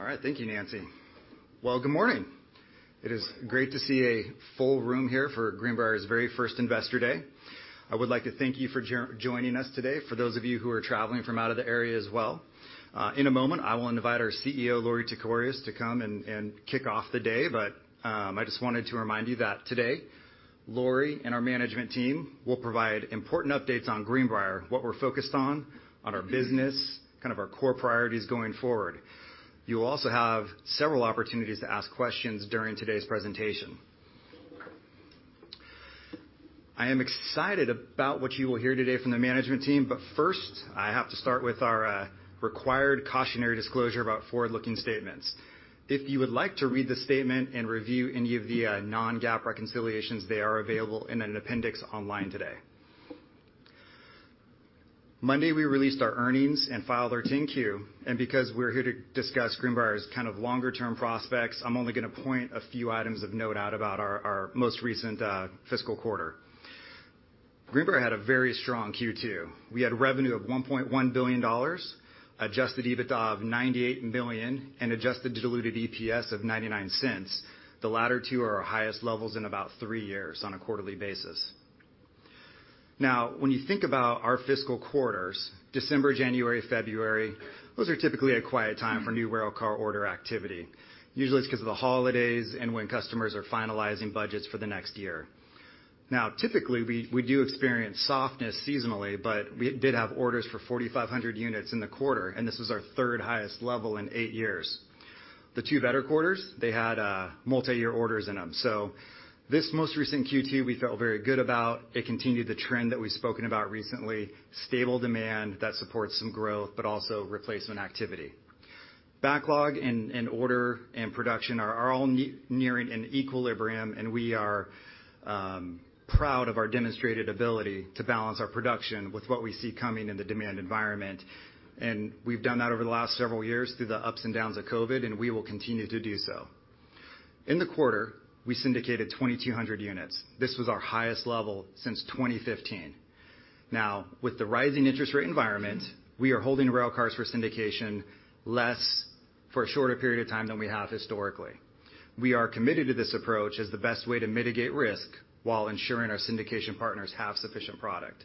All right. Thank you, Nancy. Well, good morning. It is great to see a full room here for Greenbrier's very first Investor Day. I would like to thank you for joining us today, for those of you who are traveling from out of the area as well. In a moment, I will invite our CEO, Lorie Tekorius, to come and kick off the day. I just wanted to remind you that today, Lorie and our management team will provide important updates on Greenbrier, what we're focused on our business, kind of our core priorities going forward. You'll also have several opportunities to ask questions during today's presentation. I am excited about what you will hear today from the management team, but first, I have to start with our required cautionary disclosure about forward-looking statements. If you would like to read the statement and review any of the non-GAAP reconciliations, they are available in an appendix online today. Monday, we released our earnings and filed our 10-Q, because we're here to discuss Greenbrier's kind of longer term prospects, I'm only gonna point a few items of note out about our most recent fiscal quarter. Greenbrier had a very strong Q2. We had revenue of $1.1 billion, adjusted EBITDA of $98 million, and adjusted diluted EPS of $0.99. The latter two are our highest levels in about three years on a quarterly basis. Now, when you think about our fiscal quarters, December, January, February, those are typically a quiet time for new railcar order activity. Usually, it's because of the holidays and when customers are finalizing budgets for the next year. Typically, we do experience softness seasonally, but we did have orders for 4,500 units in the quarter, and this is our third-highest level in eight years. The two better quarters, they had multiyear orders in them. This most recent Q2, we felt very good about. It continued the trend that we've spoken about recently, stable demand that supports some growth, but also replacement activity. Backlog and order and production are all nearing an equilibrium, and we are proud of our demonstrated ability to balance our production with what we see coming in the demand environment. We've done that over the last several years through the ups and downs of COVID, and we will continue to do so. In the quarter, we syndicated 2,200 units. This was our highest level since 2015. With the rising interest rate environment, we are holding railcars for syndication less for a shorter period of time than we have historically. We are committed to this approach as the best way to mitigate risk while ensuring our syndication partners have sufficient product.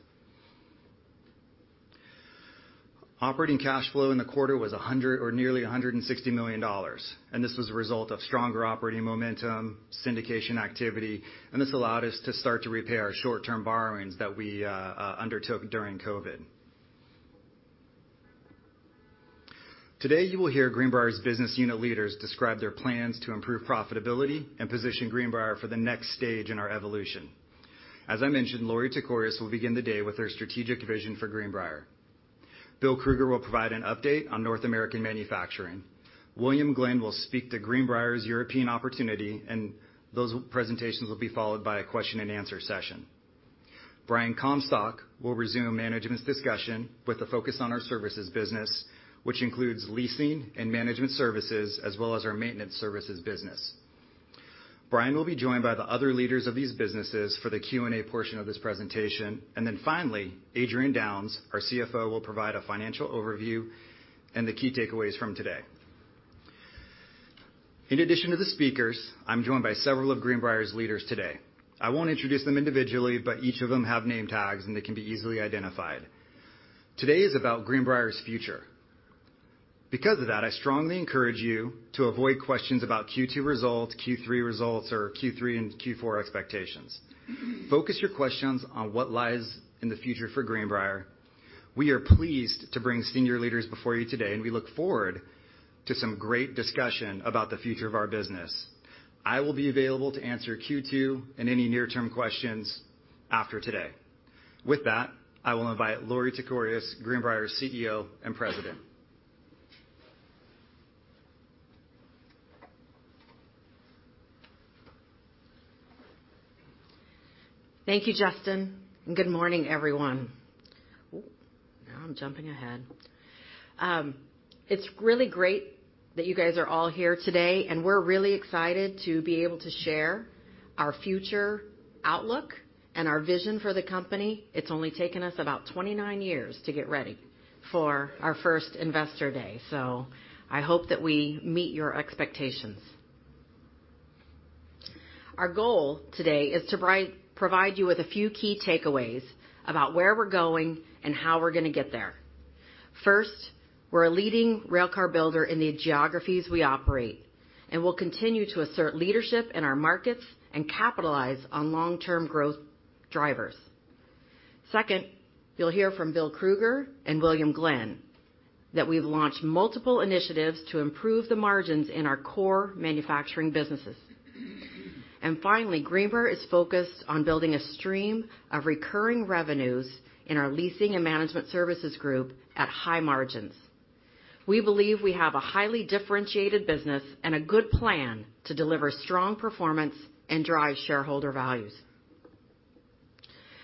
Operating cash flow in the quarter was $100 million or nearly $160 million, this was a result of stronger operating momentum, syndication activity, and this allowed us to start to repay our short-term borrowings that we undertook during COVID. Today, you will hear Greenbrier's business unit leaders describe their plans to improve profitability and position Greenbrier for the next stage in our evolution. As I mentioned, Lorie Tekorius will begin the day with her strategic vision for Greenbrier. Bill Krueger will provide an update on North American manufacturing. William Glenn will speak to Greenbrier's European opportunity. Those presentations will be followed by a question and answer session. Brian Comstock will resume management's discussion with the focus on our services business, which includes leasing and management services as well as our maintenance services business. Brian will be joined by the other leaders of these businesses for the Q&A portion of this presentation. Finally, Adrian Downes, our CFO, will provide a financial overview and the key takeaways from today. In addition to the speakers, I'm joined by several of Greenbrier's leaders today. I won't introduce them individually. Each of them have name tags. They can be easily identified. Today is about Greenbrier's future. Because of that, I strongly encourage you to avoid questions about Q2 results, Q3 results, or Q3 and Q4 expectations. Focus your questions on what lies in the future for Greenbrier. We are pleased to bring senior leaders before you today, and we look forward to some great discussion about the future of our business. I will be available to answer Q2 and any near-term questions after today. With that, I will invite Lorie Tekorius, Greenbrier's CEO and President. Thank you, Justin. Good morning, everyone. Oh. Now I'm jumping ahead. It's really great that you guys are all here today, and we're really excited to be able to share our future outlook and our vision for the company. It's only taken us about 29 years to get ready for our first Investor Day, so I hope that we meet your expectations. Our goal today is to provide you with a few key takeaways about where we're going and how we're gonna get there. First, we're a leading railcar builder in the geographies we operate, and we'll continue to assert leadership in our markets and capitalize on long-term growth drivers. Second, you'll hear from Bill Krueger and William Glenn that we've launched multiple initiatives to improve the margins in our core manufacturing businesses. Finally, Greenbrier is focused on building a stream of recurring revenues in our leasing and management services group at high margins. We believe we have a highly differentiated business and a good plan to deliver strong performance and drive shareholder values.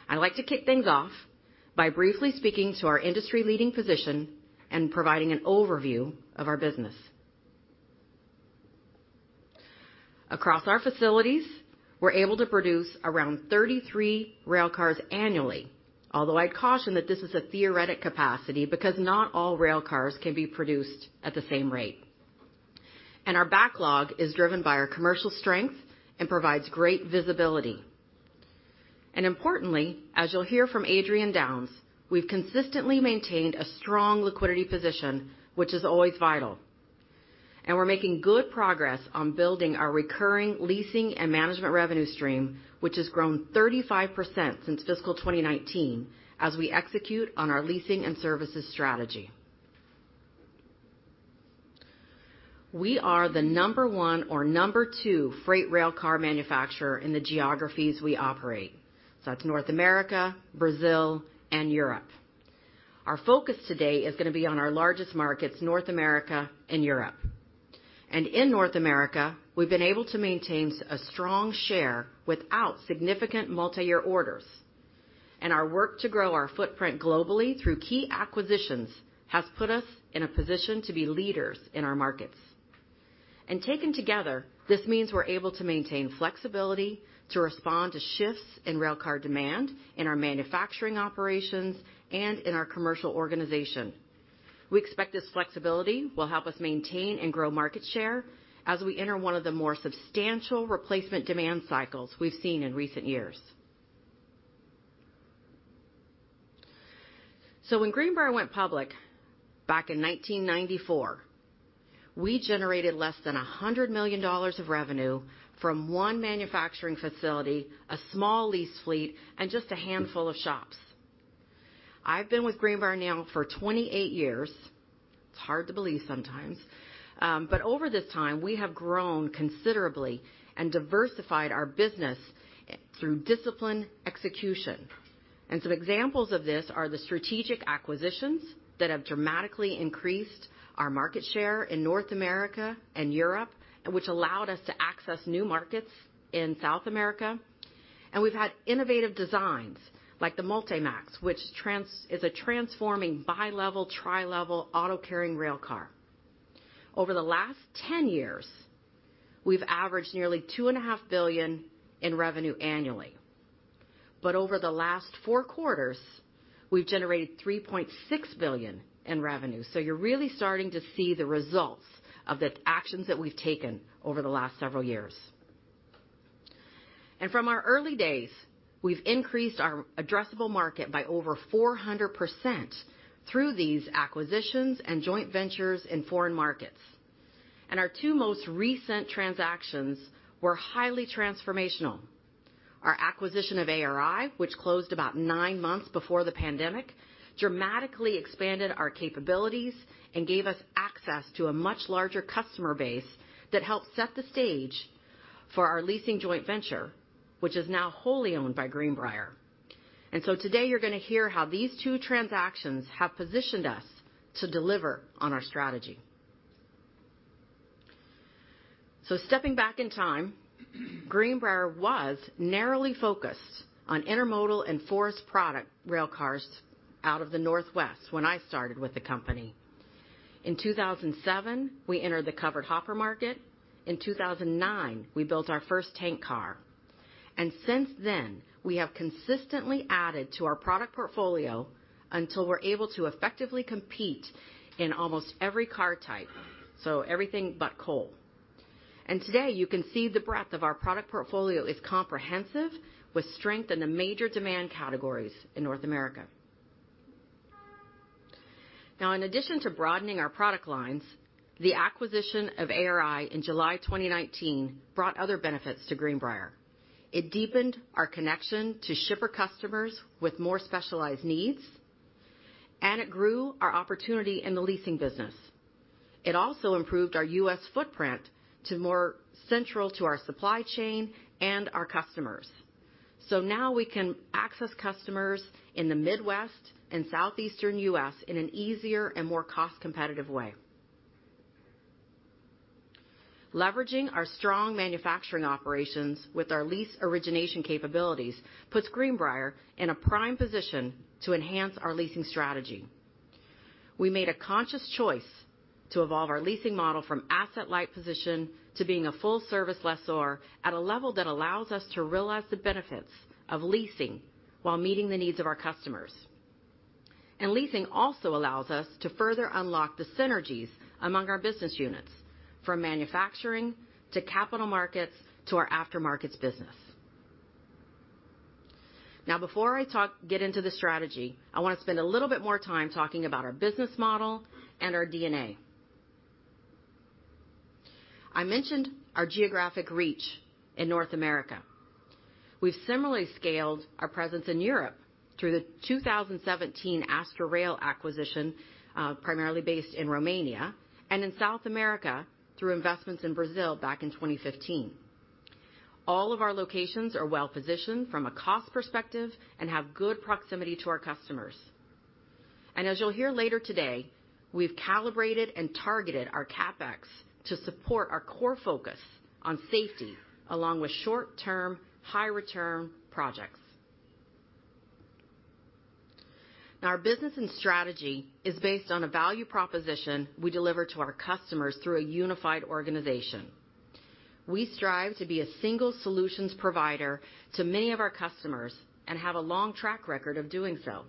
I'd like to kick things off by briefly speaking to our industry-leading position and providing an overview of our business. Across our facilities, we're able to produce around 33 railcars annually. Although I'd caution that this is a theoretic capacity, because not all railcars can be produced at the same rate. Our backlog is driven by our commercial strength and provides great visibility. Importantly, as you'll hear from Adrian Downes, we've consistently maintained a strong liquidity position, which is always vital. We're making good progress on building our recurring leasing and management revenue stream, which has grown 35% since fiscal 2019, as we execute on our leasing and services strategy. We are the number one or number two freight railcar manufacturer in the geographies we operate, so that's North America, Brazil, and Europe. Our focus today is gonna be on our largest markets, North America and Europe. In North America, we've been able to maintain a strong share without significant multiyear orders. Our work to grow our footprint globally through key acquisitions has put us in a position to be leaders in our markets. Taken together, this means we're able to maintain flexibility to respond to shifts in railcar demand in our manufacturing operations and in our commercial organization. We expect this flexibility will help us maintain and grow market share as we enter one of the more substantial replacement demand cycles we've seen in recent years. When Greenbrier went public back in 1994, we generated less than $100 million of revenue from one manufacturing facility, a small lease fleet, and just a handful of shops. I've been with Greenbrier now for 28 years. It's hard to believe sometimes. Over this time, we have grown considerably and diversified our business through disciplined execution. Some examples of this are the strategic acquisitions that have dramatically increased our market share in North America and Europe, and which allowed us to access new markets in South America. We've had innovative designs like the Multi-Max, which is a transforming bi-level, tri-level auto-carrying railcar. Over the last 10 years, we've averaged nearly $2.5 billion in revenue annually. Over the last four quarters, we've generated $3.6 billion in revenue. You're really starting to see the results of the actions that we've taken over the last several years. From our early days, we've increased our addressable market by over 400% through these acquisitions and joint ventures in foreign markets. Our two most recent transactions were highly transformational. Our acquisition of ARI, which closed about nine months before the pandemic, dramatically expanded our capabilities and gave us access to a much larger customer base that helped set the stage for our leasing joint venture, which is now wholly owned by Greenbrier. Today you're gonna hear how these two transactions have positioned us to deliver on our strategy. Stepping back in time, Greenbrier was narrowly focused on intermodal and forest product railcars out of the Northwest when I started with the company. In 2007, we entered the covered hopper market. In 2009, we built our first tank car. Since then, we have consistently added to our product portfolio until we're able to effectively compete in almost every car type, so everything but coal. Today, you can see the breadth of our product portfolio is comprehensive, with strength in the major demand categories in North America. In addition to broadening our product lines, the acquisition of ARI in July 2019 brought other benefits to Greenbrier. It deepened our connection to shipper customers with more specialized needs, and it grew our opportunity in the leasing business. It also improved our U.S. footprint to more central to our supply chain and our customers. Now we can access customers in the Midwest and Southeastern U.S. in an easier and more cost-competitive way. Leveraging our strong manufacturing operations with our lease origination capabilities puts Greenbrier in a prime position to enhance our leasing strategy. We made a conscious choice to evolve our leasing model from asset-light position to being a full service lessor at a level that allows us to realize the benefits of leasing while meeting the needs of our customers. Leasing also allows us to further unlock the synergies among our business units, from manufacturing, to capital markets, to our aftermarkets business. Before I get into the strategy, I want to spend a little bit more time talking about our business model and our DNA. I mentioned our geographic reach in North America. We've similarly scaled our presence in Europe through the 2017 Astra Rail acquisition, primarily based in Romania, and in South America through investments in Brazil back in 2015. All of our locations are well positioned from a cost perspective and have good proximity to our customers. As you'll hear later today, we've calibrated and targeted our CapEx to support our core focus on safety, along with short-term, high-return projects. Our business and strategy is based on a value proposition we deliver to our customers through a unified organization. We strive to be a single solutions provider to many of our customers and have a long track record of doing so.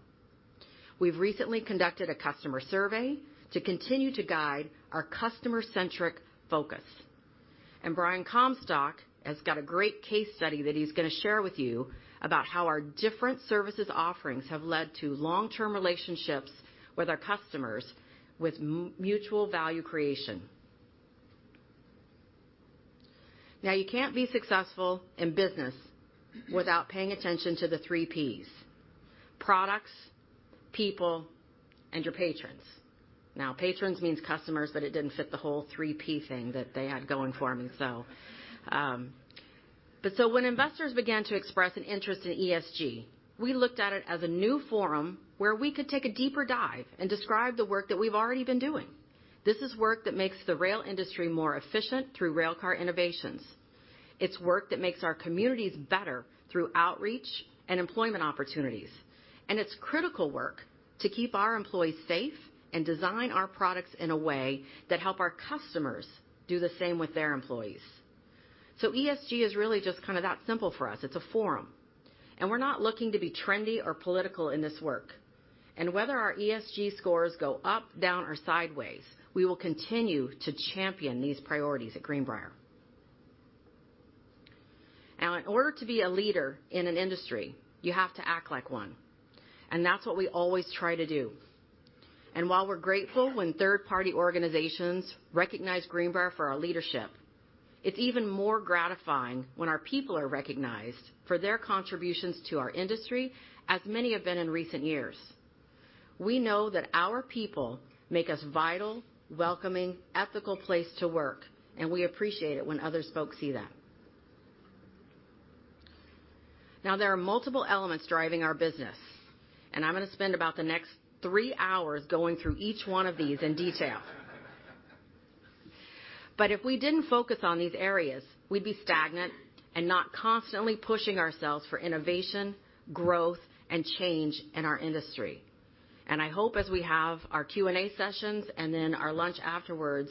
We've recently conducted a customer survey to continue to guide our customer-centric focus. Brian Comstock has got a great case study that he's gonna share with you about how our different services offerings have led to long-term relationships with our customers with mutual value creation. You can't be successful in business without paying attention to the three Ps, products, people, and your patrons. Patrons means customers, it didn't fit the whole three P thing that they had going for me, so. When investors began to express an interest in ESG, we looked at it as a new forum where we could take a deeper dive and describe the work that we've already been doing. This is work that makes the rail industry more efficient through railcar innovations. It's work that makes our communities better through outreach and employment opportunities. It's critical work to keep our employees safe and design our products in a way that help our customers do the same with their employees. ESG is really just kinda that simple for us. It's a forum. We're not looking to be trendy or political in this work. Whether our ESG scores go up, down or sideways, we will continue to champion these priorities at Greenbrier. In order to be a leader in an industry, you have to act like one. That's what we always try to do. While we're grateful when third-party organizations recognize Greenbrier for our leadership, it's even more gratifying when our people are recognized for their contributions to our industry, as many have been in recent years. We know that our people make us vital, welcoming, ethical place to work, and we appreciate it when other folks see that. There are multiple elements driving our business, and I'm gonna spend about the next three hours going through each one of these in detail. If we didn't focus on these areas, we'd be stagnant and not constantly pushing ourselves for innovation, growth, and change in our industry. I hope as we have our Q&A sessions and then our lunch afterwards,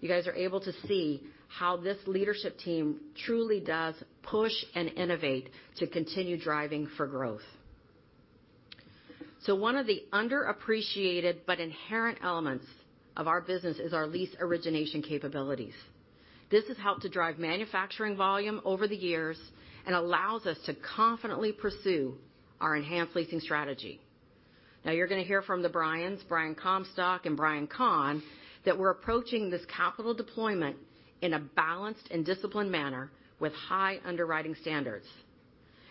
you guys are able to see how this leadership team truly does push and innovate to continue driving for growth. One of the underappreciated but inherent elements of our business is our lease origination capabilities. This has helped to drive manufacturing volume over the years and allows us to confidently pursue our enhanced leasing strategy. You're gonna hear from the Brians, Brian Comstock and Brian Conn, that we're approaching this capital deployment in a balanced and disciplined manner with high underwriting standards.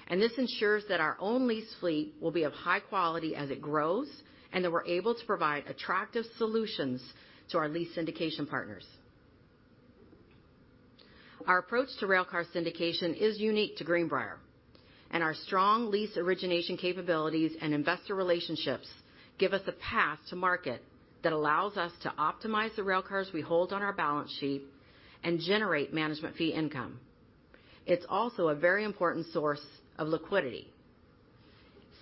This ensures that our own lease fleet will be of high quality as it grows and that we're able to provide attractive solutions to our lease syndication partners. Our approach to railcar syndication is unique to Greenbrier, and our strong lease origination capabilities and investor relationships give us a path to market that allows us to optimize the railcars we hold on our balance sheet and generate management fee income. It's also a very important source of liquidity.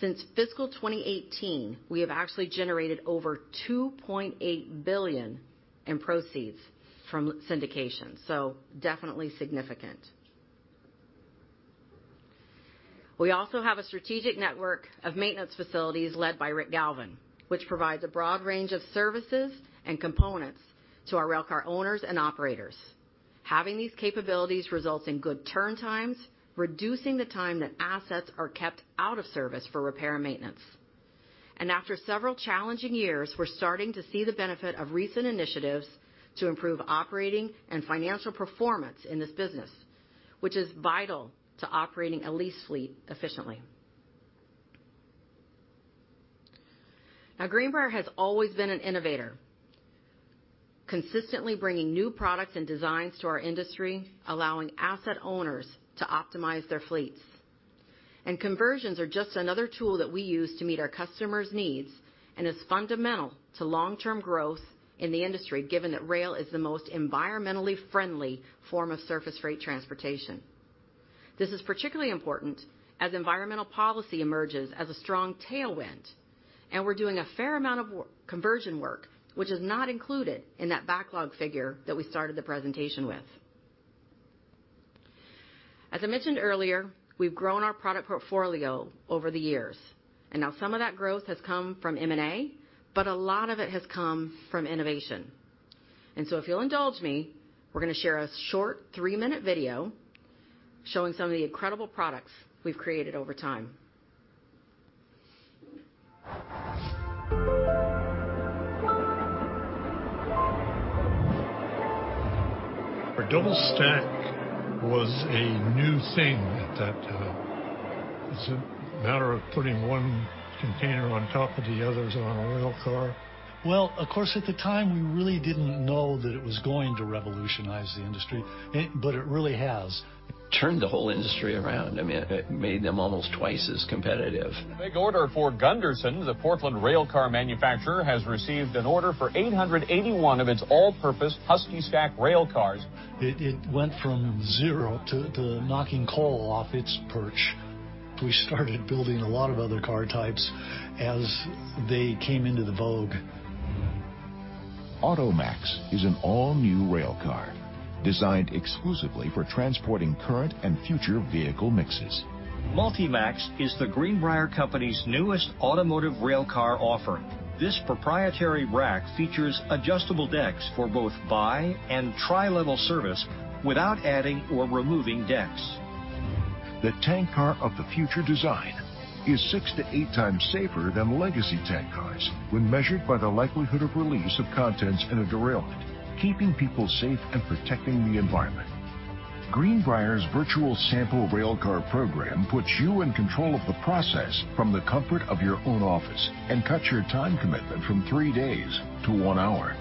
Since fiscal 2018, we have actually generated over $2.8 billion in proceeds from syndication, so definitely significant. We also have a strategic network of maintenance facilities led by Rick Galvan, which provides a broad range of services and components to our railcar owners and operators. Having these capabilities results in good turn times, reducing the time that assets are kept out of service for repair and maintenance. After several challenging years, we're starting to see the benefit of recent initiatives to improve operating and financial performance in this business, which is vital to operating a lease fleet efficiently. Now Greenbrier has always been an innovator, consistently bringing new products and designs to our industry, allowing asset owners to optimize their fleets. Conversions are just another tool that we use to meet our customers' needs and is fundamental to long-term growth in the industry, given that rail is the most environmentally friendly form of surface freight transportation. This is particularly important as environmental policy emerges as a strong tailwind. We're doing a fair amount of conversion work, which is not included in that backlog figure that we started the presentation with. As I mentioned earlier, we've grown our product portfolio over the years, and now some of that growth has come from M&A, but a lot of it has come from innovation. If you'll indulge me, we're going to share a short three-minute video showing some of the incredible products we've created over time. Our double stack was a new thing at that time. It's a matter of putting one container on top of the others on a rail car. Well, of course, at the time, we really didn't know that it was going to revolutionize the industry, but it really has. It turned the whole industry around. I mean, it made them almost twice as competitive. Big order for Gunderson. The Portland rail car manufacturer has received an order for 881 of its all-purpose Husky-Stack rail cars. It went from zero to knocking coal off its perch. We started building a lot of other car types as they came into the vogue. Auto-Max is an all-new rail car designed exclusively for transporting current and future vehicle mixes. MultiMax is the Greenbrier Company's newest automotive rail car offering. This proprietary rack features adjustable decks for both bi and tri-level service without adding or removing decks. The Tank Car of the Future design is six to eight times safer than legacy tank cars when measured by the likelihood of release of contents in a derailment, keeping people safe and protecting the environment. Greenbrier's Virtual Sample Rail Car program puts you in control of the process from the comfort of your own office and cuts your time commitment from three days to one hour.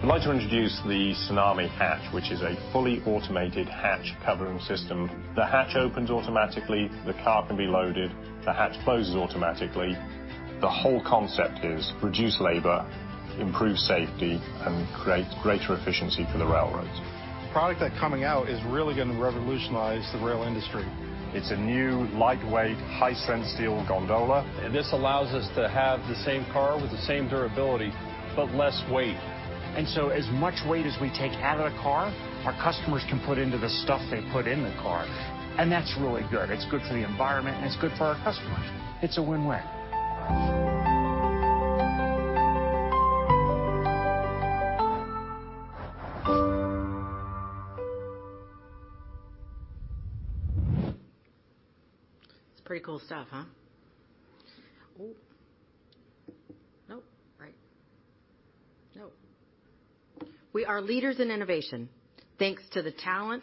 I'd like to introduce the Tsunami Hatch, which is a fully automated hatch covering system. The hatch opens automatically, the car can be loaded, the hatch closes automatically. The whole concept is reduce labor, improve safety, and create greater efficiency for the railroads. The product that coming out is really gonna revolutionize the rail industry. It's a new lightweight, high-strength steel gondola. This allows us to have the same car with the same durability, but less weight. As much weight as we take out of the car, our customers can put into the stuff they put in the car, and that's really good. It's good for the environment, and it's good for our customers. It's a win-win. It's pretty cool stuff, huh? We are leaders in innovation, thanks to the talent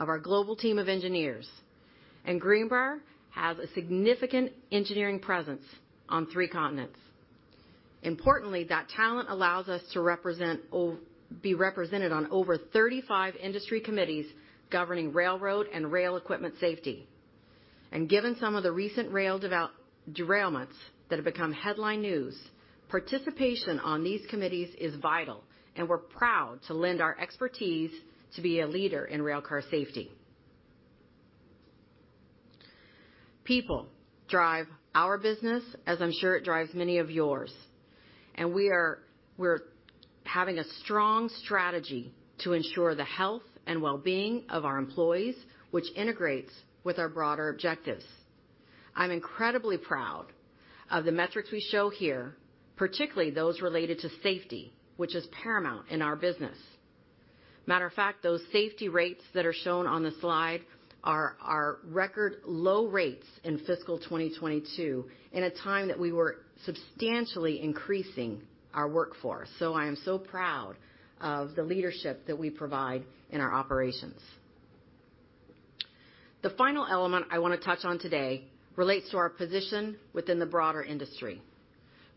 of our global team of engineers. Greenbrier has a significant engineering presence on three continents. Importantly, that talent allows us to be represented on over 35 industry committees governing railroad and rail equipment safety. Given some of the recent rail derailments that have become headline news, participation on these committees is vital, and we're proud to lend our expertise to be a leader in railcar safety. People drive our business, as I'm sure it drives many of yours, and we're having a strong strategy to ensure the health and wellbeing of our employees, which integrates with our broader objectives. I'm incredibly proud of the metrics we show here, particularly those related to safety, which is paramount in our business. Matter of fact, those safety rates that are shown on the slide are record low rates in fiscal 2022 in a time that we were substantially increasing our workforce. I am so proud of the leadership that we provide in our operations. The final element I wanna touch on today relates to our position within the broader industry.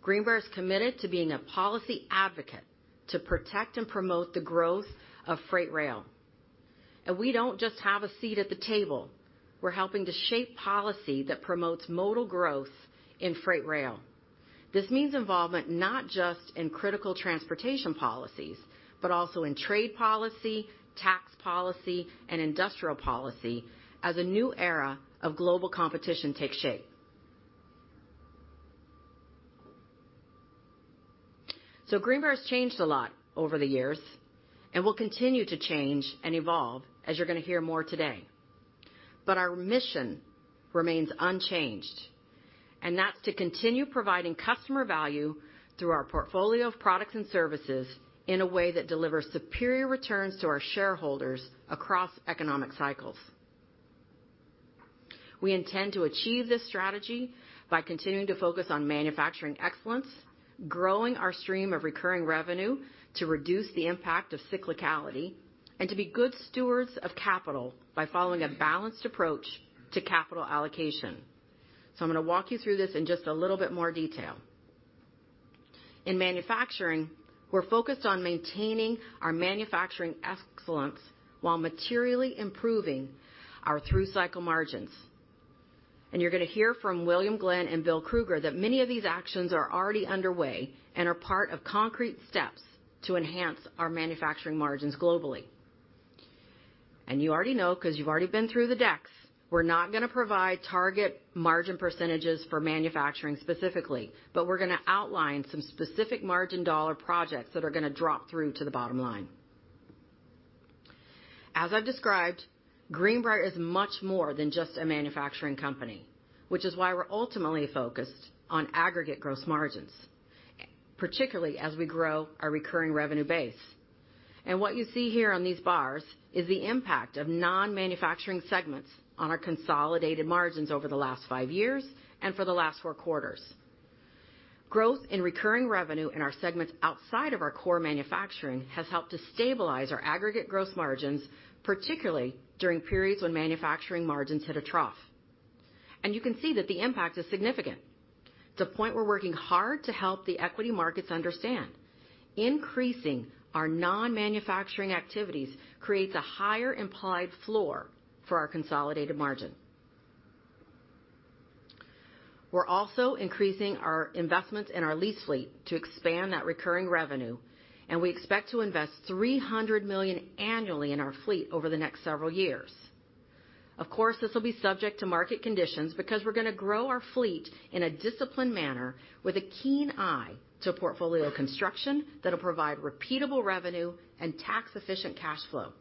Greenbrier is committed to being a policy advocate to protect and promote the growth of freight rail. We don't just have a seat at the table, we're helping to shape policy that promotes modal growth in freight rail. This means involvement not just in critical transportation policies, but also in trade policy, tax policy, and industrial policy as a new era of global competition takes shape. Greenbrier has changed a lot over the years and will continue to change and evolve, as you're gonna hear more today. Our mission remains unchanged, and that's to continue providing customer value through our portfolio of products and services in a way that delivers superior returns to our shareholders across economic cycles. We intend to achieve this strategy by continuing to focus on manufacturing excellence, growing our stream of recurring revenue to reduce the impact of cyclicality, and to be good stewards of capital by following a balanced approach to capital allocation. I'm gonna walk you through this in just a little bit more detail. In manufacturing, we're focused on maintaining our manufacturing excellence while materially improving our through-cycle margins. You're gonna hear from William Glenn and Bill Krueger that many of these actions are already underway and are part of concrete steps to enhance our manufacturing margins globally. You already know, 'cause you've already been through the decks, we're not gonna provide target margin percentages for manufacturing specifically, but we're gonna outline some specific margin dollar projects that are gonna drop through to the bottom line. As I've described, Greenbrier is much more than just a manufacturing company, which is why we're ultimately focused on aggregate gross margins, particularly as we grow our recurring revenue base. What you see here on these bars is the impact of non-manufacturing segments on our consolidated margins over the last five years and for the last four quarters. Growth in recurring revenue in our segments outside of our core manufacturing has helped to stabilize our aggregate gross margins, particularly during periods when manufacturing margins hit a trough. You can see that the impact is significant. It's a point we're working hard to help the equity markets understand. Increasing our non-manufacturing activities creates a higher implied floor for our consolidated margin. We're also increasing our investments in our lease fleet to expand that recurring revenue. We expect to invest $300 million annually in our fleet over the next several years. Of course, this will be subject to market conditions because we're gonna grow our fleet in a disciplined manner with a keen eye to portfolio construction that'll provide repeatable revenue and tax-efficient cash flow.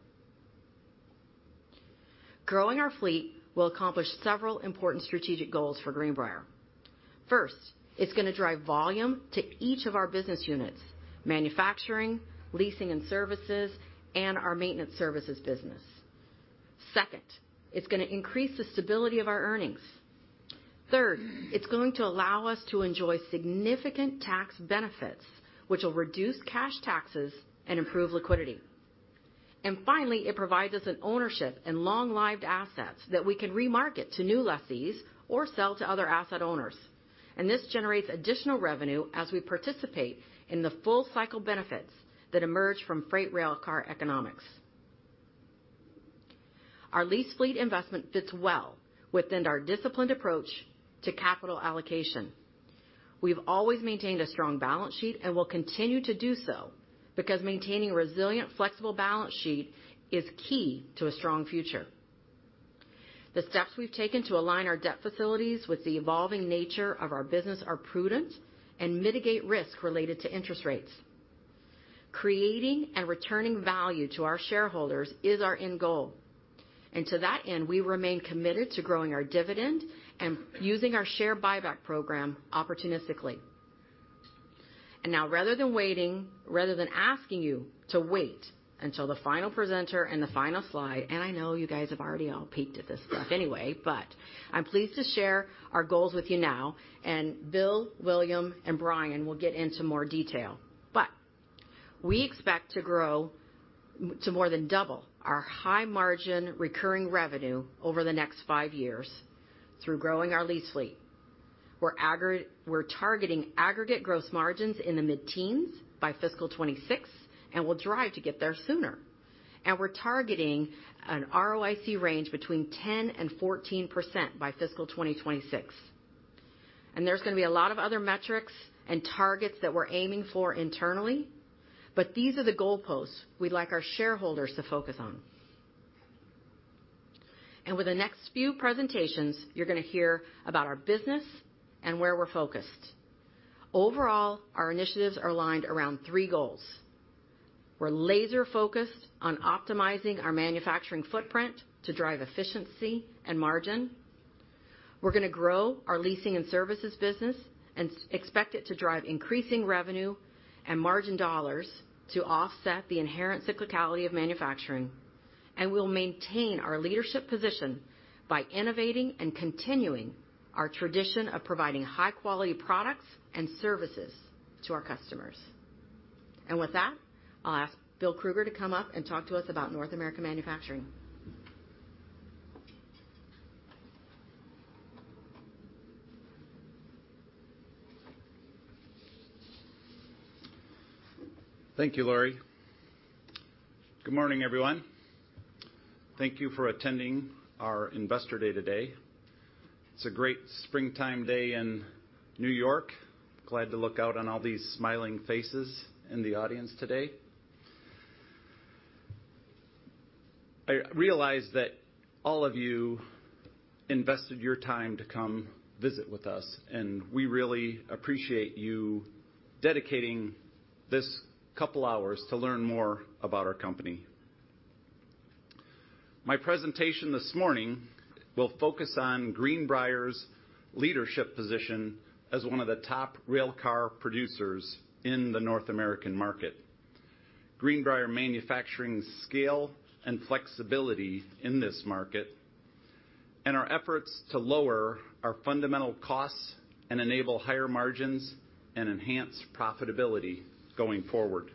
Growing our fleet will accomplish several important strategic goals for Greenbrier. First, it's gonna drive volume to each of our business units: manufacturing, leasing and services, and our maintenance services business. Second, it's gonna increase the stability of our earnings. Third, it's going to allow us to enjoy significant tax benefits, which will reduce cash taxes and improve liquidity. Finally, it provides us an ownership in long-lived assets that we can remarket to new lessees or sell to other asset owners. This generates additional revenue as we participate in the full cycle benefits that emerge from freight railcar economics. Our lease fleet investment fits well within our disciplined approach to capital allocation. We've always maintained a strong balance sheet and will continue to do so, because maintaining a resilient, flexible balance sheet is key to a strong future. The steps we've taken to align our debt facilities with the evolving nature of our business are prudent and mitigate risk related to interest rates. Creating and returning value to our shareholders is our end goal. To that end, we remain committed to growing our dividend and using our share buyback program opportunistically. Now, rather than asking you to wait until the final presenter and the final slide, I know you guys have already all peeked at this stuff anyway, I'm pleased to share our goals with you now. Bill, William, and Brian will get into more detail. We expect to grow to more than double our high margin recurring revenue over the next five years through growing our lease fleet. We're targeting aggregate gross margins in the mid-teens by fiscal 2026. We'll drive to get there sooner. We're targeting an ROIC range between 10% and 14% by fiscal 2026. There's gonna be a lot of other metrics and targets that we're aiming for internally. These are the goalposts we'd like our shareholders to focus on. With the next few presentations, you're gonna hear about our business and where we're focused. Overall, our initiatives are aligned around three goals. We're laser-focused on optimizing our manufacturing footprint to drive efficiency and margin. We're gonna grow our leasing and services business and expect it to drive increasing revenue and margin dollars to offset the inherent cyclicality of manufacturing. We'll maintain our leadership position by innovating and continuing our tradition of providing high-quality products and services to our customers. With that, I'll ask Bill Krueger to come up and talk to us about North American manufacturing. Thank you, Lorie. Good morning, everyone. Thank you for attending our Investor Day today. It's a great springtime day in New York. Glad to look out on all these smiling faces in the audience today. I realize that all of you invested your time to come visit with us. We really appreciate you dedicating this couple hours to learn more about our company. My presentation this morning will focus on Greenbrier's leadership position as one of the top railcar producers in the North American market, Greenbrier Manufacturing's scale and flexibility in this market, our efforts to lower our fundamental costs and enable higher margins and enhance profitability going forward.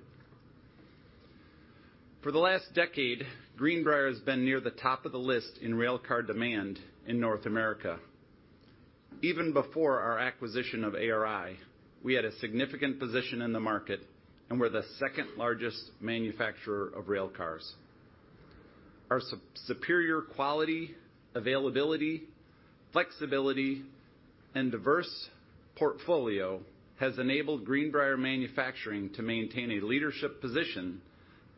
For the last decade, Greenbrier has been near the top of the list in railcar demand in North America. Even before our acquisition of ARI, we had a significant position in the market, and we're the second-largest manufacturer of railcars. Our superior quality, availability, flexibility, and diverse portfolio has enabled Greenbrier Manufacturing to maintain a leadership position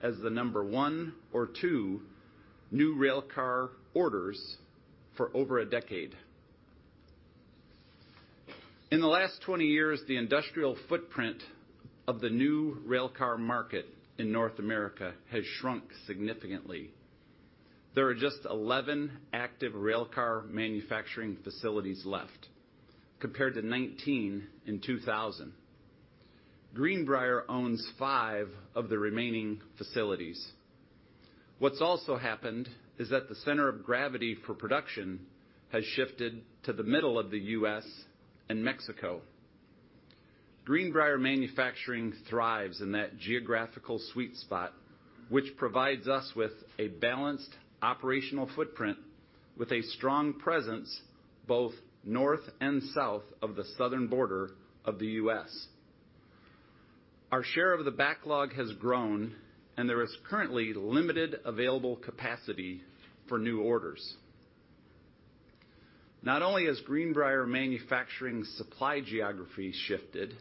as the number one or two new railcar orders for over a decade. In the last 20 years, the industrial footprint of the new railcar market in North America has shrunk significantly. There are just 11 active railcar manufacturing facilities left, compared to 19 in 2000. Greenbrier owns five of the remaining facilities. What's also happened is that the center of gravity for production has shifted to the middle of the U.S. and Mexico. Greenbrier Manufacturing thrives in that geographical sweet spot, which provides us with a balanced operational footprint with a strong presence both north and south of the southern border of the U.S. Our share of the backlog has grown, and there is currently limited available capacity for new orders. Not only has Greenbrier Manufacturing's supply geography shifted,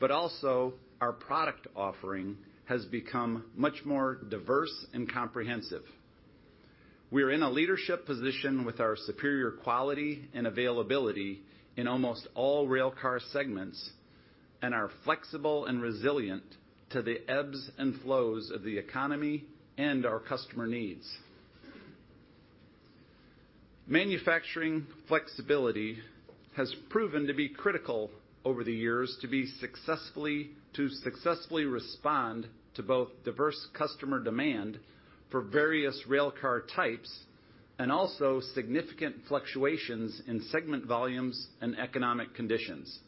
but also our product offering has become much more diverse and comprehensive. We are in a leadership position with our superior quality and availability in almost all railcar segments and are flexible and resilient to the ebbs and flows of the economy and our customer needs. Manufacturing flexibility has proven to be critical over the years to successfully respond to both diverse customer demand for various railcar types and also significant fluctuations in segment volumes and economic conditions.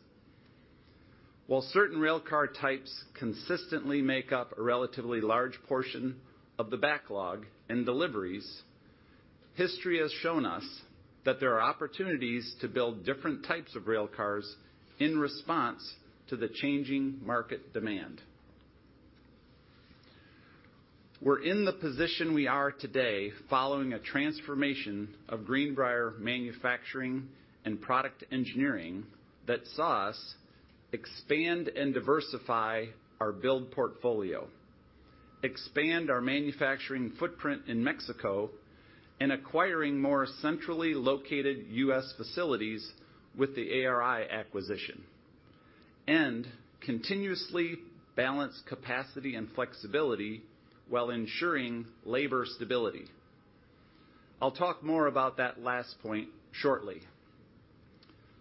While certain railcar types consistently make up a relatively large portion of the backlog and deliveries, history has shown us that there are opportunities to build different types of railcars in response to the changing market demand. We're in the position we are today following a transformation of Greenbrier Manufacturing and product engineering that saw us expand and diversify our build portfolio, expand our manufacturing footprint in Mexico, and acquiring more centrally located U.S. facilities with the ARI acquisition, and continuously balance capacity and flexibility while ensuring labor stability. I'll talk more about that last point shortly.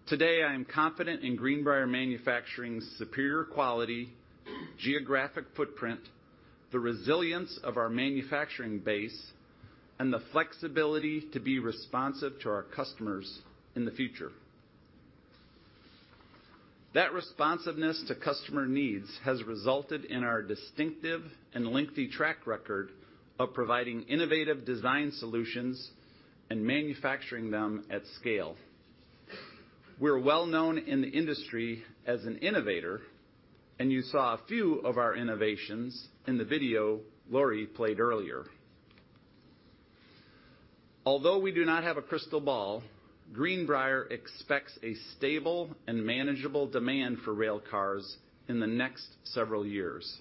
Today, I am confident in Greenbrier Manufacturing's superior quality, geographic footprint, the resilience of our manufacturing base, and the flexibility to be responsive to our customers in the future. That responsiveness to customer needs has resulted in our distinctive and lengthy track record of providing innovative design solutions and manufacturing them at scale. We're well known in the industry as an innovator, and you saw a few of our innovations in the video Lorie played earlier. Although we do not have a crystal ball, Greenbrier expects a stable and manageable demand for railcars in the next several years.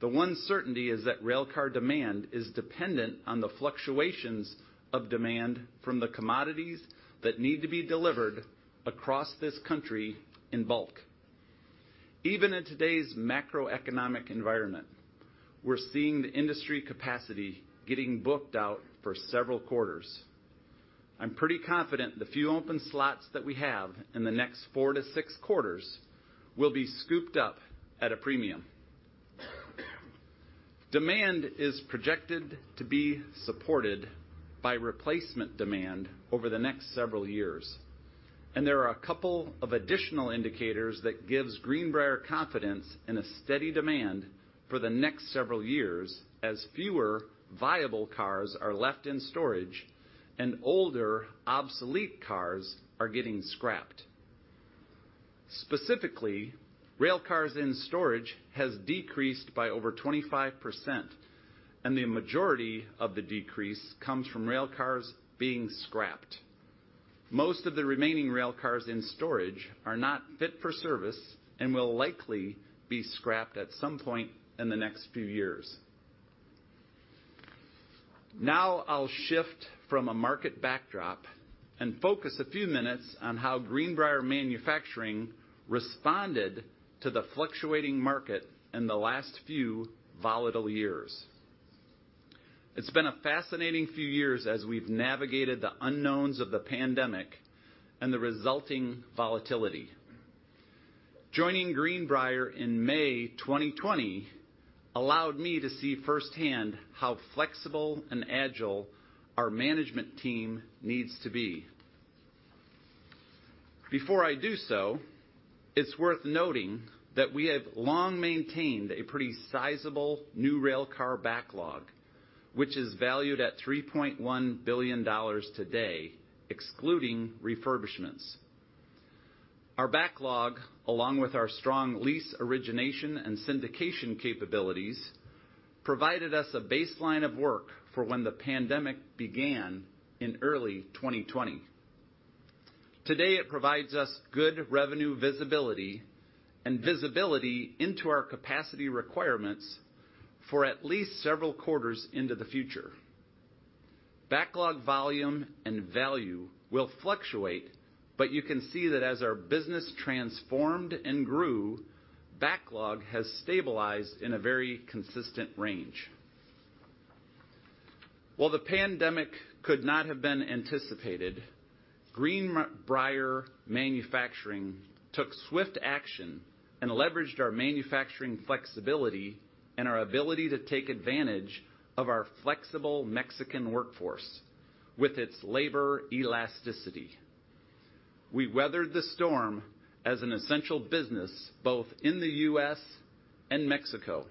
The one certainty is that railcar demand is dependent on the fluctuations of demand from the commodities that need to be delivered across this country in bulk. Even in today's macroeconomic environment, we're seeing the industry capacity getting booked out for several quarters. I'm pretty confident the few open slots that we have in the next four to six quarters will be scooped up at a premium. Demand is projected to be supported by replacement demand over the next several years, and there are a couple of additional indicators that gives Greenbrier confidence in a steady demand for the next several years as fewer viable cars are left in storage and older obsolete cars are getting scrapped. Specifically, railcars in storage has decreased by over 25%. The majority of the decrease comes from railcars being scrapped. Most of the remaining railcars in storage are not fit for service and will likely be scrapped at some point in the next few years. Now I'll shift from a market backdrop and focus a few minutes on how Greenbrier Manufacturing responded to the fluctuating market in the last few volatile years. It's been a fascinating few years as we've navigated the unknowns of the pandemic and the resulting volatility. Joining Greenbrier in May 2020 allowed me to see firsthand how flexible and agile our management team needs to be. Before I do so, it's worth noting that we have long maintained a pretty sizable new railcar backlog, which is valued at $3.1 billion today, excluding refurbishments. Our backlog, along with our strong lease origination and syndication capabilities, provided us a baseline of work for when the pandemic began in early 2020. Today, it provides us good revenue visibility and visibility into our capacity requirements for at least several quarters into the future. You can see that as our business transformed and grew, backlog has stabilized in a very consistent range. While the pandemic could not have been anticipated, Greenbrier Manufacturing took swift action and leveraged our manufacturing flexibility and our ability to take advantage of our flexible Mexican workforce with its labor elasticity. We weathered the storm as an essential business, both in the U.S. and Mexico.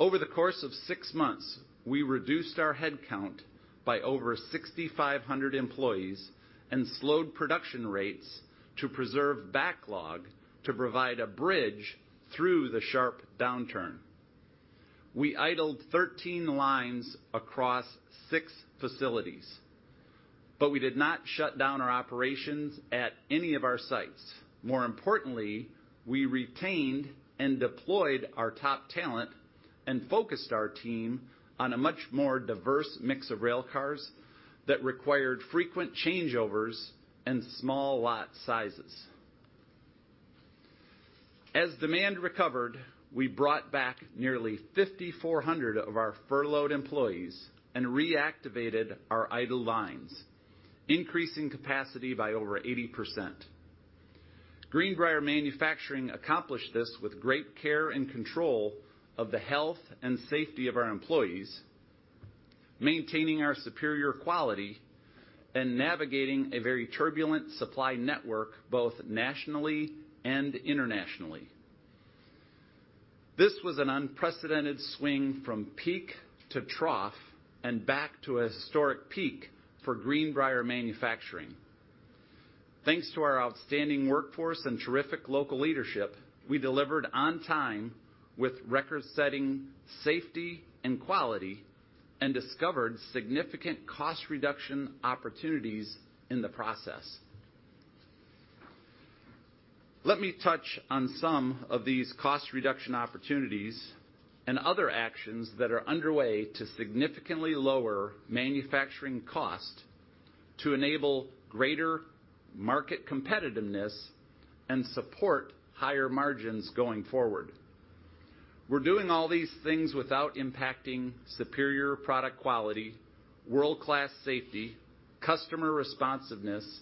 Over the course of six months, we reduced our headcount by over 6,500 employees and slowed production rates to preserve backlog to provide a bridge through the sharp downturn. We idled 13 lines across six facilities. We did not shut down our operations at any of our sites. More importantly, we retained and deployed our top talent and focused our team on a much more diverse mix of railcars that required frequent changeovers and small lot sizes. As demand recovered, we brought back nearly 5,400 of our furloughed employees and reactivated our idle lines, increasing capacity by over 80%. Greenbrier Manufacturing accomplished this with great care and control of the health and safety of our employees, maintaining our superior quality and navigating a very turbulent supply network, both nationally and internationally. This was an unprecedented swing from peak to trough and back to a historic peak for Greenbrier Manufacturing. Thanks to our outstanding workforce and terrific local leadership, we delivered on time with record-setting safety and quality and discovered significant cost reduction opportunities in the process. Let me touch on some of these cost reduction opportunities and other actions that are underway to significantly lower manufacturing cost to enable greater market competitiveness and support higher margins going forward. We're doing all these things without impacting superior product quality, world-class safety, customer responsiveness,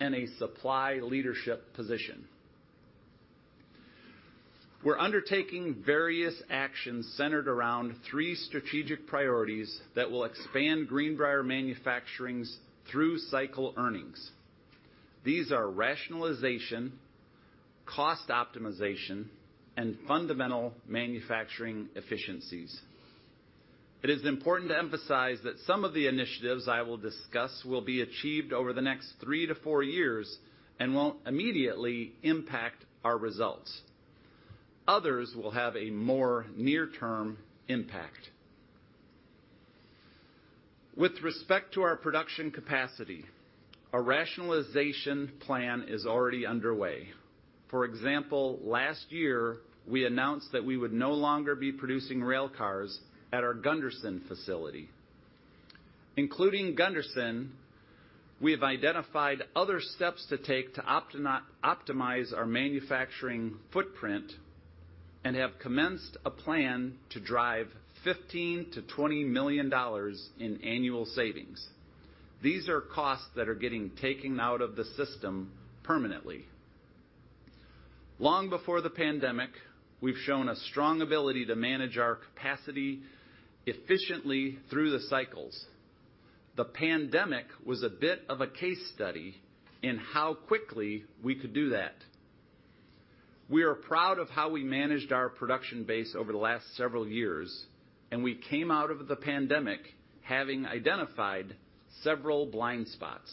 and a supply leadership position. We're undertaking various actions centered around three strategic priorities that will expand Greenbrier Manufacturing's through cycle earnings. These are rationalization, cost optimization, and fundamental manufacturing efficiencies. It is important to emphasize that some of the initiatives I will discuss will be achieved over the next three to four years and won't immediately impact our results. Others will have a more near-term impact. With respect to our production capacity, a rationalization plan is already underway. For example, last year, we announced that we would no longer be producing railcars at our Gunderson facility. Including Gunderson, we have identified other steps to take to optimize our manufacturing footprint and have commenced a plan to drive $15 million-$20 million in annual savings. These are costs that are getting taken out of the system permanently. Long before the pandemic, we've shown a strong ability to manage our capacity efficiently through the cycles. The pandemic was a bit of a case study in how quickly we could do that. We are proud of how we managed our production base over the last several years. We came out of the pandemic having identified several blind spots.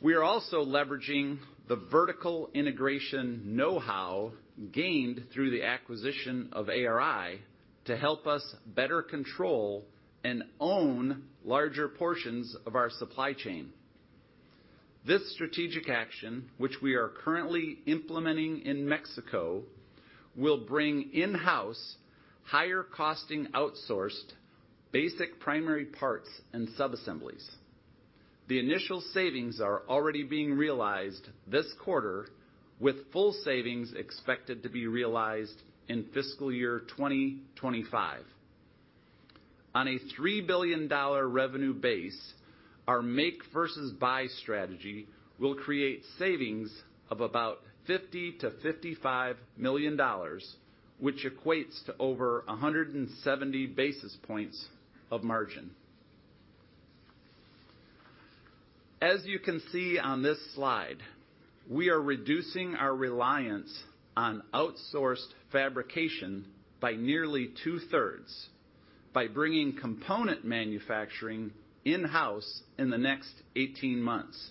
We are also leveraging the vertical integration know-how gained through the acquisition of ARI to help us better control and own larger portions of our supply chain. This strategic action, which we are currently implementing in Mexico, will bring in-house higher costing outsourced basic primary parts and subassemblies. The initial savings are already being realized this quarter, with full savings expected to be realized in fiscal year 2025. On a $3 billion revenue base, our make versus buy strategy will create savings of about $50 million-$55 million, which equates to over 170 basis points of margin. As you can see on this slide, we are reducing our reliance on outsourced fabrication by nearly 2/3s by bringing component manufacturing in-house in the next 18 months.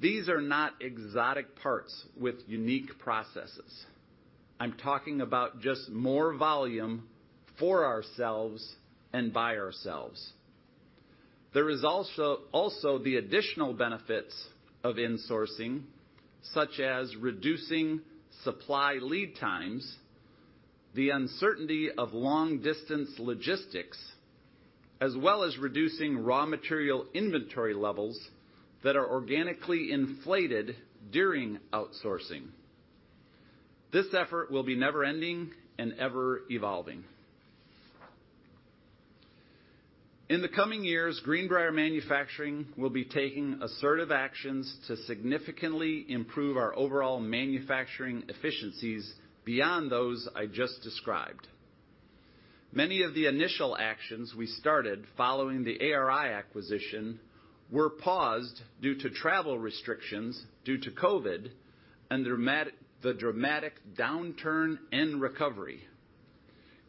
These are not exotic parts with unique processes. I'm talking about just more volume for ourselves and by ourselves. There is also the additional benefits of insourcing, such as reducing supply lead times, the uncertainty of long-distance logistics, as well as reducing raw material inventory levels that are organically inflated during outsourcing. This effort will be never-ending and ever-evolving. In the coming years, Greenbrier Manufacturing will be taking assertive actions to significantly improve our overall manufacturing efficiencies beyond those I just described. Many of the initial actions we started following the ARI acquisition were paused due to travel restrictions due to COVID and the dramatic downturn and recovery.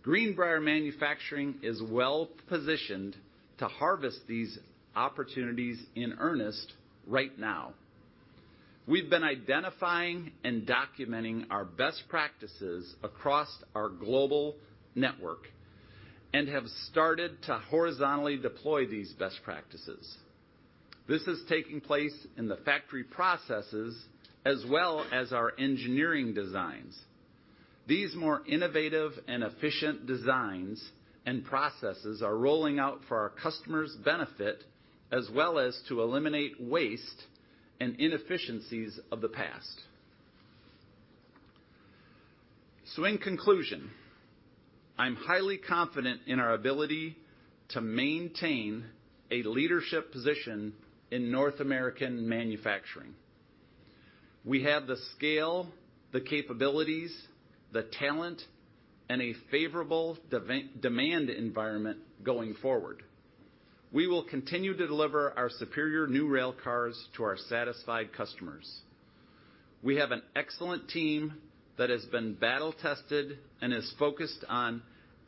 Greenbrier Manufacturing is well positioned to harvest these opportunities in earnest right now. We've been identifying and documenting our best practices across our global network and have started to horizontally deploy these best practices. This is taking place in the factory processes as well as our engineering designs. These more innovative and efficient designs and processes are rolling out for our customers' benefit, as well as to eliminate waste and inefficiencies of the past. In conclusion, I'm highly confident in our ability to maintain a leadership position in North American manufacturing. We have the scale, the capabilities, the talent, and a favorable demand environment going forward. We will continue to deliver our superior new railcars to our satisfied customers. We have an excellent team that has been battle tested and is focused on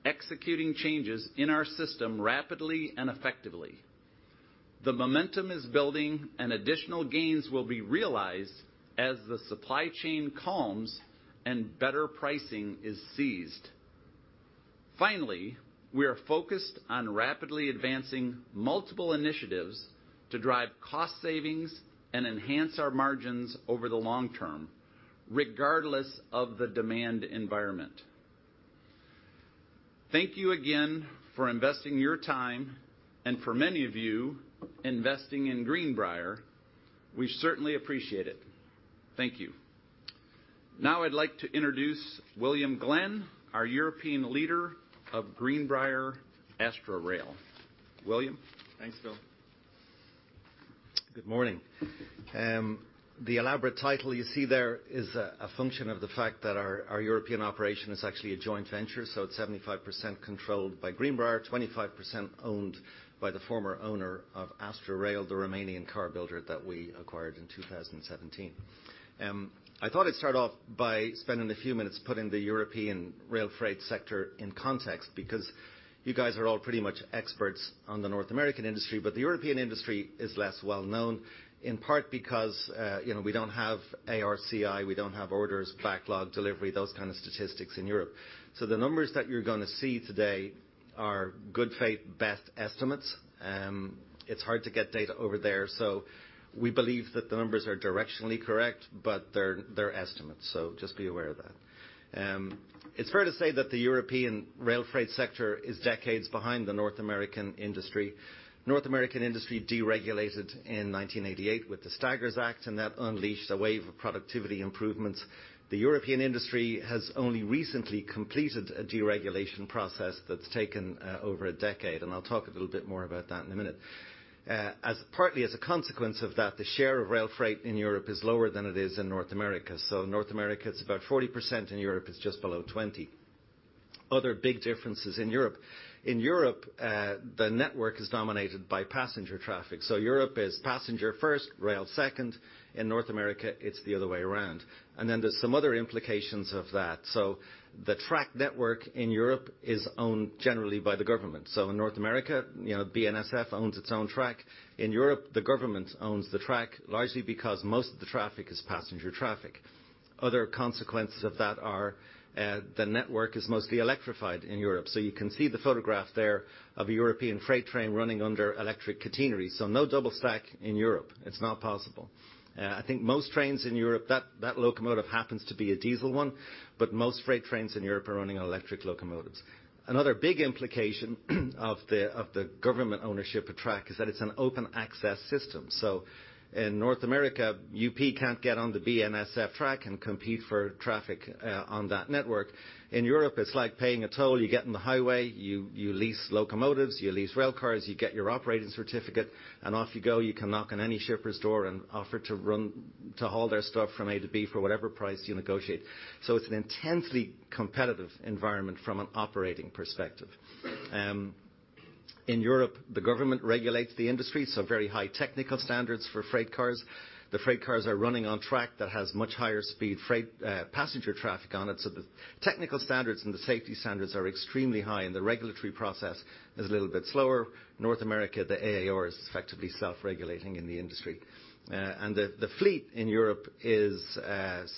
executing changes in our system rapidly and effectively. The momentum is building, and additional gains will be realized as the supply chain calms and better pricing is seized. Finally, we are focused on rapidly advancing multiple initiatives to drive cost savings and enhance our margins over the long term, regardless of the demand environment. Thank you again for investing your time and for many of you, investing in Greenbrier. We certainly appreciate it. Thank you. Now I'd like to introduce William Glenn, our European leader of Greenbrier Astra Rail. William? Thanks, Bill. Good morning. The elaborate title you see there is a function of the fact that our European operation is actually a joint venture, so it's 75% controlled by Greenbrier, 25% owned by the former owner of Astra Rail, the Romanian car builder that we acquired in 2017. I thought I'd start off by spending a few minutes putting the European rail freight sector in context because you guys are all pretty much experts on the North American industry, but the European industry is less well known, in part because, you know, we don't have ARCI, we don't have orders, backlog, delivery, those kind of statistics in Europe. The numbers that you're gonna see today are good faith best estimates. It's hard to get data over there, so we believe that the numbers are directionally correct, but they're estimates. Just be aware of that. It's fair to say that the European rail freight sector is decades behind the North American industry. North American industry deregulated in 1988 with the Staggers Act, and that unleashed a wave of productivity improvements. The European industry has only recently completed a deregulation process that's taken over a decade, and I'll talk a little bit more about that in a minute. As partly as a consequence of that, the share of rail freight in Europe is lower than it is in North America. North America, it's about 40%, in Europe it's just below 20%. Other big differences in Europe. In Europe, the network is dominated by passenger traffic. Europe is passenger first, rail second. In North America, it's the other way around. There's some other implications of that. The track network in Europe is owned generally by the government. In North America, you know, BNSF owns its own track. In Europe, the government owns the track, largely because most of the traffic is passenger traffic. Other consequences of that are, the network is mostly electrified in Europe, so you can see the photograph there of a European freight train running under electric catenary. No double stack in Europe. It's not possible. I think most trains in Europe, that locomotive happens to be a diesel one, but most freight trains in Europe are running on electric locomotives. Another big implication of the government ownership of track is that it's an open access system. In North America, UP can't get on the BNSF track and compete for traffic on that network. In Europe, it's like paying a toll. You get on the highway, you lease locomotives, you lease rail cars, you get your operating certificate, and off you go. You can knock on any shipper's door and offer to run, to haul their stuff from A to B for whatever price you negotiate. It's an intensely competitive environment from an operating perspective. In Europe, the government regulates the industry, so very high technical standards for freight cars. The freight cars are running on track that has much higher speed freight, passenger traffic on it. The technical standards and the safety standards are extremely high, and the regulatory process is a little bit slower. North America, the AAR is effectively self-regulating in the industry. The fleet in Europe is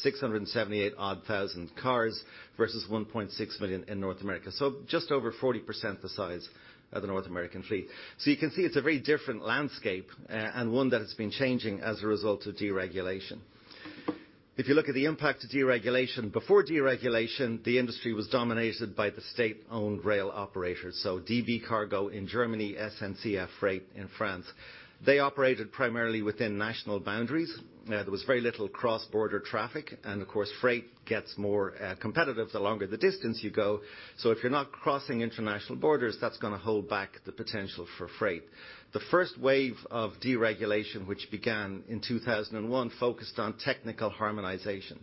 678,000 odd cars versus 1.6 million in North America. Just over 40% the size of the North American fleet. You can see it's a very different landscape, and one that has been changing as a result of deregulation. If you look at the impact of deregulation, before deregulation, the industry was dominated by the state-owned rail operators. DB Cargo in Germany, SNCF Freight in France. They operated primarily within national boundaries. There was very little cross-border traffic. Of course, freight gets more competitive the longer the distance you go. If you're not crossing international borders, that's gonna hold back the potential for freight. The first wave of deregulation, which began in 2001, focused on technical harmonization.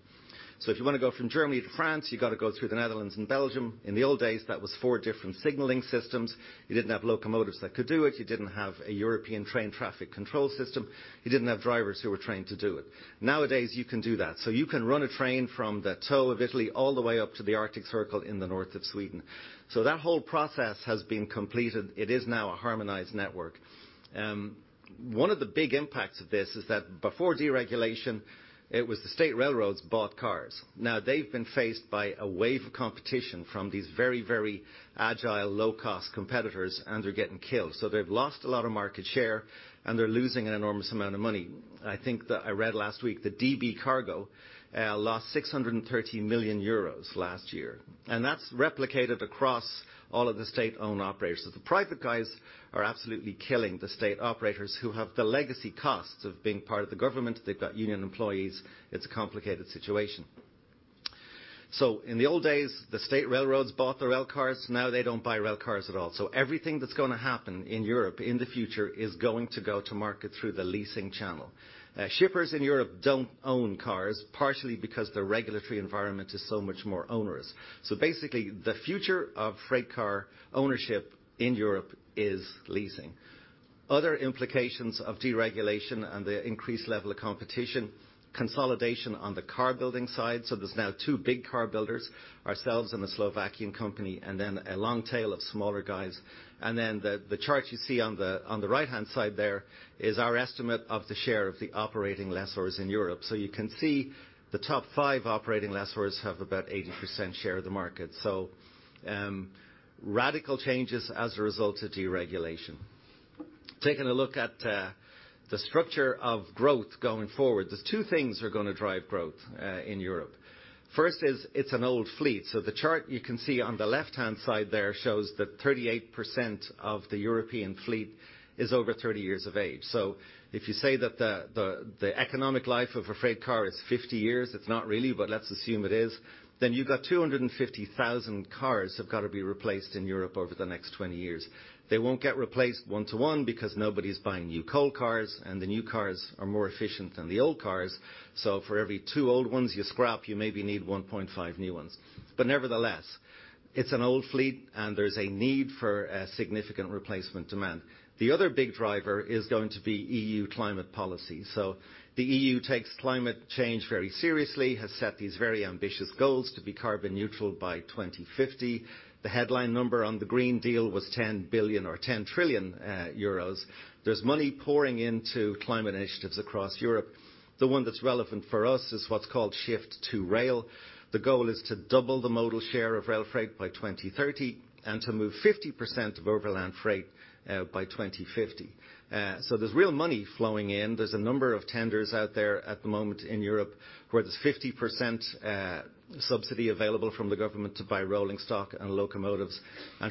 If you want to go from Germany to France, you got to go through the Netherlands and Belgium. In the old days, that was four different signaling systems. You didn't have locomotives that could do it. You didn't have a European train traffic control system. You didn't have drivers who were trained to do it. Nowadays, you can do that. You can run a train from the toe of Italy all the way up to the Arctic Circle in the north of Sweden. That whole process has been completed. It is now a harmonized network. One of the big impacts of this is that before deregulation, it was the state railroads bought cars. Now they've been faced by a wave of competition from these very, very agile low-cost competitors, and they're getting killed. They've lost a lot of market share, and they're losing an enormous amount of money. I think that I read last week that DB Cargo lost 630 million euros last year. That's replicated across all of the state-owned operators. The private guys are absolutely killing the state operators who have the legacy costs of being part of the government. They've got union employees. It's a complicated situation. In the old days, the state railroads bought the rail cars. Now they don't buy rail cars at all. Everything that's gonna happen in Europe in the future is going to go to market through the leasing channel. Shippers in Europe don't own cars, partially because the regulatory environment is so much more onerous. Basically, the future of freight car ownership in Europe is leasing. Other implications of deregulation and the increased level of competition, consolidation on the car-building side. There's now two big car builders, ourselves and a Slovakian company, and then a long tail of smaller guys. The chart you see on the right-hand side there is our estimate of the share of the operating lessors in Europe. You can see the top five operating lessors have about 80% share of the market. Radical changes as a result of deregulation. Taking a look at the structure of growth going forward, there's two things are gonna drive growth in Europe. First is it's an old fleet. The chart you can see on the left-hand side there shows that 38% of the European fleet is over 30 years of age. If you say that the economic life of a freight car is 50 years, it's not really, but let's assume it is, then you've got 250,000 cars have got to be replaced in Europe over the next 20 years. They won't get replaced one to one because nobody's buying new coal cars, and the new cars are more efficient than the old cars. For every two old ones you scrap, you maybe need 1.5 new ones. Nevertheless, it's an old fleet, and there's a need for a significant replacement demand. The other big driver is going to be EU climate policy. The EU takes climate change very seriously, has set these very ambitious goals to be carbon neutral by 2050. The headline number on the Green Deal was 10 billion or 10 trillion euros. There's money pouring into climate initiatives across Europe. The one that's relevant for us is what's called Shift to Rail. The goal is to double the modal share of rail freight by 2030 and to move 50% of overland freight by 2050. There's real money flowing in. There's a number of tenders out there at the moment in Europe where there's 50% subsidy available from the government to buy rolling stock and locomotives.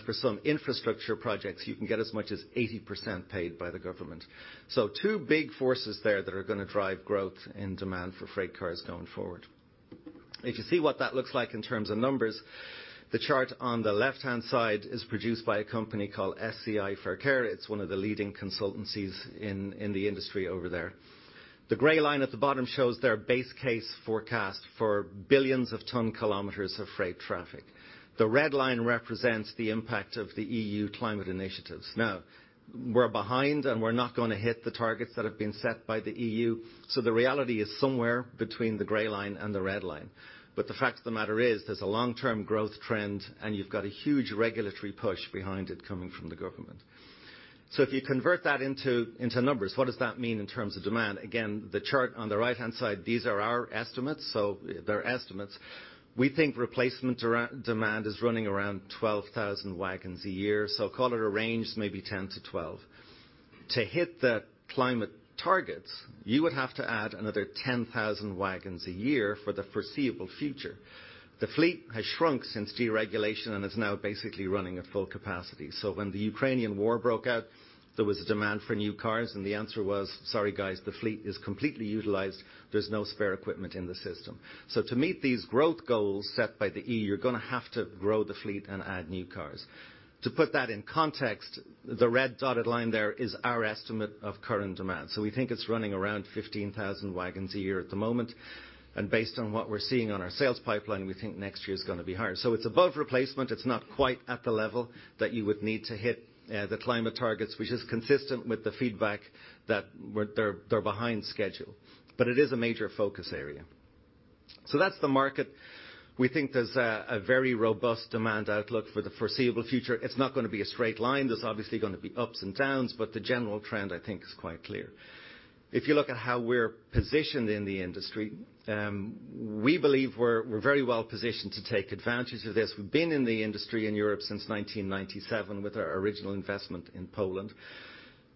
For some infrastructure projects, you can get as much as 80% paid by the government. So two big forces there that are going to drive growth and demand for freight cars going forward. If you see what that looks like in terms of numbers, the chart on the left-hand side is produced by a company called SCI Verkehr. It's one of the leading consultancies in the industry over there. The gray line at the bottom shows their base case forecast for billions of ton kilometers of freight traffic. The red line represents the impact of the EU climate initiatives. We're behind, and we're not going to hit the targets that have been set by the EU, the reality is somewhere between the gray line and the red line. The fact of the matter is there's a long-term growth trend, and you've got a huge regulatory push behind it coming from the government. If you convert that into numbers, what does that mean in terms of demand? Again, the chart on the right-hand side, these are our estimates, they're estimates. We think replacement demand is running around 12,000 wagons a year. Call it a range, maybe 10-12. To hit the climate targets, you would have to add another 10,000 wagons a year for the foreseeable future. The fleet has shrunk since deregulation and is now basically running at full capacity. When the Ukrainian war broke out, there was a demand for new cars, and the answer was, "Sorry, guys, the fleet is completely utilized. There's no spare equipment in the system." To meet these growth goals set by the EU, you're gonna have to grow the fleet and add new cars. To put that in context, the red dotted line there is our estimate of current demand. We think it's running around 15,000 wagons a year at the moment. Based on what we're seeing on our sales pipeline, we think next year's gonna be higher. It's above replacement. It's not quite at the level that you would need to hit the climate targets, which is consistent with the feedback that they're behind schedule. It is a major focus area. That's the market. We think there's a very robust demand outlook for the foreseeable future. It's not gonna be a straight line. There's obviously gonna be ups and downs, but the general trend, I think, is quite clear. If you look at how we're positioned in the industry, we believe we're very well positioned to take advantage of this. We've been in the industry in Europe since 1997 with our original investment in Poland.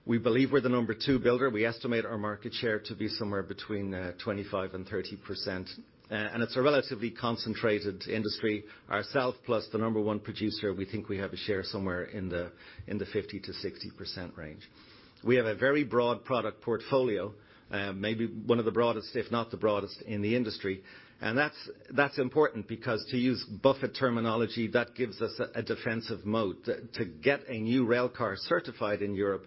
We believe we're the number two builder. We estimate our market share to be somewhere between 25% and 30%. It's a relatively concentrated industry. Ourself plus the number one producer, we think we have a share somewhere in the 50%-60% range. We have a very broad product portfolio, maybe one of the broadest, if not the broadest in the industry. That's important because to use Buffett terminology, that gives us a defensive moat. To get a new rail car certified in Europe,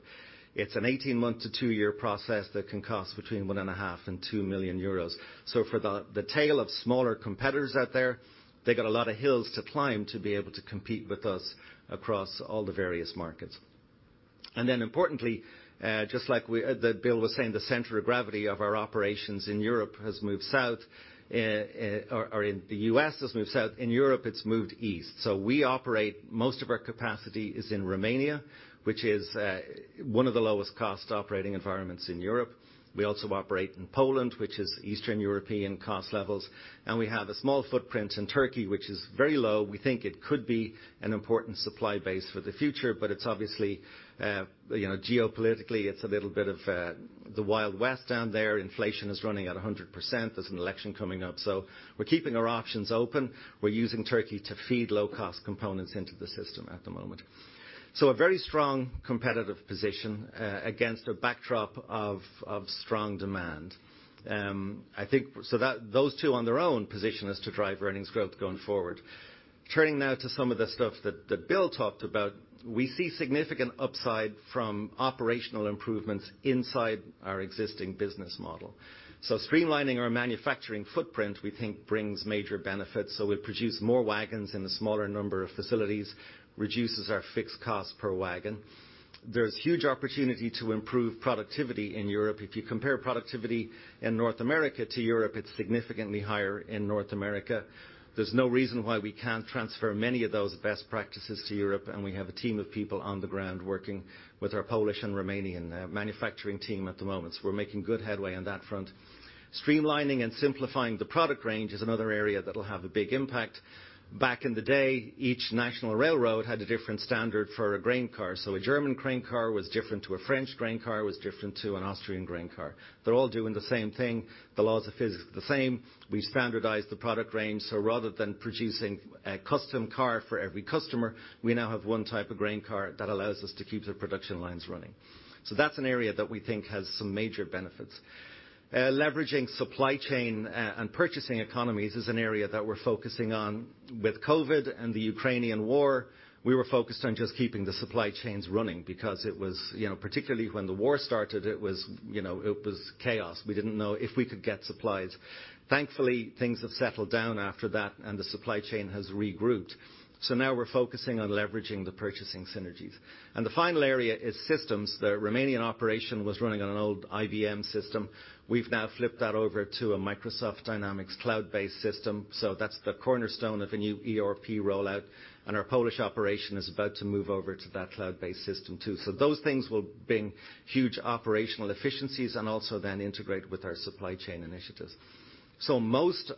it's an 18-month to two-year process that can cost between 1.5 million and 2 million euros. For the tail of smaller competitors out there, they got a lot of hills to climb to be able to compete with us across all the various markets. Importantly, just like Bill was saying, the center of gravity of our operations in Europe has moved south, or in the U.S. has moved south. In Europe, it's moved east. We operate most of our capacity is in Romania, which is one of the lowest cost operating environments in Europe. We also operate in Poland, which is Eastern European cost levels. We have a small footprint in Turkey, which is very low. We think it could be an important supply base for the future, but it's obviously, you know, geopolitically, it's a little bit of the Wild West down there. Inflation is running at 100%. There's an election coming up. We're keeping our options open. We're using Turkey to feed low-cost components into the system at the moment. A very strong competitive position against a backdrop of strong demand. I think those two on their own position is to drive earnings growth going forward. Turning now to some of the stuff that Bill talked about, we see significant upside from operational improvements inside our existing business model. Streamlining our manufacturing footprint, we think brings major benefits. We produce more wagons in a smaller number of facilities, reduces our fixed cost per wagon. There's huge opportunity to improve productivity in Europe. If you compare productivity in North America to Europe, it's significantly higher in North America. There's no reason why we can't transfer many of those best practices to Europe, and we have a team of people on the ground working with our Polish and Romanian manufacturing team at the moment. We're making good headway on that front. Streamlining and simplifying the product range is another area that'll have a big impact. Back in the day, each national railroad had a different standard for a grain car. A German grain car was different to a French grain car, was different to an Austrian grain car. They're all doing the same thing. The laws are physically the same. We've standardized the product range, rather than producing a custom car for every customer, we now have one type of grain car that allows us to keep the production lines running. That's an area that we think has some major benefits. Leveraging supply chain and purchasing economies is an area that we're focusing on. With COVID and the Ukrainian war, we were focused on just keeping the supply chains running because it was, you know, particularly when the war started, it was, you know, it was chaos. We didn't know if we could get supplies. Thankfully, things have settled down after that, and the supply chain has regrouped. Now we're focusing on leveraging the purchasing synergies. The final area is systems. The Romanian operation was running on an old IBM system. We've now flipped that over to a Microsoft Dynamics cloud-based system, so that's the cornerstone of a new ERP rollout, and our Polish operation is about to move over to that cloud-based system too. Those things will bring huge operational efficiencies and also then integrate with our supply chain initiatives. Most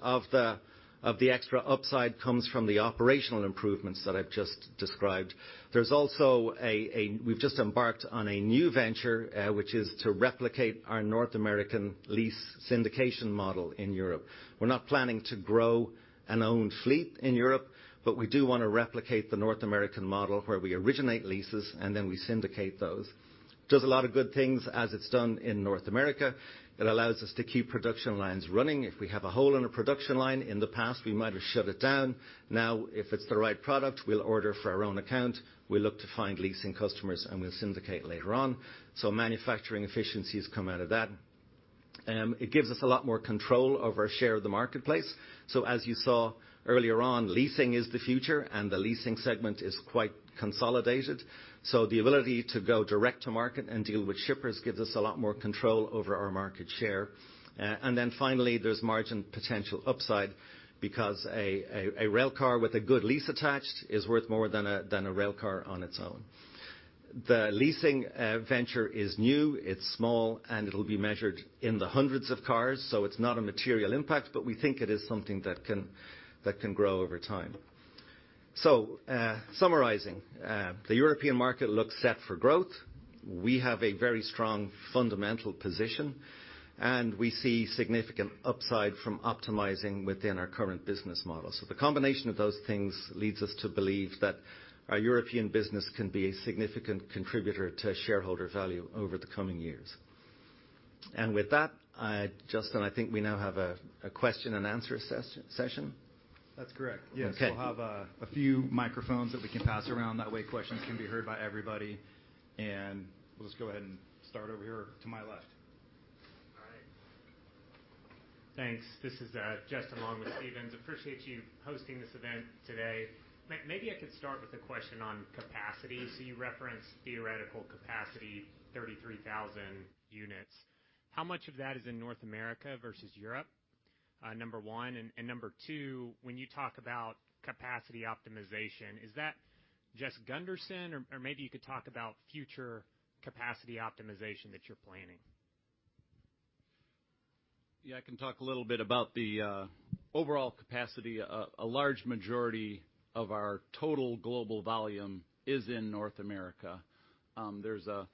of the extra upside comes from the operational improvements that I've just described. There's also a new venture, which is to replicate our North American lease syndication model in Europe. We're not planning to grow and own fleet in Europe, but we do wanna replicate the North American model where we originate leases, and then we syndicate those. Does a lot of good things as it's done in North America. It allows us to keep production lines running. If we have a hole in a production line, in the past, we might have shut it down. Now, if it's the right product, we'll order for our own account. We'll look to find leasing customers, and we'll syndicate later on. Manufacturing efficiencies come out of that. It gives us a lot more control over our share of the marketplace. As you saw earlier on, leasing is the future, and the leasing segment is quite consolidated. The ability to go direct to market and deal with shippers gives us a lot more control over our market share. Finally, there's margin potential upside because a railcar with a good lease attached is worth more than a railcar on its own. The leasing venture is new, it's small, and it'll be measured in the hundreds of cars, so it's not a material impact, but we think it is something that can grow over time. Summarizing, the European market looks set for growth. We have a very strong fundamental position, and we see significant upside from optimizing within our current business model. The combination of those things leads us to believe that our European business can be a significant contributor to shareholder value over the coming years. With that, Justin, I think we now have a question and answer session. That's correct. Yes. Okay. We'll have a few microphones that we can pass around, that way questions can be heard by everybody. We'll just go ahead and start over here to my left. All right. Thanks. This is Justin Long with Stephens. Appreciate you hosting this event today. Maybe I could start with a question on capacity. You referenced theoretical capacity, 33,000 units. How much of that is in North America versus Europe, number one? Number two, when you talk about capacity optimization, is that just Gunderson or maybe you could talk about future capacity optimization that you're planning. I can talk a little bit about the overall capacity. A large majority of our total global volume is in North America. There's a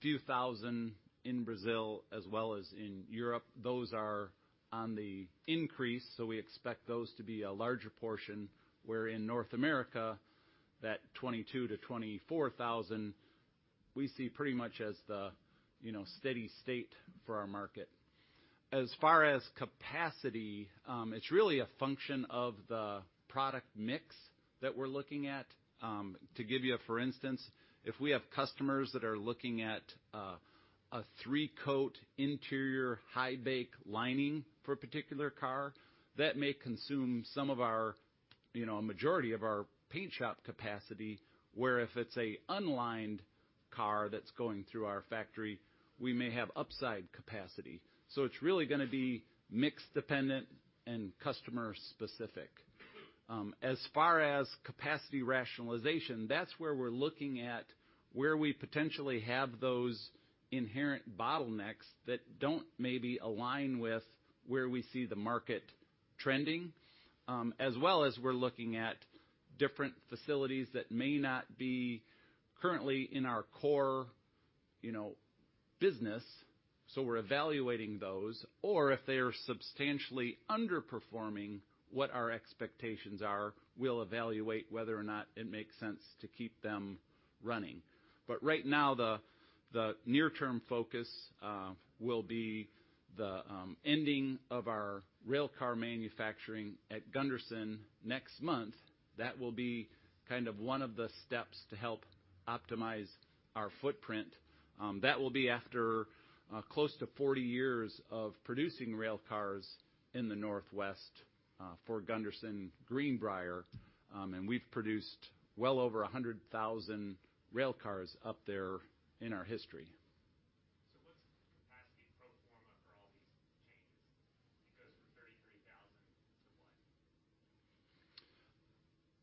few thousand in Brazil as well as in Europe. Those are on the increase, so we expect those to be a larger portion. Where in North America, that 22,000-24,000, we see pretty much as the, you know, steady state for our market. As far as capacity, it's really a function of the product mix that we're looking at. To give you a for instance, if we have customers that are looking at, A three-coat interior high bake lining for a particular car, that may consume some of our, you know, a majority of our paint shop capacity. Where if it's a unlined car that's going through our factory, we may have upside capacity. It's really gonna be mix dependent and customer specific. As far as capacity rationalization, that's where we're looking at where we potentially have those inherent bottlenecks that don't maybe align with where we see the market trending. As well as we're looking at different facilities that may not be currently in our core, you know, business, so we're evaluating those. Or if they are substantially underperforming what our expectations are, we'll evaluate whether or not it makes sense to keep them running. Right now, the near term focus will be the ending of our railcar manufacturing at Gunderson next month. That will be kind of one of the steps to help optimize our footprint. That will be after close to 40 years of producing rail cars in the Northwest for Gunderson Greenbrier. We've produced well over 100,000 rail cars up there in our history.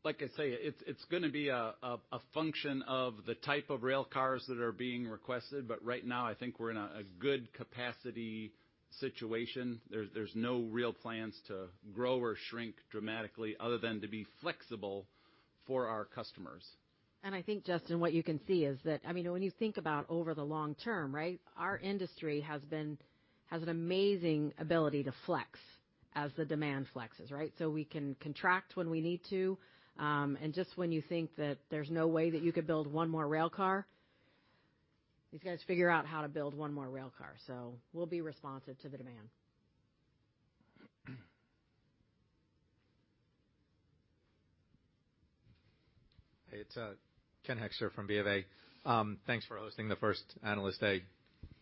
What's the capacity pro forma for all these changes? It goes from 33,000 to what? Like I say, it's gonna be a function of the type of rail cars that are being requested. Right now I think we're in a good capacity situation. There's no real plans to grow or shrink dramatically other than to be flexible for our customers. I think, Justin, what you can see is that, I mean, when you think about over the long term, right, our industry has an amazing ability to flex as the demand flexes, right? We can contract when we need to. Just when you think that there's no way that you could build one more railcar, these guys figure out how to build one more railcar. We'll be responsive to the demand. Hey, it's Ken Hoexter from BofA. Thanks for hosting the first analyst day.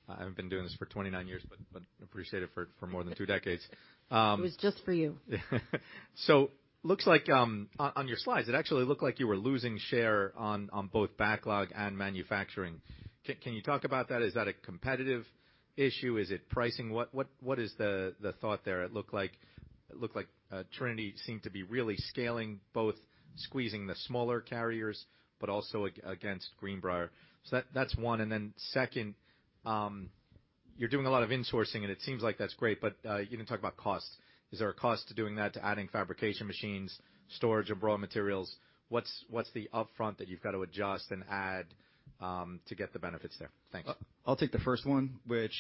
I haven't been doing this for 29 years, but appreciate it for more than 2 decades. It was just for you. Looks like, on your slides, it actually looked like you were losing share on both backlog and manufacturing. Can you talk about that? Is that a competitive issue? Is it pricing? What is the thought there? It looked like Trinity seemed to be really scaling, both squeezing the smaller carriers but also against Greenbrier. That's one. Second, you're doing a lot of insourcing, and it seems like that's great, but you didn't talk about cost. Is there a cost to doing that, to adding fabrication machines, storage of raw materials? What's the upfront that you've got to adjust and add to get the benefits there? Thanks. I'll take the first one, which,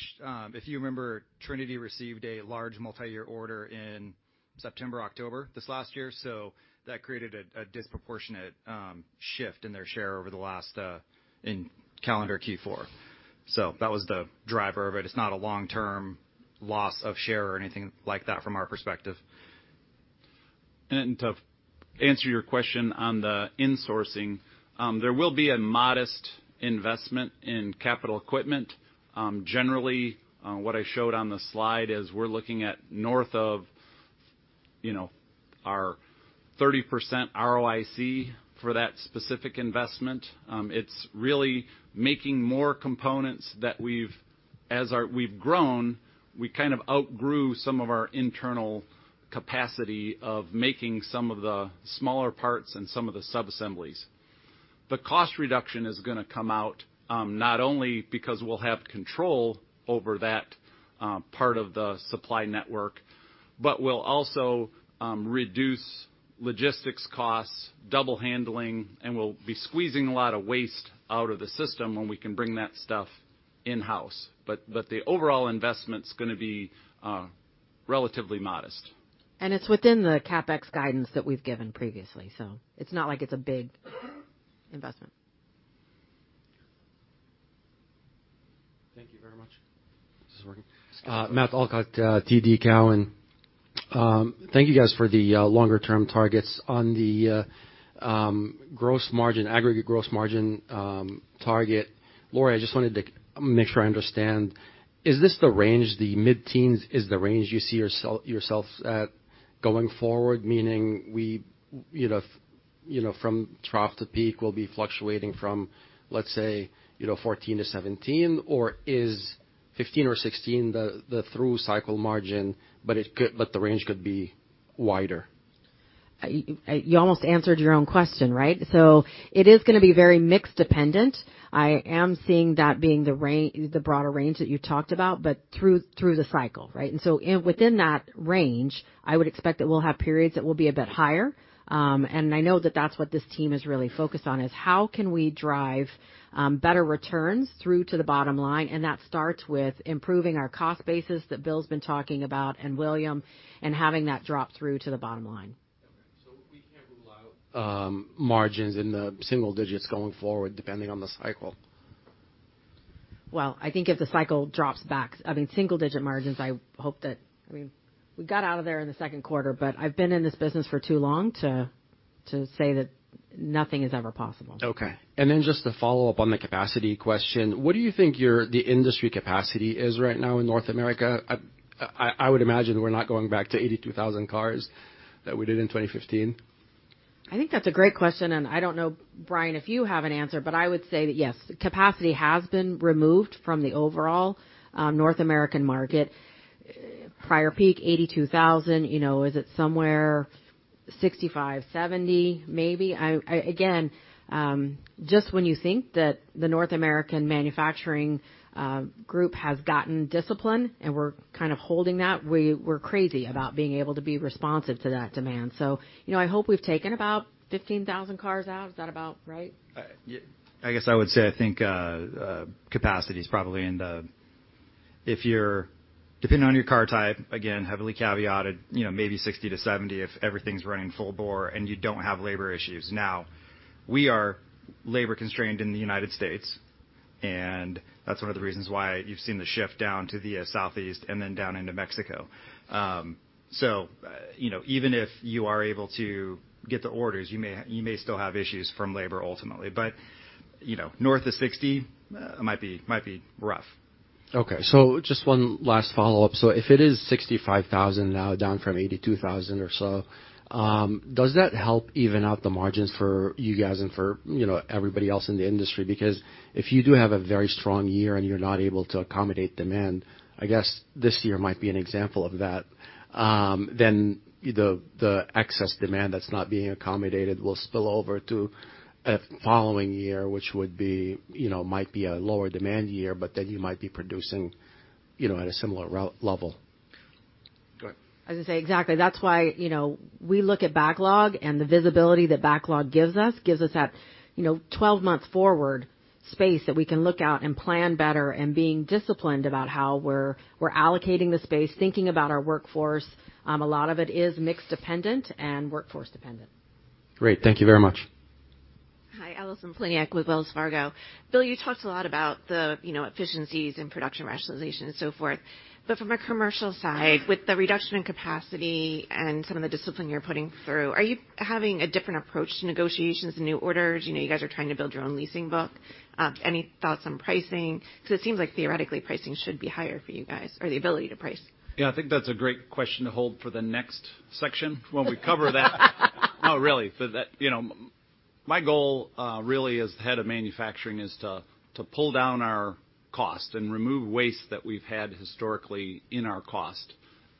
if you remember, Trinity received a large multi-year order in September, October this last year. That created a disproportionate shift in their share over the last in calendar Q4. That was the driver of it. It's not a long-term loss of share or anything like that from our perspective. To answer your question on the insourcing, there will be a modest investment in capital equipment. Generally, what I showed on the slide is we're looking at north of, you know, our 30% ROIC for that specific investment. It's really making more components that we've grown, we kind of outgrew some of our internal capacity of making some of the smaller parts and some of the subassemblies. The cost reduction is gonna come out, not only because we'll have control over that part of the supply network, but we'll also reduce logistics costs, double handling, and we'll be squeezing a lot of waste out of the system when we can bring that stuff in-house. The overall investment's gonna be relatively modest. It's within the CapEx guidance that we've given previously, so it's not like it's a big investment. Thank you very much. Is this working? It's working. Matt Elkott, TD Cowen. Thank you guys for the longer term targets. On the gross margin, aggregate gross margin target, Lorie, I just wanted to make sure I understand. Is this the range, the mid-teens is the range you see yourselves at going forward? Meaning we, you know, you know from trough to peak, we'll be fluctuating from, let's say, you know, 14%-17%, or is 15% or 16% the through cycle margin, but the range could be wider? You almost answered your own question, right? It is gonna be very mix dependent. I am seeing that being the broader range that you talked about, but through the cycle, right? Within that range, I would expect that we'll have periods that will be a bit higher. I know that that's what this team is really focused on, is how can we drive better returns through to the bottom line, and that starts with improving our cost basis that Bill's been talking about and William, and having that drop through to the bottom line. Okay. We can't rule out, margins in the single digits going forward, depending on the cycle? I think if the cycle drops back, I mean, single digit margins, I hope that, I mean, we got out of there in the second quarter, but I've been in this business for too long to say that nothing is ever possible. Okay. Just to follow up on the capacity question, what do you think the industry capacity is right now in North America? I would imagine we're not going back to 82,000 cars that we did in 2015. I think that's a great question, and I don't know, Brian, if you have an answer, but I would say that, yes, capacity has been removed from the overall North American market. Prior peak 82,000, you know, is it somewhere 65,000, 70,0000 maybe? I, again, just when you think that the North American manufacturing group has gotten discipline and we're kind of holding that, we're crazy about being able to be responsive to that demand. You know, I hope we've taken about 15,000 cars out. Is that about right? I guess I would say, I think, capacity is probably depending on your car type, again, heavily caveated, you know, maybe 60%-70% if everything's running full bore and you don't have labor issues. We are labor-constrained in the United States, and that's one of the reasons why you've seen the shift down to the Southeast and then down into Mexico. You know, even if you are able to get the orders, you may still have issues from labor ultimately. You know, north of 60% might be rough. Just one last follow-up. If it is 65,000 now down from 82,000 or so, does that help even out the margins for you guys and for, you know, everybody else in the industry? If you do have a very strong year and you're not able to accommodate demand, I guess this year might be an example of that, then the excess demand that's not being accommodated will spill over to a following year, which would be, you know, might be a lower demand year, but then you might be producing, you know, at a similar level. Go ahead. I was gonna say exactly. That's why, you know, we look at backlog and the visibility that backlog gives us, gives us that, you know, 12 months forward space that we can look out and plan better and being disciplined about how we're allocating the space, thinking about our workforce. A lot of it is mix dependent and workforce dependent. Great. Thank you very much. Hi, Allison Poliniak with Wells Fargo. Bill, you talked a lot about the, you know, efficiencies and production rationalization and so forth. From a commercial side, with the reduction in capacity and some of the discipline you're putting through, are you having a different approach to negotiations and new orders? You know, you guys are trying to build your own leasing book. Any thoughts on pricing? It seems like theoretically, pricing should be higher for you guys or the ability to price. Yeah, I think that's a great question to hold for the next section when we cover that. No, really. That, you know. My goal, really as head of manufacturing is to pull down our cost and remove waste that we've had historically in our cost.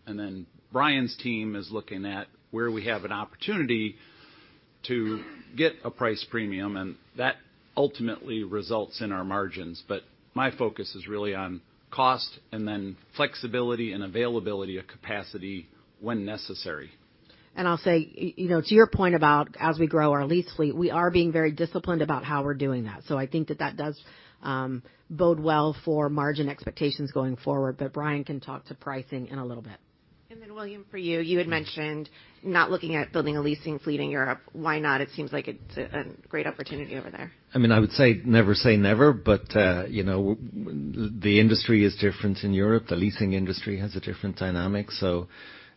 Then Brian's team is looking at where we have an opportunity to get a price premium, and that ultimately results in our margins. My focus is really on cost and then flexibility and availability of capacity when necessary. I'll say, you know, to your point about as we grow our lease fleet, we are being very disciplined about how we're doing that. I think that that does bode well for margin expectations going forward. Brian can talk to pricing in a little bit. William, for you had mentioned not looking at building a leasing fleet in Europe. Why not? It seems like it's a great opportunity over there. I mean, I would say, never say never, but, you know, the industry is different in Europe. The leasing industry has a different dynamic.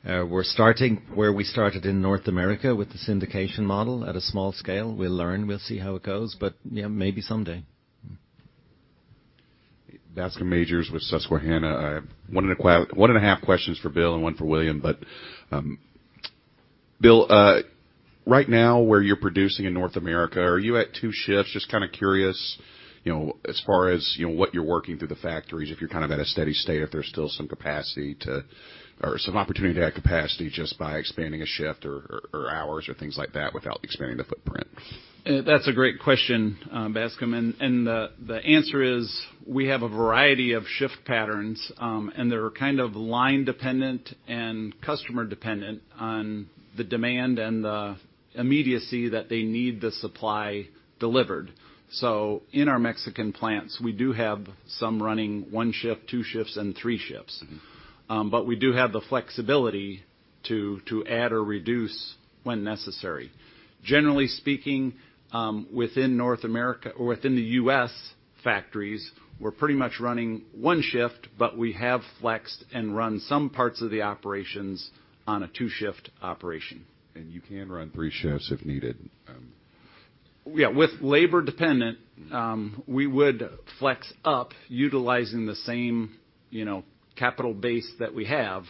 We're starting where we started in North America with the syndication model at a small scale. We'll learn, we'll see how it goes, but yeah, maybe someday. Bascome Majors with Susquehanna. I have one and a half questions for Bill and one for William. Bill, right now, where you're producing in North America, are you at two shifts? Just kind of curious, you know, as far as, you know, what you're working through the factories, if you're kind of at a steady state, if there's still some opportunity to add capacity just by expanding a shift or hours or things like that without expanding the footprint. That's a great question, Bascom. The answer is we have a variety of shift patterns, and they're kind of line dependent and customer dependent on the demand and the immediacy that they need the supply delivered. In our Mexican plants, we do have some running one shift, two shifts, and three shifts. We do have the flexibility to add or reduce when necessary. Generally speaking, within North America or within the U.S. factories, we're pretty much running onthree shift, but we have flexed and run some parts of the operations on a two-shift operation. You can run three shifts if needed? Yeah. With labor dependent, we would flex up utilizing the same, you know, capital base that we have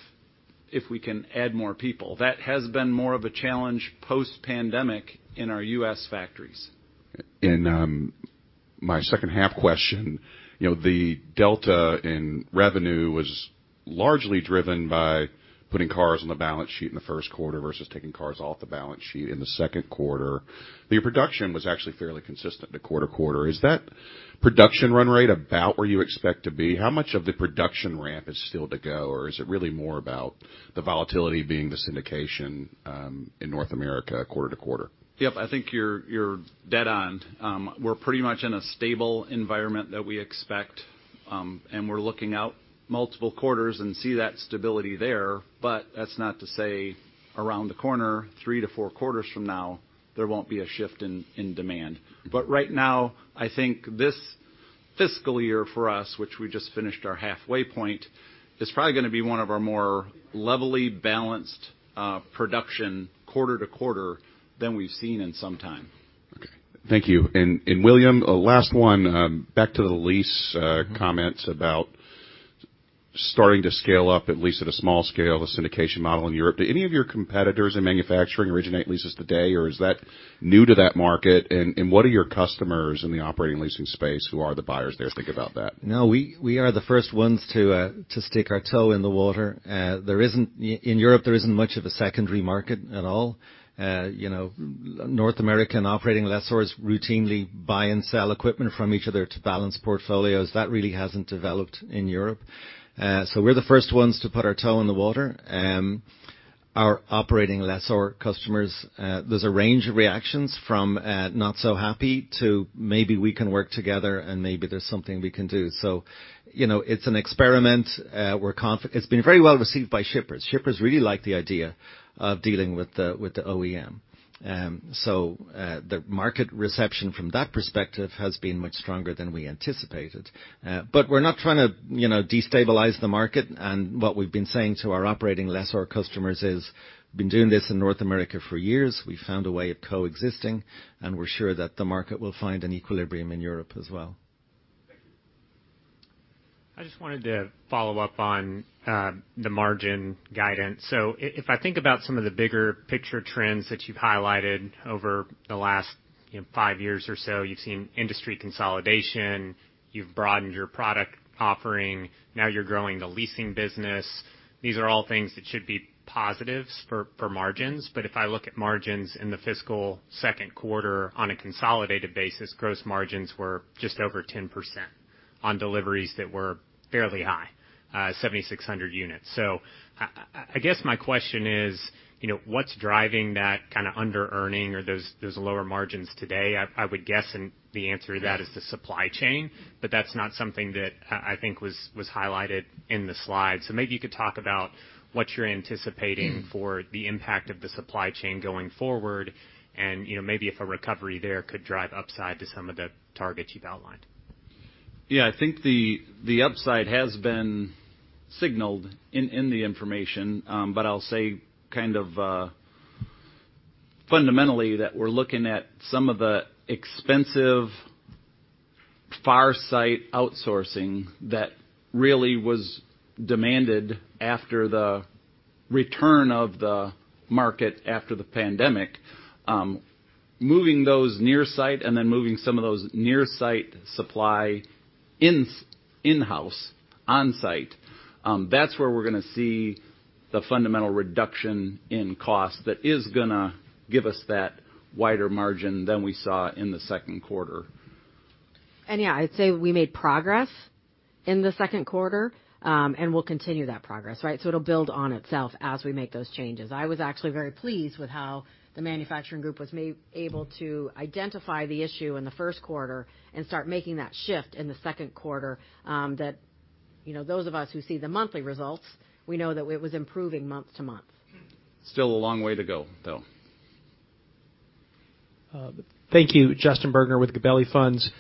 if we can add more people. That has been more of a challenge post-pandemic in our U.S. factories. My second half question. You know, the delta in revenue was largely driven by putting cars on the balance sheet in the first quarter versus taking cars off the balance sheet in the second quarter. Your production was actually fairly consistent to quarter to quarter. Is that production run rate about where you expect to be? How much of the production ramp is still to go, or is it really more about the volatility being the syndication in North America quarter to quarter? Yep, I think you're dead on. We're pretty much in a stable environment that we expect, and we're looking out multiple quarters and see that stability there. That's not to say around the corner, three to four quarters from now, there won't be a shift in demand. Right now, I think this fiscal year for us, which we just finished our halfway point, is probably gonna be one of our more levelly balanced, production quarter to quarter than we've seen in some time. Okay. Thank you. William, last one, back to the lease comments about starting to scale up, at least at a small scale, the syndication model in Europe. Do any of your competitors in manufacturing originate leases today, or is that new to that market? What are your customers in the operating leasing space, who are the buyers there, think about that? No, we are the first ones to stick our toe in the water. In Europe, there isn't much of a secondary market at all. You know, North American operating lessors routinely buy and sell equipment from each other to balance portfolios. That really hasn't developed in Europe. We're the first ones to put our toe in the water. Our operating lessor customers, there's a range of reactions from not so happy to maybe we can work together and maybe there's something we can do. You know, it's an experiment. It's been very well received by shippers. Shippers really like the idea of dealing with the OEM. The market reception from that perspective has been much stronger than we anticipated. We're not trying to, you know, destabilize the market. What we've been saying to our operating lessor customers is, been doing this in North America for years, we found a way of coexisting, and we're sure that the market will find an equilibrium in Europe as well. Thank you. I just wanted to follow up on the margin guidance. If I think about some of the bigger picture trends that you've highlighted over the last, you know, five years or so, you've seen industry consolidation, you've broadened your product offering, now you're growing the leasing business. These are all things that should be positives for margins. If I look at margins in the fiscal second quarter on a consolidated basis, gross margins were just over 10% on deliveries that were fairly high, 7,600 units. I guess my question is, you know, what's driving that kinda undearning or those lower margins today? I would guess and the answer to that is the supply chain, that's not something that I think was highlighted in the slide. Maybe you could talk about what you're anticipating for the impact of the supply chain going forward and, you know, maybe if a recovery there could drive upside to some of the targets you've outlined. Yeah. I think the upside has been signaled in the information. I'll say kind of fundamentally, that we're looking at some of the expensive far-site outsourcing that really was demanded after the return of the market after the pandemic. Moving those near-site and then moving some of those near-site supply in-house on-site, that's where we're gonna see the fundamental reduction in cost that is gonna give us that wider margin than we saw in the second quarter. Yeah, I'd say we made progress in the second quarter, and we'll continue that progress, right? It'll build on itself as we make those changes. I was actually very pleased with how the manufacturing group was able to identify the issue in the first quarter and start making that shift in the second quarter. That, you know, those of us who see the monthly results, we know that it was improving month to month. Still a long way to go, though. Thank you. Justin Bergner with Gabelli Funds.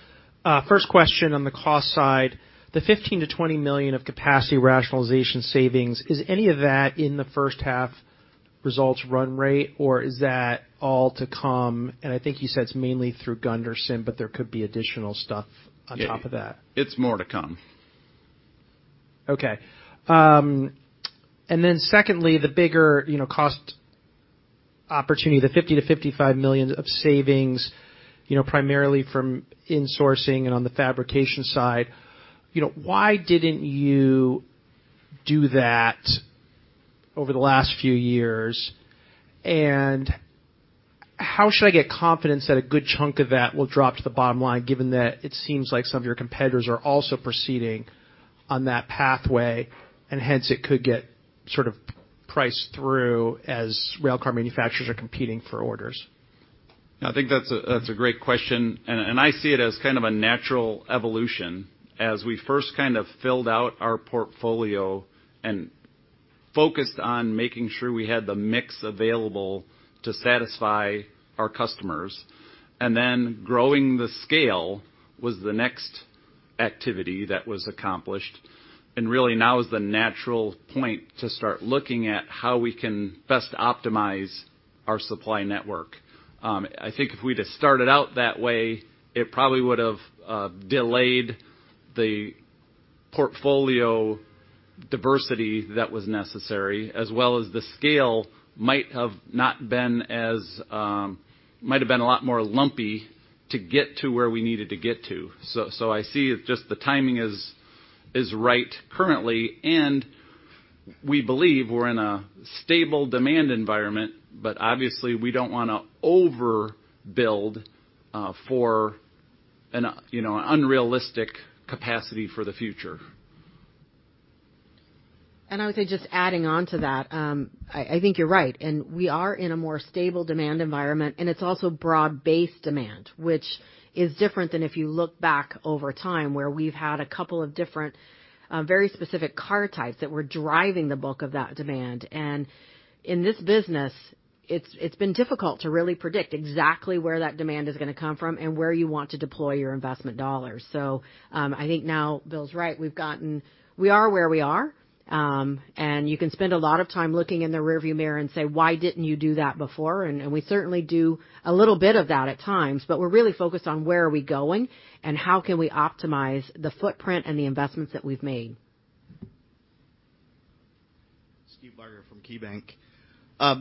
First question on the cost side. The $15 million-$20 million of capacity rationalization savings, is any of that in the first half results run rate, or is that all to come? I think you said it's mainly through Gunderson, but there could be additional stuff on top of that. It's more to come. Okay. Secondly, the bigger, you know, cost opportunity, the $50 million-$55 million of savings, you know, primarily from insourcing and on the fabrication side, you know, why didn't you do that over the last few years? How should I get confidence that a good chunk of that will drop to the bottom line, given that it seems like some of your competitors are also proceeding on that pathway, and hence it could get sort of priced through as railcar manufacturers are competing for orders? I think that's a great question. I see it as kind of a natural evolution. As we first kind of filled out our portfolio and focused on making sure we had the mix available to satisfy our customers. Then growing the scale was the next activity that was accomplished. Really now is the natural point to start looking at how we can best optimize our supply network. I think if we'd have started out that way, it probably would've delayed the portfolio diversity that was necessary, as well as the scale might have not been as, might have been a lot more lumpy to get to where we needed to get to. so I see just the timing is right currently, and we believe we're in a stable demand environment, but obviously we don't wanna overbuild for an, you know, unrealistic capacity for the future. I would say just adding on to that, I think you're right, and we are in a more stable demand environment, and it's also broad-based demand, which is different than if you look back over time, where we've had a couple of different, very specific car types that were driving the bulk of that demand. In this business. It's been difficult to really predict exactly where that demand is gonna come from and where you want to deploy your investment dollars. I think now Bill's right. We are where we are. You can spend a lot of time looking in the rearview mirror and say, "Why didn't you do that before?" We certainly do a little bit of that at times, but we're really focused on where are we going and how can we optimize the footprint and the investments that we've made. Steve Barger from KeyBanc.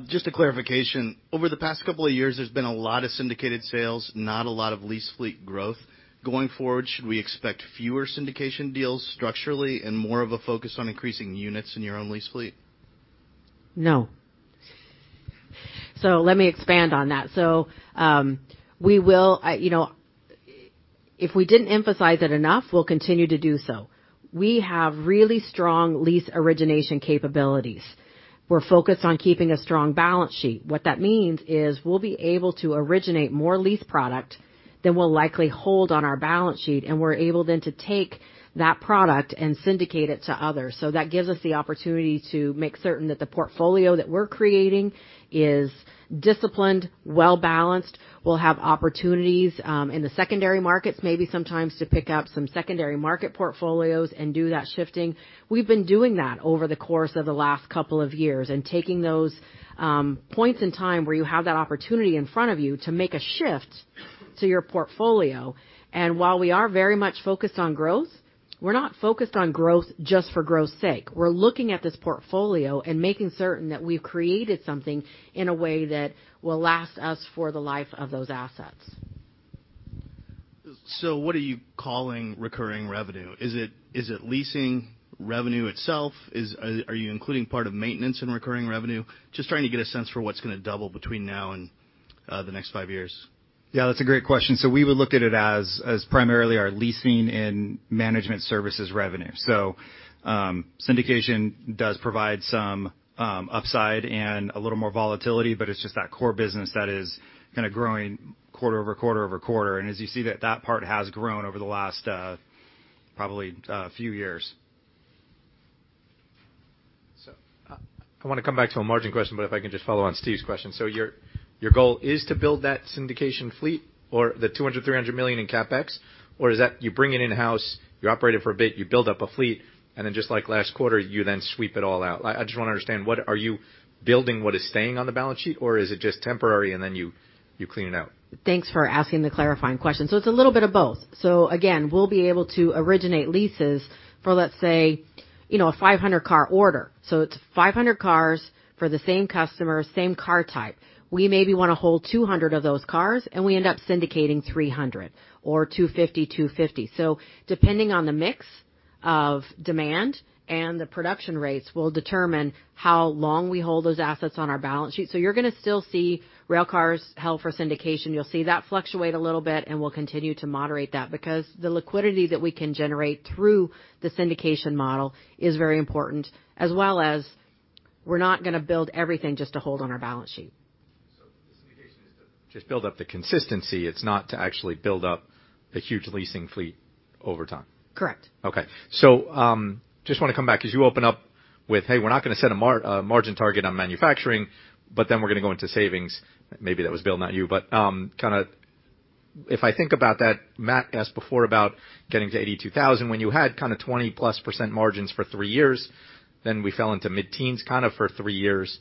Just a clarification. Over the past couple of years, there's been a lot of syndicated sales, not a lot of lease fleet growth. Going forward, should we expect fewer syndication deals structurally and more of a focus on increasing the units in your own lease fleet? No. Let me expand on that. We will, you know, if we didn't emphasize it enough, we'll continue to do so. We have really strong lease origination capabilities. We're focused on keeping a strong balance sheet. What that means is we'll be able to originate more lease product than we'll likely hold on our balance sheet, and we're able then to take that product and syndicate it to others. That gives us the opportunity to make certain that the portfolio that we're creating is disciplined, well-balanced. We'll have opportunities in the secondary markets, maybe sometimes to pick up some secondary market portfolios and do that shifting. We've been doing that over the course of the last couple of years and taking those points in time where you have that opportunity in front of you to make a shift to your portfolio. While we are very much focused on growth, we're not focused on growth just for growth's sake. We're looking at this portfolio and making certain that we've created something in a way that will last us for the life of those assets. What are you calling recurring revenue? Is it leasing revenue itself? Are you including part of maintenance in recurring revenue? Just trying to get a sense for what's gonna double between now and the next five years. Yeah, that's a great question. We would look at it as primarily our leasing and management services revenue. Syndication does provide some upside and a little more volatility, but it's just that core business that is kinda growing quarter over quarter over quarter. As you see that part has grown over the last, probably a few years. I wanna come back to a margin question, but if I can just follow on Steve's question. Your goal is to build that syndication fleet or the $200 million-$300 million in CapEx, or is that you bring it in-house, you operate it for a bit, you build up a fleet, and then just like last quarter, you then sweep it all out? I just wanna understand, are you building what is staying on the balance sheet, or is it just temporary and then you clean it out? Thanks for asking the clarifying question. It's a little bit of both. Again, we'll be able to originate leases for, let's say, you know, a 500 car order. It's 500 cars for the same customer, same car type. We maybe wanna hold 200 of those cars, and we end up syndicating 300 or 250. Depending on the mix of demand and the production rates will determine how long we hold those assets on our balance sheet. You're gonna still see rail cars held for syndication. You'll see that fluctuate a little bit, and we'll continue to moderate that because the liquidity that we can generate through the syndication model is very important, as well as we're not gonna build everything just to hold on our balance sheet. The syndication is to just build up the consistency. It's not to actually build up a huge leasing fleet over time? Correct. Okay. Just wanna come back 'cause you opened up with, hey, we're not gonna set a margin target on manufacturing, but we're gonna go into savings. Maybe that was Bill, not you. Kinda if I think about that, Matt asked before about getting to 82,000 when you had kinda 20%+ margins for three years, we fell into mid-teens kinda for three years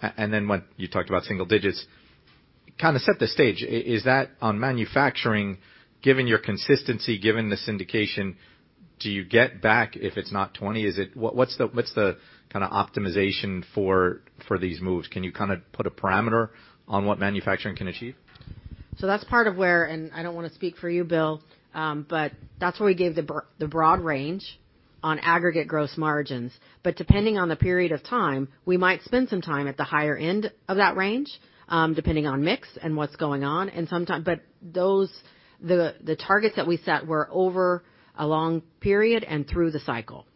and when you talked about single digits. Kinda set the stage. Is that on manufacturing, given your consistency, given the syndication, do you get back if it's not 20%? What's the kinda optimization for these moves? Can you kinda put a parameter on what manufacturing can achieve? That's part of where, and I don't wanna speak for you, Bill, but that's where we gave the broad range on aggregate gross margins. Depending on the period of time, we might spend some time at the higher end of that range, depending on mix and what's going on. Those, the targets that we set were over a long period and through the cycle.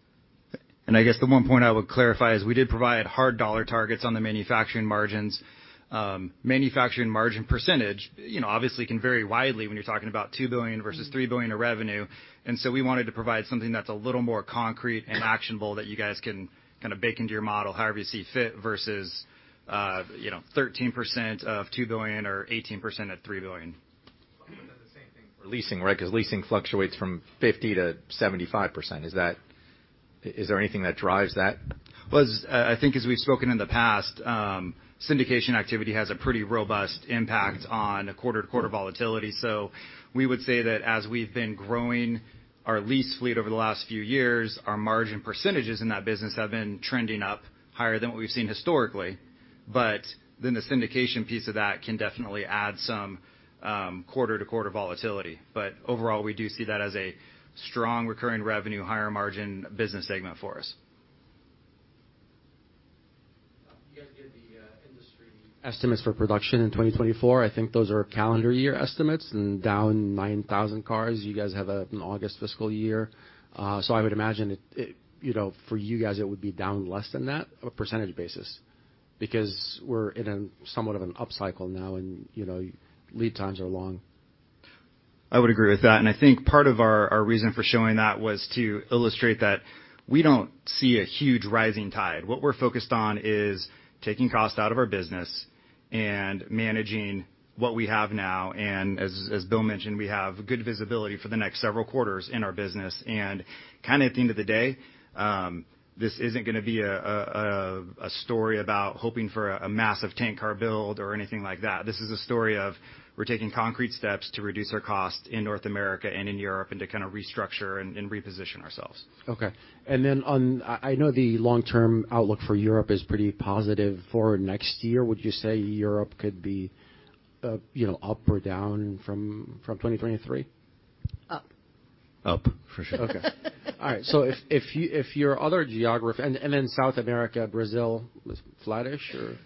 I guess the one point I would clarify is we did provide hard dollar targets on the manufacturing margins. Manufacturing margin percentage, you know, obviously can vary widely when you're talking about $2 billion versus $3 billion of revenue, we wanted to provide something that's a little more concrete and actionable that you guys can kinda bake into your model however you see fit versus, you know, 13% of $2 billion or 18% of $3 billion. That's the same thing for leasing, right? 'Cause leasing fluctuates from 50%-75%. Is there anything that drives that? As, I think as we've spoken in the past, syndication activity has a pretty robust impact on a quarter-to-quarter volatility. We would say that as we've been growing our lease fleet over the last few years, our margin percentages in that business have been trending up higher than what we've seen historically. The syndication piece of that can definitely add some quarter-to-quarter volatility. Overall, we do see that as a strong recurring revenue, higher margin business segment for us. You guys gave the industry estimates for production in 2024. I think those are calendar year estimates. Down 9,000 cars. You guys have an August fiscal year, I would imagine it, you know, for you guys, it would be down less than that on a percentage basis because we're in a somewhat of an upcycle now and, you know, lead times are long. I would agree with that, I think part of our reason for showing that was to illustrate that we don't see a huge rising tide. What we're focused on is taking cost out of our business and managing what we have now. As Bill mentioned, we have good visibility for the next several quarters in our business. Kinda at the end of the day, this isn't gonna be a story about hoping for a massive tank car build or anything like that. This is a story of we're taking concrete steps to reduce our cost in North America and in Europe and to kinda restructure and reposition ourselves. Okay. I know the long-term outlook for Europe is pretty positive for next year. Would you say Europe could be, you know, up or down from 2023? Up. Up, for sure. Okay. All right. If your other geography... Then South America, Brazil is flattish, or?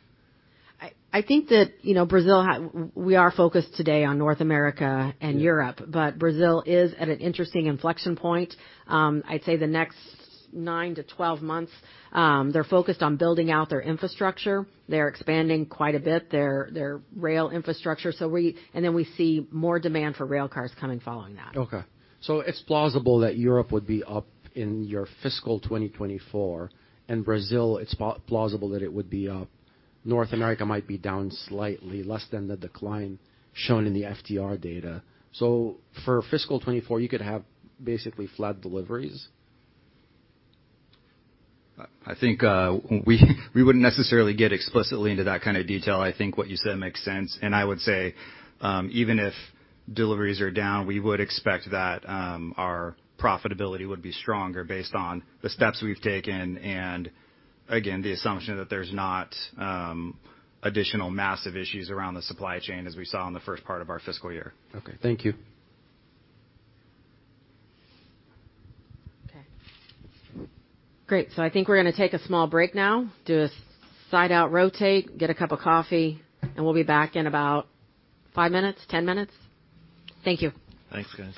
I think that, you know, Brazil. We are focused today on North America and Europe, but Brazil is at an interesting inflection point. I'd say the next 9-12 months, they're focused on building out their infrastructure. They're expanding quite a bit their rail infrastructure. Then we see more demand for rail cars coming following that. Okay. It's plausible that Europe would be up in your fiscal 2024, Brazil, it's plausible that it would be up. North America might be down slightly, less than the decline shown in the FTR data. For fiscal 2024, you could have basically flat deliveries? I think we wouldn't necessarily get explicitly into that kind of detail. I think what you said makes sense. I would say even if deliveries are down, we would expect that our profitability would be stronger based on the steps we've taken and, again, the assumption that there's not additional massive issues around the supply chain as we saw in the first part of our fiscal year. Okay. Thank you. Okay. Great. I think we're gonna take a small break now, do a side out rotate, get a cup of coffee, and we'll be back in about five minutes, 10 minutes. Thank you. Thanks, guys.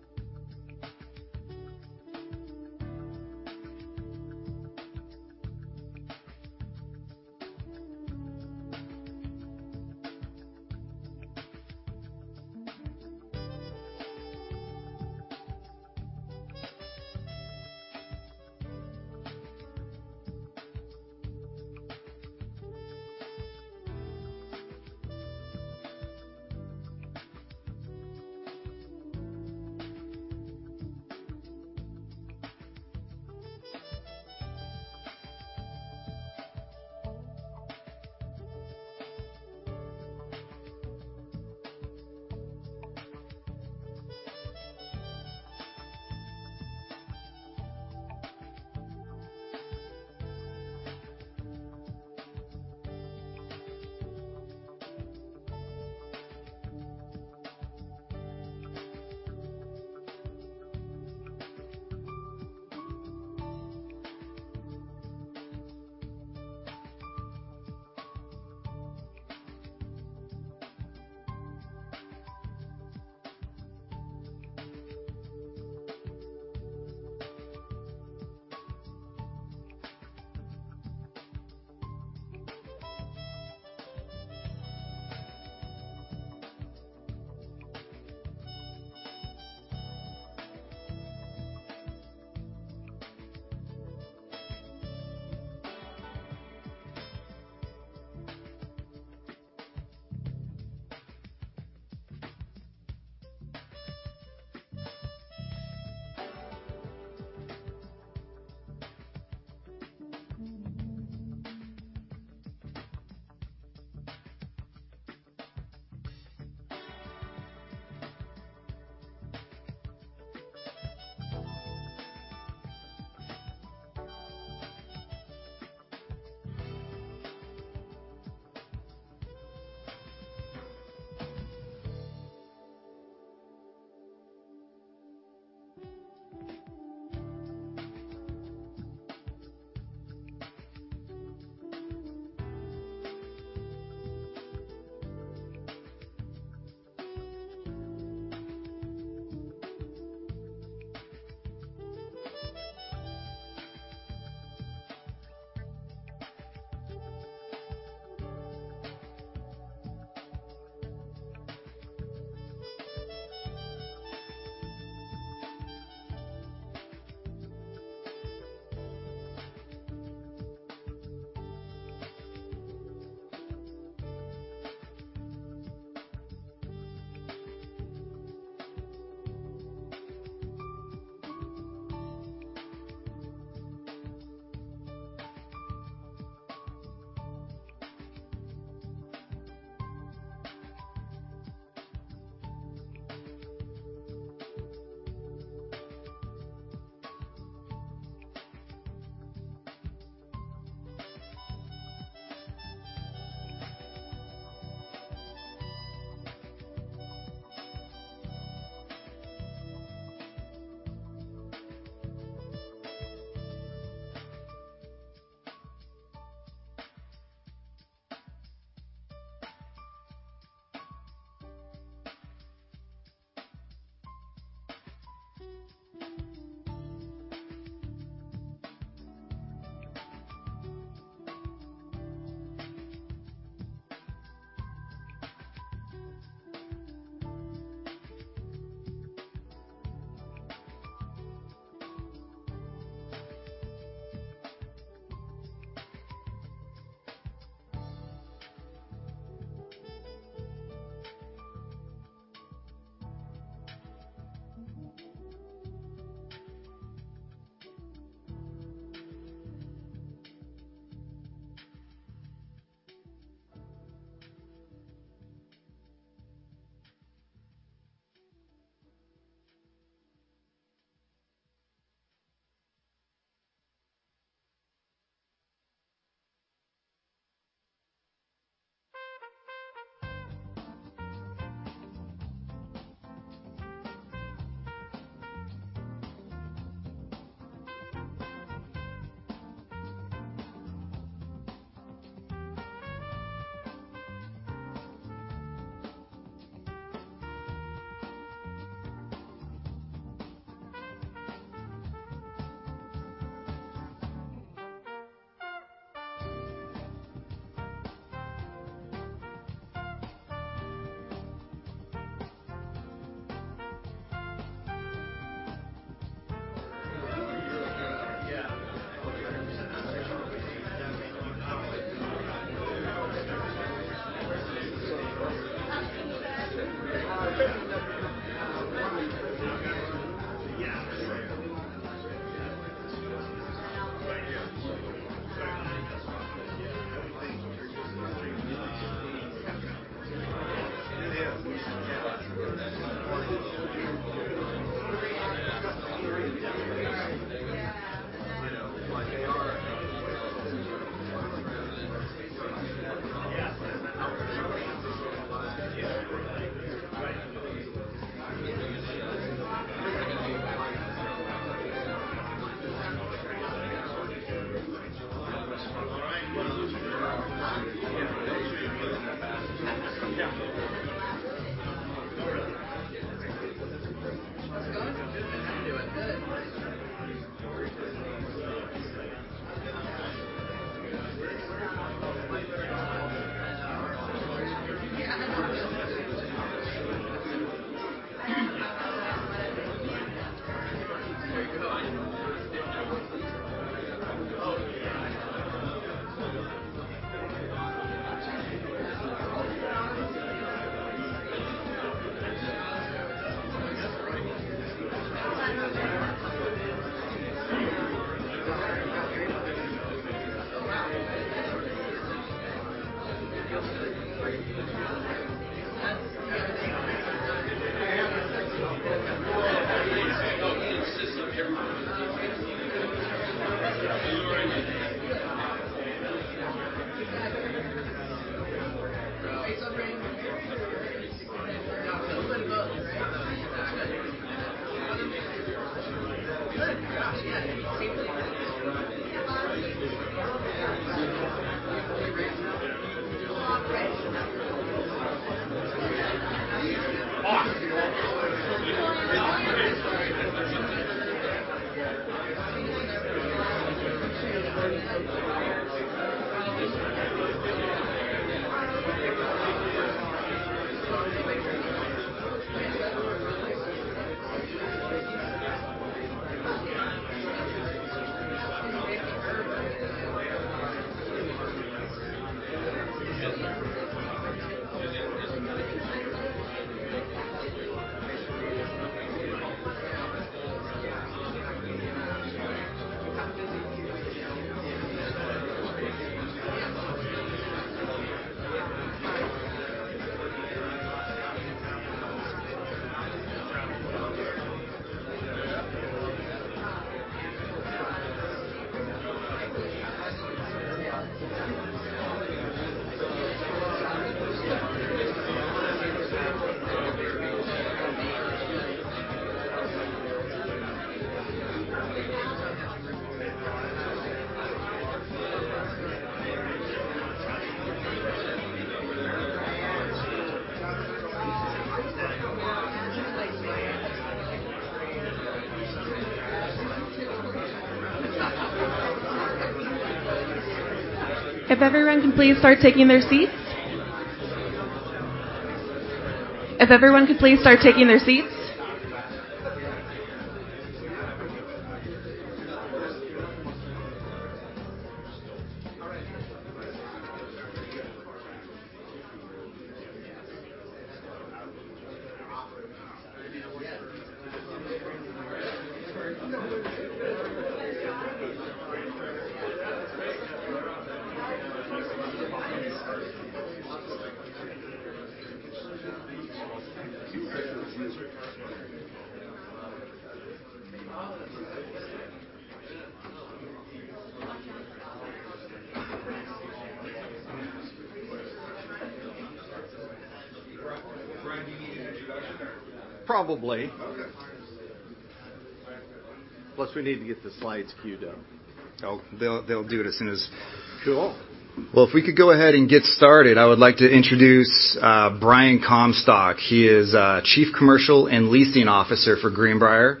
If we could go ahead and get started, I would like to introduce Brian Comstock. He is Chief Commercial and Leasing Officer for Greenbrier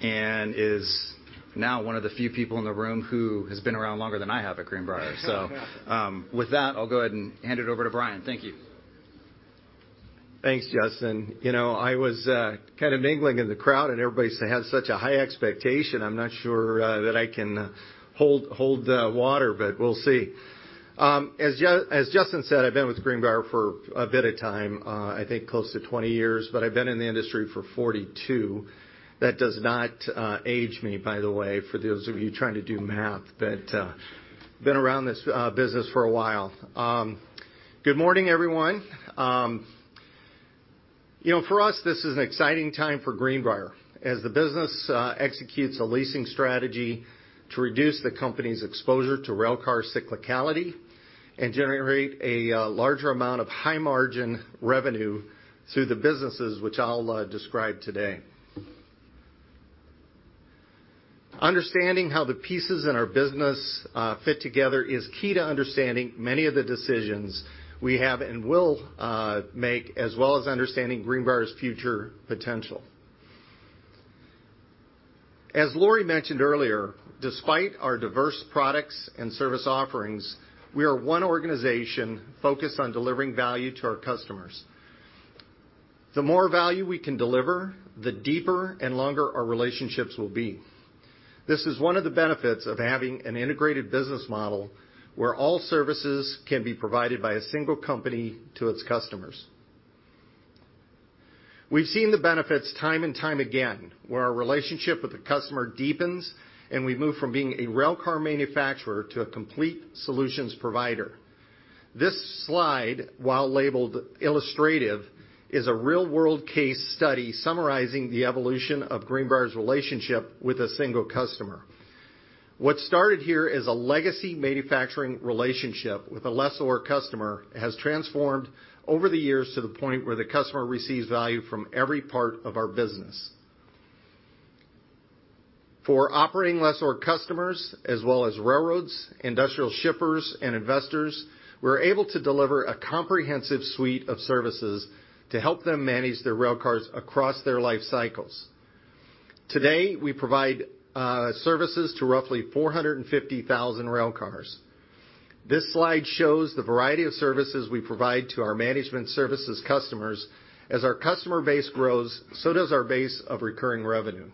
and is now one of the few people in the room who has been around longer than I have at Greenbrier. With that, I'll go ahead and hand it over to Brian. Thank you. Thanks, Justin. You know, I was kind of mingling in the crowd. Everybody has such a high expectation. I'm not sure that I can hold water. We'll see. As Justin said, I've been with Greenbrier for a bit of time, I think close to 20 years, but I've been in the industry for 42. That does not age me, by the way, for those of you trying to do math. Been around this business for a while. Good morning, everyone. You know, for us, this is an exciting time for Greenbrier as the business executes a leasing strategy to reduce the company's exposure to railcar cyclicality and generate a larger amount of high-margin revenue through the businesses which I'll describe today. Understanding how the pieces in our business fit together is key to understanding many of the decisions we have and will make, as well as understanding Greenbrier's future potential. As Lorie mentioned earlier, despite our diverse products and service offerings, we are one organization focused on delivering value to our customers. The more value we can deliver, the deeper and longer our relationships will be. This is one of the benefits of having an integrated business model where all services can be provided by a single company to its customers. We've seen the benefits time and time again, where our relationship with the customer deepens, and we move from being a railcar manufacturer to a complete solutions provider. This slide, while labeled illustrative, is a real-world case study summarizing the evolution of Greenbrier's relationship with a single customer. What started here as a legacy manufacturing relationship with a lessor customer has transformed over the years to the point where the customer receives value from every part of our business. For operating lessor customers as well as railroads, industrial shippers, and investors, we're able to deliver a comprehensive suite of services to help them manage their railcars across their life cycles. Today, we provide services to roughly 450,000 railcars. This slide shows the variety of services we provide to our Management Services customers. As our customer base grows, so does our base of recurring revenue.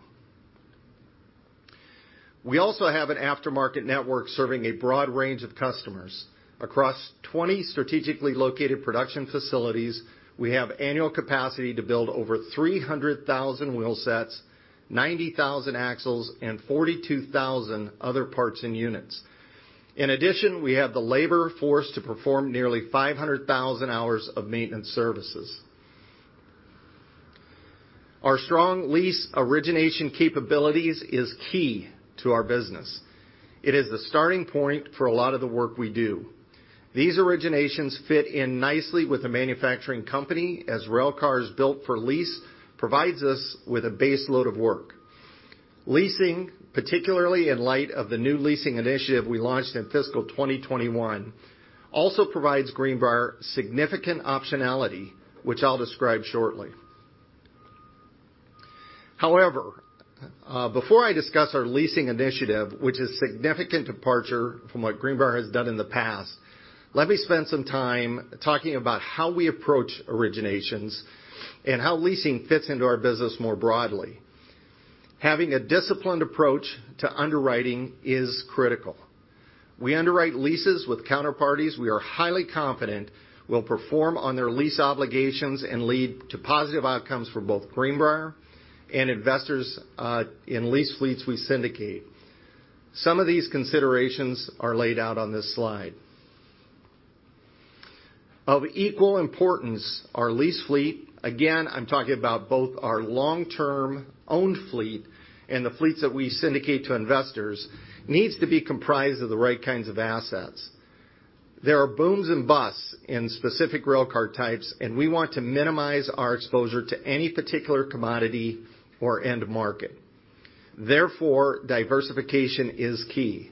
We also have an aftermarket network serving a broad range of customers. Across 20 strategically located production facilities, we have annual capacity to build over 300,000 wheel sets, 90,000 axles, and 42,000 other parts and units. In addition, we have the labor force to perform nearly 500,000 hours of maintenance services. Our strong lease origination capabilities is key to our business. It is the starting point for a lot of the work we do. These originations fit in nicely with a manufacturing company, as railcars built for lease provides us with a base load of work. Leasing, particularly in light of the new leasing initiative we launched in fiscal 2021, also provides Greenbrier significant optionality, which I'll describe shortly. However, before I discuss our leasing initiative, which is a significant departure from what Greenbrier has done in the past, let me spend some time talking about how we approach originations and how leasing fits into our business more broadly. Having a disciplined approach to underwriting is critical. We underwrite leases with counterparties we are highly confident will perform on their lease obligations and lead to positive outcomes for both Greenbrier and investors in lease fleets we syndicate. Some of these considerations are laid out on this slide. Of equal importance, our lease fleet, again, I'm talking about both our long-term owned fleet and the fleets that we syndicate to investors, needs to be comprised of the right kinds of assets. There are booms and busts in specific railcar types, and we want to minimize our exposure to any particular commodity or end market. Therefore, diversification is key.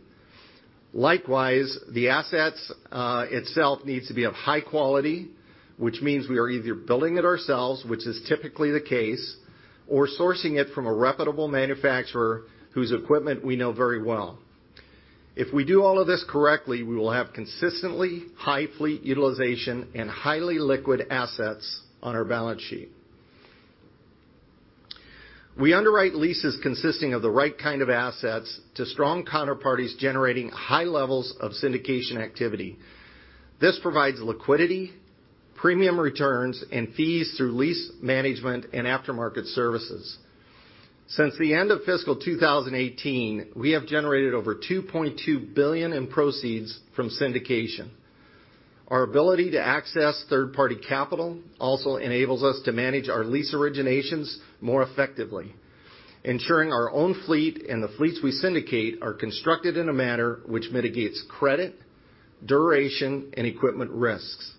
Likewise, the assets itself needs to be of high quality, which means we are either building it ourselves, which is typically the case, or sourcing it from a reputable manufacturer whose equipment we know very well. If we do all of this correctly, we will have consistently high fleet utilization and highly liquid assets on our balance sheet. We underwrite leases consisting of the right kind of assets to strong counterparties generating high levels of syndication activity. This provides liquidity, premium returns, and fees through lease management and aftermarket services. Since the end of fiscal 2018, we have generated over $2.2 billion in proceeds from syndication. Our ability to access third-party capital also enables us to manage our lease originations more effectively, ensuring our own fleet and the fleets we syndicate are constructed in a manner which mitigates credit, duration, and equipment risks.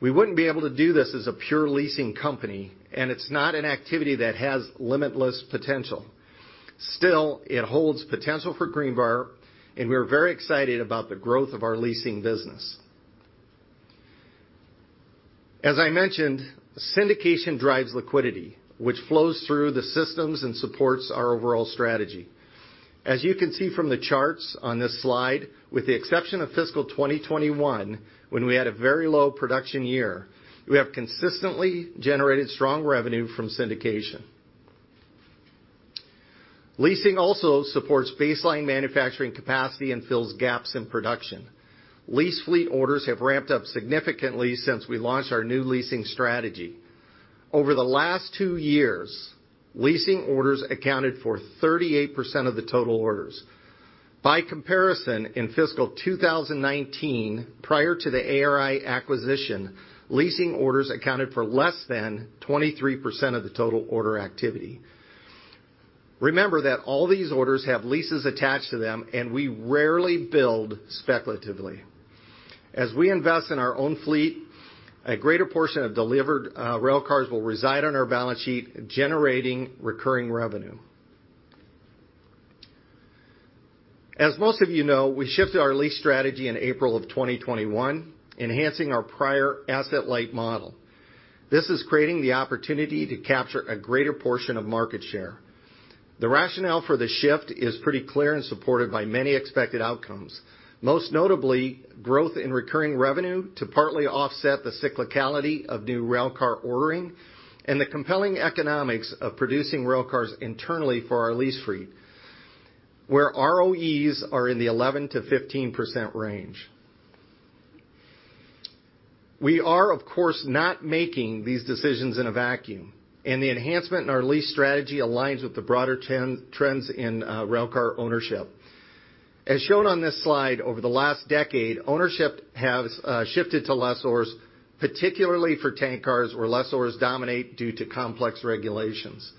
We wouldn't be able to do this as a pure leasing company, and it's not an activity that has limitless potential. Still, it holds potential for Greenbrier, and we are very excited about the growth of our leasing business. As I mentioned, syndication drives liquidity, which flows through the systems and supports our overall strategy. As you can see from the charts on this slide, with the exception of fiscal 2021, when we had a very low production year, we have consistently generated strong revenue from syndication. Leasing also supports baseline manufacturing capacity and fills gaps in production. Lease fleet orders have ramped up significantly since we launched our new leasing strategy. Over the last two years, leasing orders accounted for 38% of the total orders. By comparison, in fiscal 2019, prior to the ARI acquisition, leasing orders accounted for less than 23% of the total order activity. Remember that all these orders have leases attached to them, and we rarely build speculatively. As we invest in our own fleet, a greater portion of delivered railcars will reside on our balance sheet, generating recurring revenue. As most of you know, we shifted our lease strategy in April of 2021, enhancing our prior asset-light model. This is creating the opportunity to capture a greater portion of market share. The rationale for the shift is pretty clear and supported by many expected outcomes. Most notably, growth in recurring revenue to partly offset the cyclicality of new railcar ordering and the compelling economics of producing railcars internally for our lease fleet, where ROEs are in the 11%-15% range. We are, of course, not making these decisions in a vacuum. The enhancement in our lease strategy aligns with the broader trends in railcar ownership. As shown on this slide, over the last decade, ownership has shifted to lessors, particularly for tank cars where lessors dominate due to complex regulations.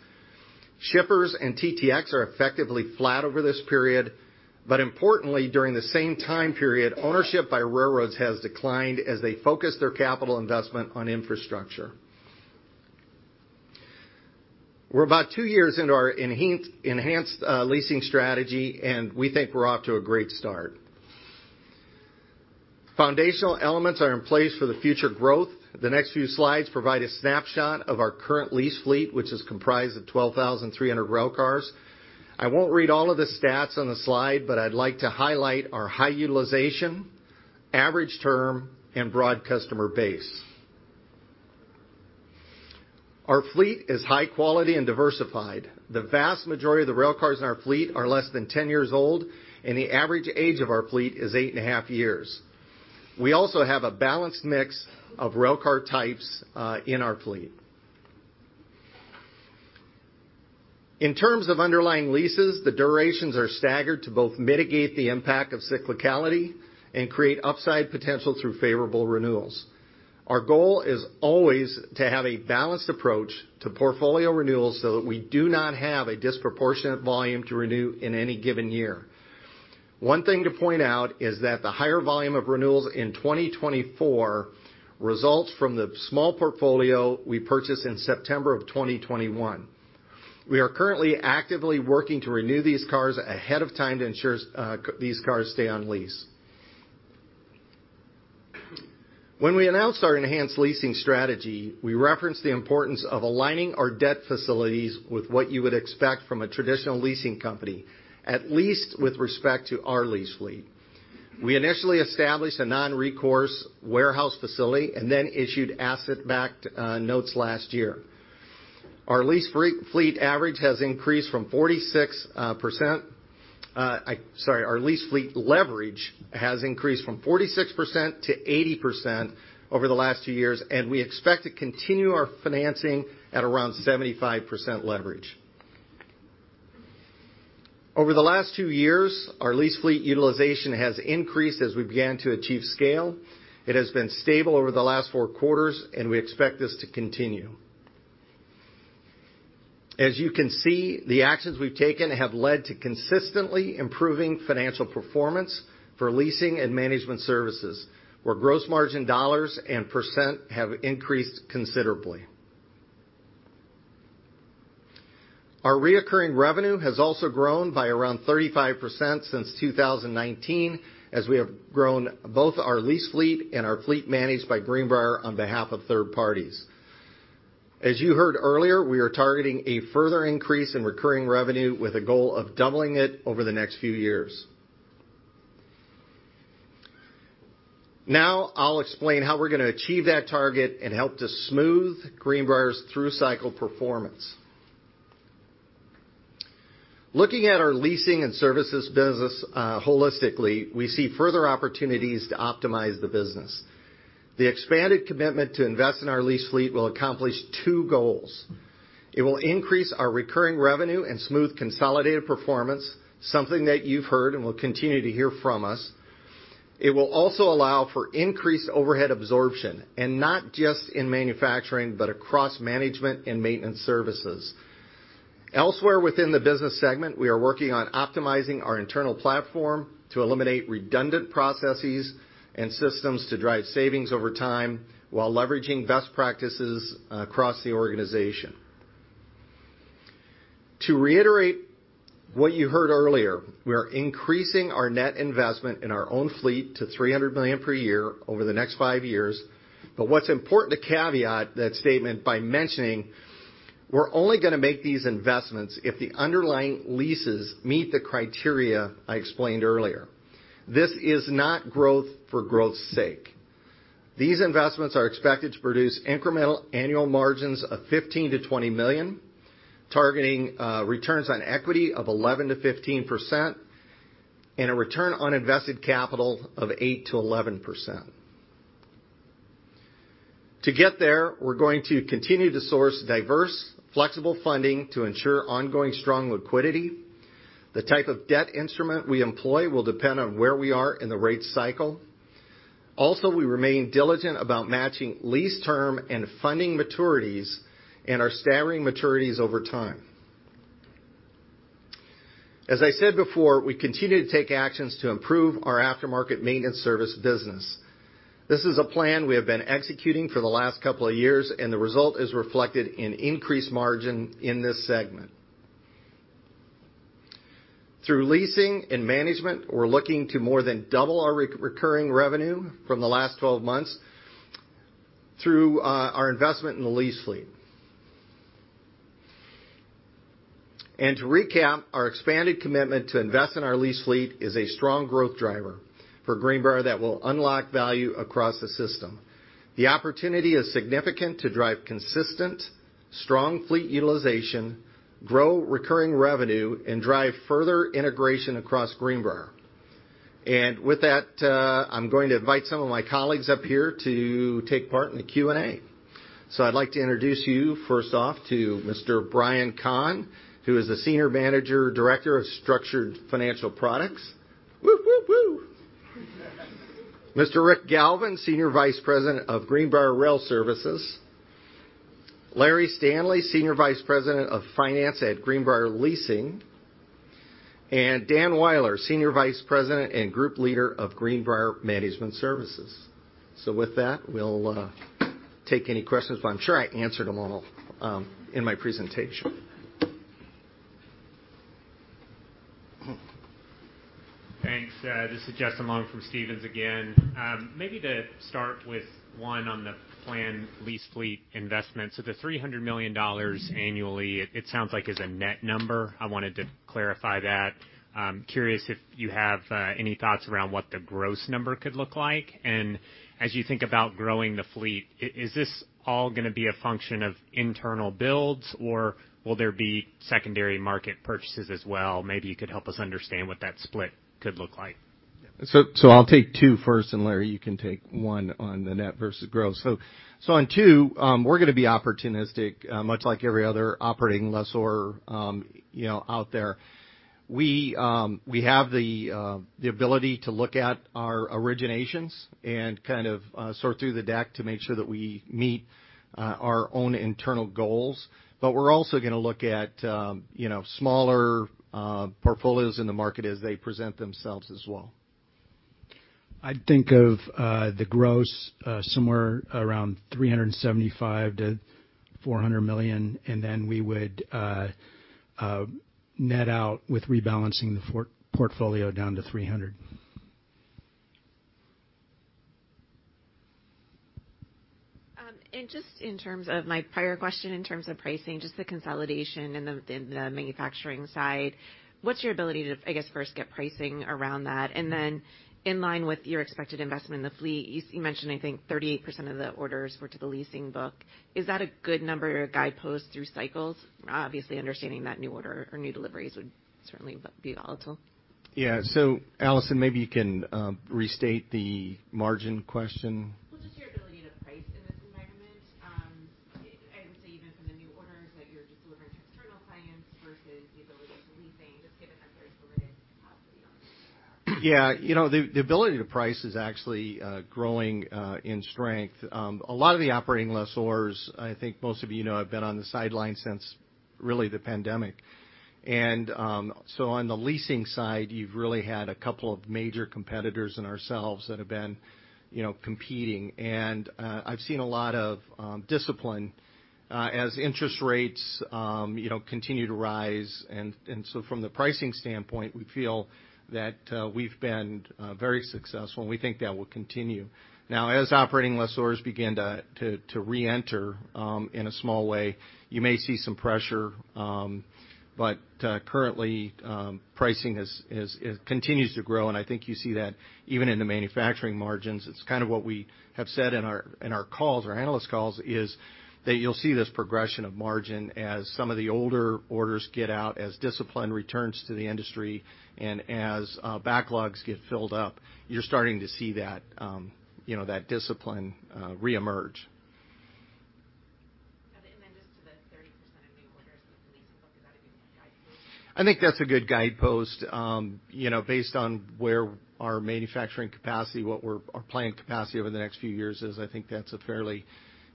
Shippers and TTX are effectively flat over this period. Importantly, during the same time period, ownership by railroads has declined as they focus their capital investment on infrastructure. We're about two years into our enhanced leasing strategy, and we think we're off to a great start. Foundational elements are in place for the future growth. The next few slides provide a snapshot of our current lease fleet, which is comprised of 12,300 railcars. I won't read all of the stats on the slide, but I'd like to highlight our high utilization, average term, and broad customer base. Our fleet is high quality and diversified. The vast majority of the railcars in our fleet are less than 10 years old, and the average age of our fleet is 8.5 years. We also have a balanced mix of railcar types in our fleet. In terms of underlying leases, the durations are staggered to both mitigate the impact of cyclicality and create upside potential through favorable renewals. Our goal is always to have a balanced approach to portfolio renewals so that we do not have a disproportionate volume to renew in any given year. One thing to point out is that the higher volume of renewals in 2024 results from the small portfolio we purchased in September of 2021. We are currently actively working to renew these cars ahead of time to ensure these cars stay on lease. When we announced our enhanced leasing strategy, we referenced the importance of aligning our debt facilities with what you would expect from a traditional leasing company, at least with respect to our lease fleet. We initially established a non-recourse warehouse facility and then issued asset-backed notes last year. Our lease fleet average has increased from 46%. Sorry. Our lease fleet leverage has increased from 46% to 80% over the last two years, and we expect to continue our financing at around 75% leverage. Over the last two years, our lease fleet utilization has increased as we began to achieve scale. It has been stable over the last four quarters, and we expect this to continue. As you can see, the actions we've taken have led to consistently improving financial performance for leasing and management services, where gross margin dollars and % have increased considerably. Our reoccurring revenue has also grown by around 35% since 2019, as we have grown both our lease fleet and our fleet managed by Greenbrier on behalf of third parties. As you heard earlier, we are targeting a further increase in recurring revenue with a goal of doubling it over the next few years. I'll explain how we're gonna achieve that target and help to smooth Greenbrier's through-cycle performance. Looking at our leasing and services business, holistically, we see further opportunities to optimize the business. The expanded commitment to invest in our lease fleet will accomplish two goals. It will increase our recurring revenue and smooth consolidated performance, something that you've heard and will continue to hear from us. It will also allow for increased overhead absorption, and not just in manufacturing, but across management and maintenance services. Elsewhere within the business segment, we are working on optimizing our internal platform to eliminate redundant processes and systems to drive savings over time while leveraging best practices across the organization. To reiterate what you heard earlier, we are increasing our net investment in our own fleet to $300 million per year over the next five years. What's important to caveat that statement by mentioning we're only gonna make these investments if the underlying leases meet the criteria I explained earlier. This is not growth for growth's sake. These investments are expected to produce incremental annual margins of $15 million-$20 million, targeting returns on equity of 11%-15% and a return on invested capital of 8%-11%. To get there, we're going to continue to source diverse, flexible funding to ensure ongoing strong liquidity. The type of debt instrument we employ will depend on where we are in the rate cycle. Also, we remain diligent about matching lease term and funding maturities and our staggering maturities over time. As I said before, we continue to take actions to improve our aftermarket maintenance service business. This is a plan we have been executing for the last couple of years, and the result is reflected in increased margin in this segment. Through leasing and management, we're looking to more than double our recurring revenue from the last 12 months through our investment in the lease fleet. To recap, our expanded commitment to invest in our lease fleet is a strong growth driver for Greenbrier that will unlock value across the system. The opportunity is significant to drive consistent, strong fleet utilization, grow recurring revenue, and drive further integration across Greenbrier. With that, I'm going to invite some of my colleagues up here to take part in the Q&A. I'd like to introduce you first off to Mr. Brian Conn, who is the Senior Managing Director of Structured Financial Products. Woo, woo. Mr. Rick Galvan, Senior Vice President of Greenbrier Rail Services. Larry Stanley, Senior Vice President of Finance at Greenbrier Leasing, and Dan Weiler, Senior Vice President and Group Leader of Greenbrier Management Services. With that, we'll take any questions, but I'm sure I answered them all, in my presentation. Thanks. This is Justin Long from Stephens again. Maybe to start with one on the planned lease fleet investments. The $300 million annually, it sounds like is a net number. I wanted to clarify that. I'm curious if you have any thoughts around what the gross number could look like. As you think about growing the fleet, is this all gonna be a function of internal builds, or will there be secondary market purchases as well? Maybe you could help us understand what that split could look like. I'll take two first, and Larry, you can take one on the net versus gross. On two, we're gonna be opportunistic, much like every other operating lessor, you know, out there. We have the ability to look at our originations and kind of sort through the deck to make sure that we meet our own internal goals. We're also gonna look at, you know, smaller portfolios in the market as they present themselves as well. I'd think of, the gross, somewhere around $375 million-$400 million. We would net out with rebalancing the for-portfolio down to $300 million. Just in terms of my prior question, in terms of pricing, just the consolidation and the manufacturing side, what's your ability to, I guess, first get pricing around that? Then in line with your expected investment in the fleet, you mentioned, I think 38% of the orders were to the leasing book. Is that a good number or a guidepost through cycles? Obviously, understanding that new order or new deliveries would certainly be volatile. Allison, maybe you can restate the margin question. Just your ability to price in this environment. I would say even from the new orders that you're just delivering to external clients versus the ability to leasing, just given that very limited capacity on the manufacturing side. Yeah. You know, the ability to price is actually growing in strength. A lot of the operating lessors, I think most of you know, have been on the sidelines since really the pandemic. So on the leasing side, you've really had a couple of major competitors and ourselves that have been, you know, competing. I've seen a lot of discipline as interest rates, you know, continue to rise. From the pricing standpoint, we feel that we've been very successful, and we think that will continue. Now, as operating lessors begin to reenter, in a small way, you may see some pressure, but currently, pricing continues to grow, and I think you see that even in the manufacturing margins. It's kind of what we have said in our calls, our analyst calls, is that you'll see this progression of margin as some of the older orders get out, as discipline returns to the industry, and as backlogs get filled up, you're starting to see that, you know, that discipline reemerge. Got it. Just to the 30% of new orders to the leasing book, is that a good guidepost? I think that's a good guidepost. you know, based on where our manufacturing capacity, our planned capacity over the next few years is, I think that's a fairly,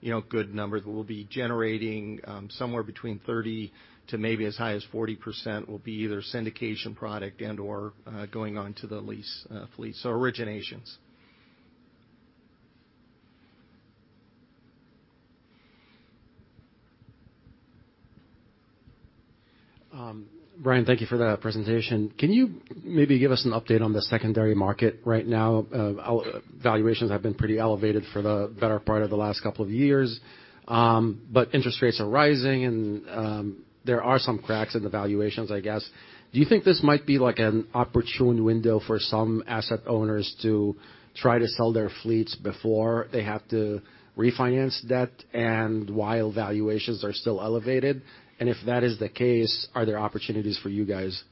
you know, good number that we'll be generating, somewhere between 30% to maybe as high as 40% will be either syndication product and/or, going on to the lease, fleet, so originations. Brian, thank you for that presentation. Can you maybe give us an update on the secondary market right now? Valuations have been pretty elevated for the better part of the last couple of years, but interest rates are rising and there are some cracks in the valuations, I guess. Do you think this might be like an opportune window for some asset owners to try to sell their fleets before they have to refinance debt and while valuations are still elevated? If that is the case, are there opportunities for you guys?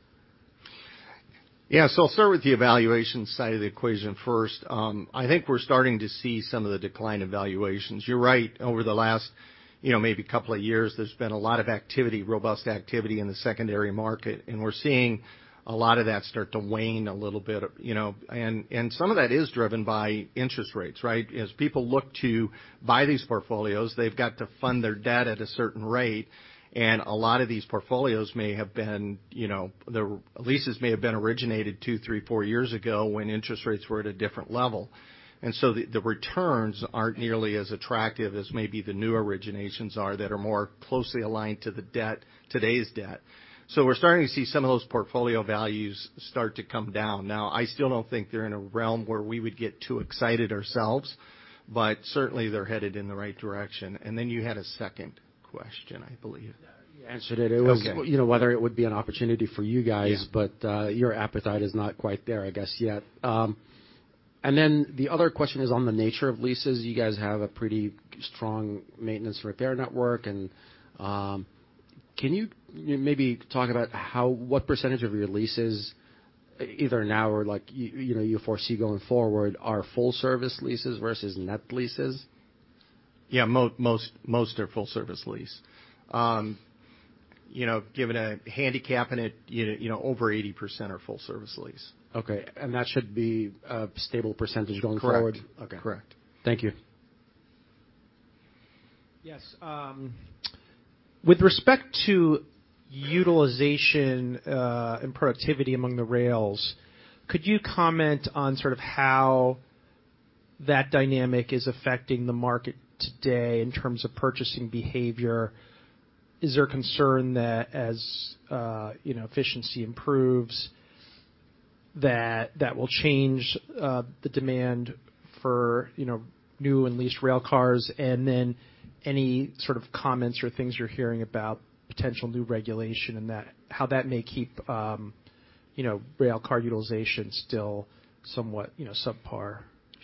Yeah. I'll start with the evaluation side of the equation first. I think we're starting to see some of the decline evaluations. You're right. Over the last, you know, maybe couple of years, there's been a lot of activity, robust activity in the secondary market, we're seeing a lot of that start to wane a little bit, you know. Some of that is driven by interest rates, right? As people look to buy these portfolios, they've got to fund their debt at a certain rate. A lot of these portfolios may have been, you know, the leases may have been originated two, three, four years ago when interest rates were at a different level. The returns aren't nearly as attractive as maybe the new originations are that are more closely aligned to the debt, today's debt. We're starting to see some of those portfolio values start to come down. Now, I still don't think they're in a realm where we would get too excited ourselves, but certainly, they're headed in the right direction. You had a second question, I believe. You answered it. Okay. It was, you know, whether it would be an opportunity for you guys. Yeah. Your appetite is not quite there, I guess, yet. The other question is on the nature of leases. You guys have a pretty strong maintenance repair network. Can you maybe talk about what percentage of your leases, either now or you know, you foresee going forward, are full service leases versus net leases? Yeah, most are full service lease. You know, given a handicap in it, you know, over 80% are full service lease. Okay. That should be a stable percentage going forward? Correct. Okay. Correct. Thank you. Yes. With respect to utilization, and productivity among the rails, could you comment on sort of how that dynamic is affecting the market today in terms of purchasing behavior? Is there a concern that as, you know, efficiency improves, that that will change, the demand for, you know, new and leased rail cars? Then any sort of comments or things you're hearing about potential new regulation and how that may keep, you know, rail car utilization still somewhat, you know, subpar.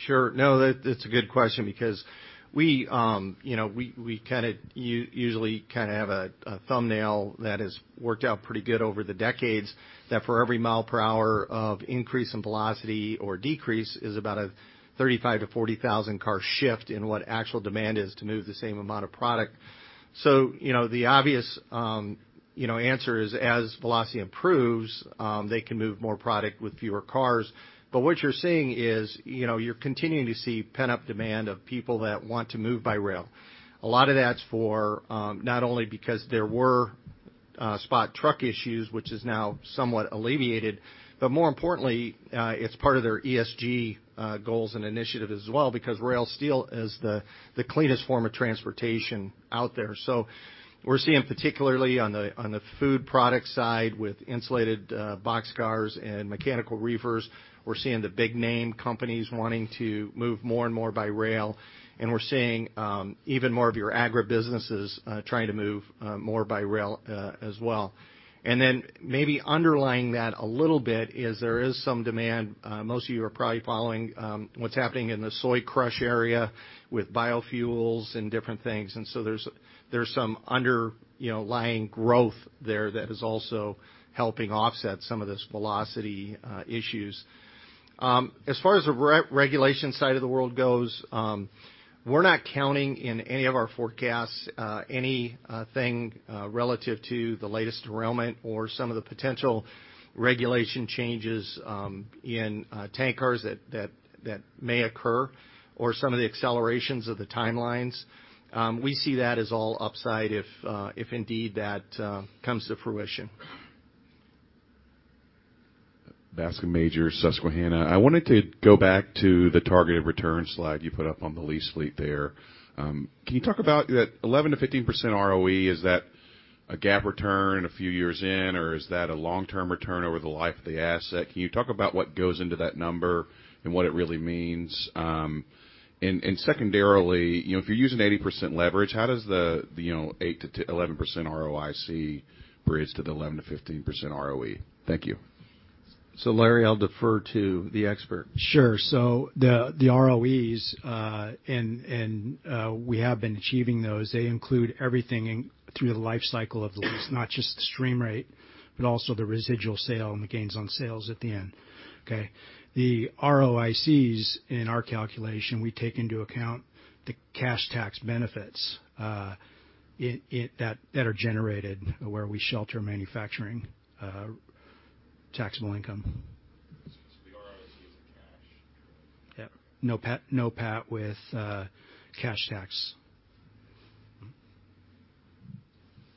Sure. No, that it's a good question because we, you know, we kinda usually kinda have a thumbnail that has worked out pretty good over the decades, that for every mile per hour of increase in velocity or decrease is about a 35,000-40,000 car shift in what actual demand is to move the same amount of product. you know, the obvious, you know, answer is, as velocity improves, they can move more product with fewer cars. what you're seeing is, you know, you're continuing to see pent-up demand of people that want to move by rail. A lot of that's for not only because there were spot truck issues, which is now somewhat alleviated, but more importantly, it's part of their ESG goals and initiative as well, because rail steel is the cleanest form of transportation out there. We're seeing, particularly on the food product side with insulated boxcars and mechanical reefers, we're seeing the big name companies wanting to move more and more by rail, and we're seeing even more of your agribusinesses trying to move more by rail as well. Maybe underlying that a little bit is there is some demand, most of you are probably following what's happening in the soybean crush area with biofuels and different things. There's some underlying growth there that is also helping offset some of this velocity issues. As far as the re-regulation side of the world goes, we're not counting in any of our forecasts, anything relative to the latest derailment or some of the potential regulation changes in tank cars that may occur or some of the accelerations of the timelines. We see that as all upside if indeed that comes to fruition. Bascom Majors, Susquehanna. I wanted to go back to the targeted return slide you put up on the lease fleet there. Can you talk about that 11%-15% ROE? Is that a gap return a few years in, or is that a long-term return over the life of the asset? Can you talk about what goes into that number and what it really means? Secondarily, you know, if you're using 80% leverage, how does the, you know, 8%-11% ROIC bridge to the 11%-15% ROE? Thank you. Larry, I'll defer to the expert. Sure. The ROEs and we have been achieving those. They include everything through the lifecycle of the lease, not just the stream rate, but also the residual sale and the gains on sales at the end. Okay. The ROICs in our calculation, we take into account the cash tax benefits that are generated where we shelter manufacturing taxable income. The ROIC is a cash? Yeah. No pat with cash tax.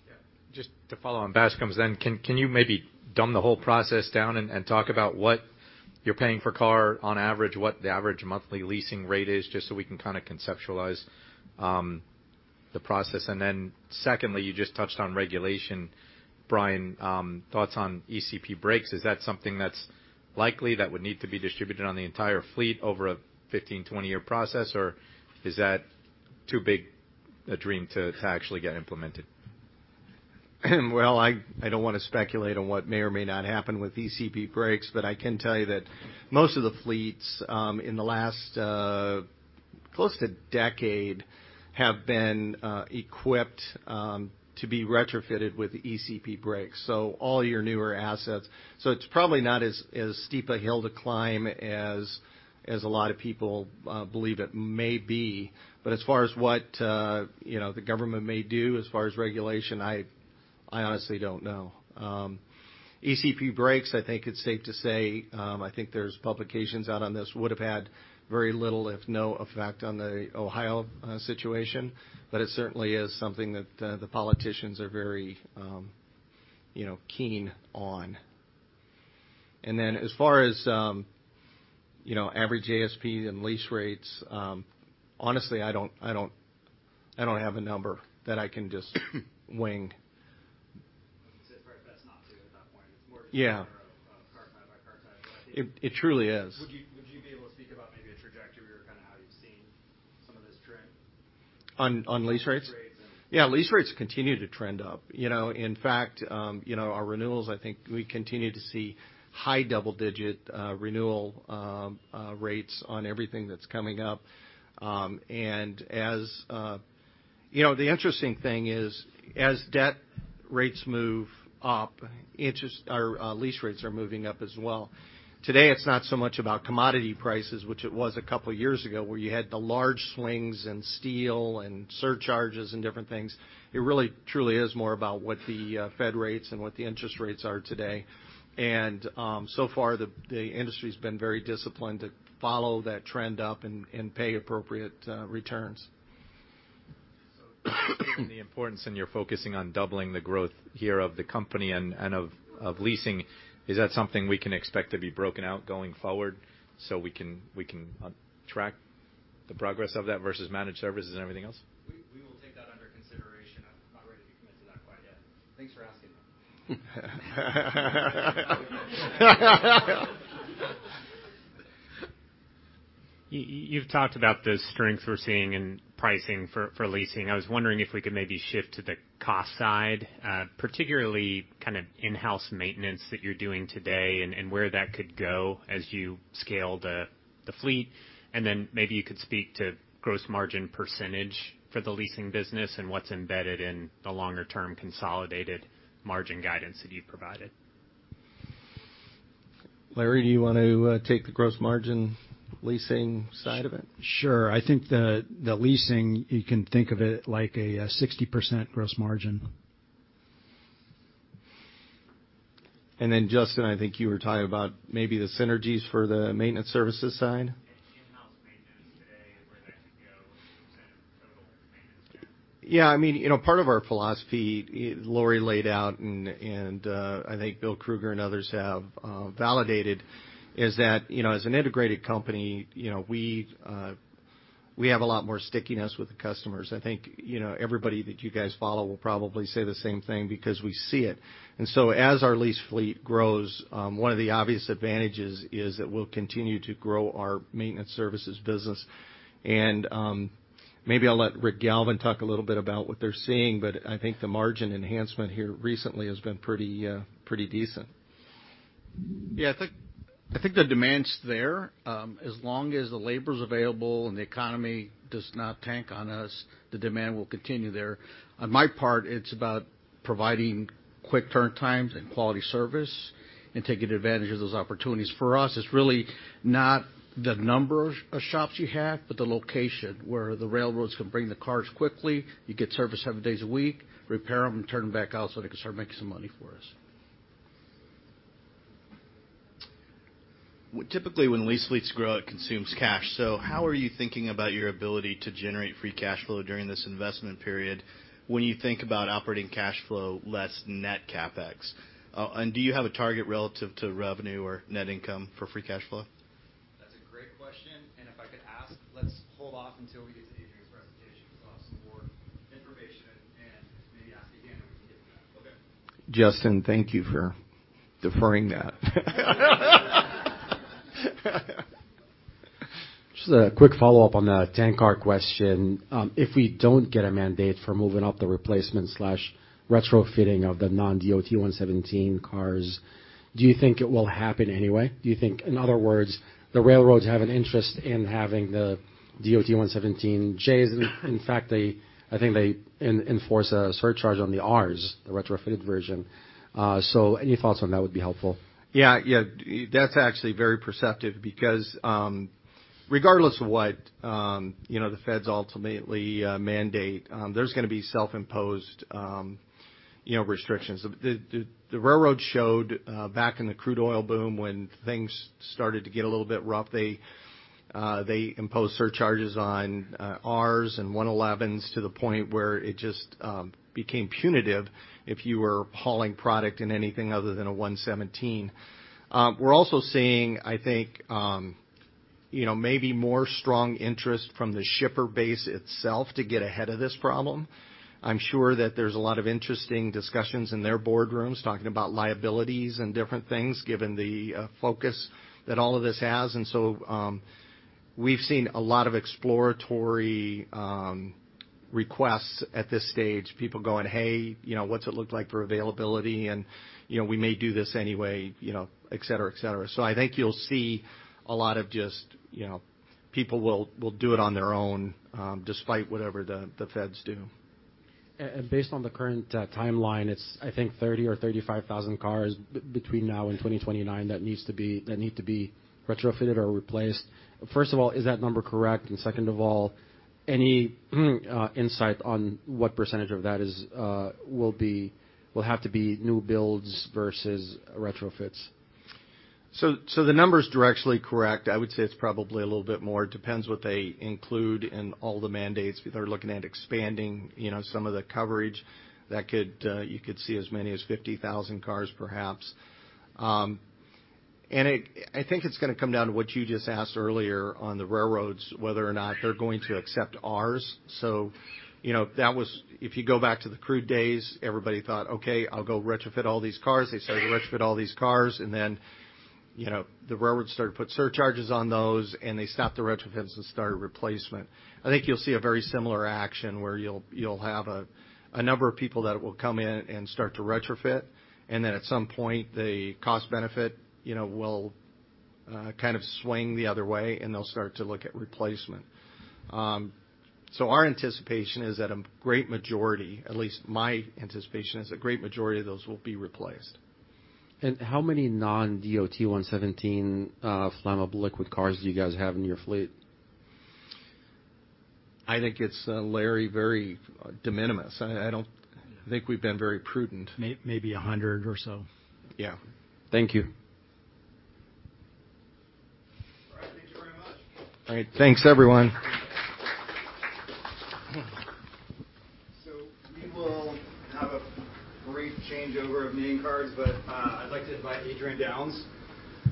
Yeah. Just to follow on Bascom's end, can you maybe dumb the whole process down and talk about what you're paying per car on average, what the average monthly leasing rate is, just so we can kind of conceptualize the process? Secondly, you just touched on regulation, Brian. Thoughts on ECP brakes. Is that something that's likely that would need to be distributed on the entire fleet over a 15, 20 year process, or is that too big a dream to actually get implemented? I don't wanna speculate on what may or may not happen with ECP brakes, but I can tell you that most of the fleets, in the last close to decade have been equipped to be retrofitted with ECP brakes. All your newer assets. It's probably not as steep a hill to climb as a lot of people believe it may be. As far as what, you know, the government may do as far as regulation, I honestly don't know. ECP brakes, I think it's safe to say, I think there's publications out on this, would have had very little, if no effect on the Ohio situation, it certainly is something that the politicians are very, you know, keen on. As far as, you know, average ASP and lease rates, honestly, I don't have a number that I can just wing. It's probably best not to at that point. Yeah. It's more just a matter of car type by car type. It truly is. Would you be able to speak about maybe a trajectory or kind of how you've seen some of this trend? On lease rates? On lease rates. Yeah, lease rates continue to trend up. You know, in fact, you know, our renewals, I think we continue to see high double-digit renewal rates on everything that's coming up. As, you know, the interesting thing is, as debt rates move up, interest or lease rates are moving up as well. Today, it's not so much about commodity prices, which it was a couple of years ago, where you had the large swings in steel and surcharges and different things. It really truly is more about what the Fed rates and what the interest rates are today. So far, the industry has been very disciplined to follow that trend up and pay appropriate returns. Given the importance, and you're focusing on doubling the growth here of the company and of leasing, is that something we can expect to be broken out going forward so we can track the progress of that versus managed services and everything else? We will take that under consideration. I'm not ready to commit to that quite yet. Thanks for asking. You've talked about the strength we're seeing in pricing for leasing. I was wondering if we could maybe shift to the cost side, particularly kind of in-house maintenance that you're doing today and where that could go as you scale the fleet. Maybe you could speak to gross margin percentage for the leasing business and what's embedded in the longer-term consolidated margin guidance that you provided. Larry, do you want to take the gross margin leasing side of it? Sure. I think the leasing, you can think of it like a 60% gross margin. Justin, I think you were talking about maybe the synergies for the maintenance services side. In in-house maintenance today and where that could go in terms of total maintenance spend. Yeah, I mean, you know, part of our philosophy, Lorie laid out, and I think Bill Krueger and others have validated, is that, you know, as an integrated company, you know, we have a lot more stickiness with the customers. I think, you know, everybody that you guys follow will probably say the same thing because we see it. As our lease fleet grows, one of the obvious advantages is that we'll continue to grow our maintenance services business. Maybe I'll let Rick Galvan talk a little bit about what they're seeing, but I think the margin enhancement here recently has been pretty decent. I think the demand's there. As long as the labor is available and the economy does not tank on us, the demand will continue there. On my part, it's about providing quick turn times and quality service and taking advantage of those opportunities. For us, it's really not the number of shops you have, but the location where the railroads can bring the cars quickly, you get service seven days a week, repair them, and turn them back out so they can start making some money for us. Typically, when lease fleets grow, it consumes cash. How are you thinking about your ability to generate free cash flow during this investment period when you think about operating cash flow less net CapEx? Do you have a target relative to revenue or net income for free cash flow? That's a great question. If I could ask, let's hold off until we get to Adrian's presentation because we'll have some more information, and maybe ask again, and we can get to that. Okay. Justin, thank you for deferring that. Just a quick follow-up on the tank car question. If we don't get a mandate for moving up the replacement/retrofitting of the non-DOT-117 cars, do you think it will happen anyway? Do you think, in other words, the railroads have an interest in having the DOT-117Js? In fact, I think they enforce a surcharge on the Rs, the retrofitted version. Any thoughts on that would be helpful. Yeah. Yeah. That's actually very perceptive because, regardless of what, you know, the feds ultimately mandate, there's gonna be self-imposed, you know, restrictions. The railroad showed, back in the crude oil boom when things started to get a little bit rough, they imposed surcharges on Rs and DOT-111s to the point where it just became punitive if you were hauling product in anything other than a DOT-117. We're also seeing, I think, you know, maybe more strong interest from the shipper base itself to get ahead of this problem. I'm sure that there's a lot of interesting discussions in their boardrooms talking about liabilities and different things, given the focus that all of this has. We've seen a lot of exploratory requests at this stage, people going, "Hey, you know, what's it look like for availability?" You know, we may do this anyway, you know, et cetera. I think you'll see a lot of just, you know, people will do it on their own, despite whatever the feds do. Based on the current timeline, it's I think 30,000 or 35,000 cars between now and 2029 that need to be retrofitted or replaced. First of all, is that number correct? Second of all, any insight on what percentage of that will have to be new builds versus retrofits. The number is directly correct. I would say it's probably a little bit more. It depends what they include in all the mandates. If they're looking at expanding, you know, some of the coverage that could, you could see as many as 50,000 cars perhaps. I think it's gonna come down to what you just asked earlier on the railroads, whether or not they're going to accept ours. You know, that was If you go back to the crude days, everybody thought, "Okay, I'll go retrofit all these cars." They started to retrofit all these cars, and then, you know, the railroads started to put surcharges on those, and they stopped the retrofits and started replacement. I think you'll see a very similar action where you'll have a number of people that will come in and start to retrofit, and then at some point, the cost benefit, you know, will kind of swing the other way, and they'll start to look at replacement. Our anticipation is that a great majority, at least my anticipation, is a great majority of those will be replaced. How many non-DOT-117 flammable liquid cars do you guys have in your fleet? I think it's, Larry, very de minimis. I think we've been very prudent. Maybe 100 or so. Yeah. Thank you. All right. Thank you very much. All right. Thanks, everyone. We will have a brief changeover of name cards, but I'd like to invite Adrian Downes,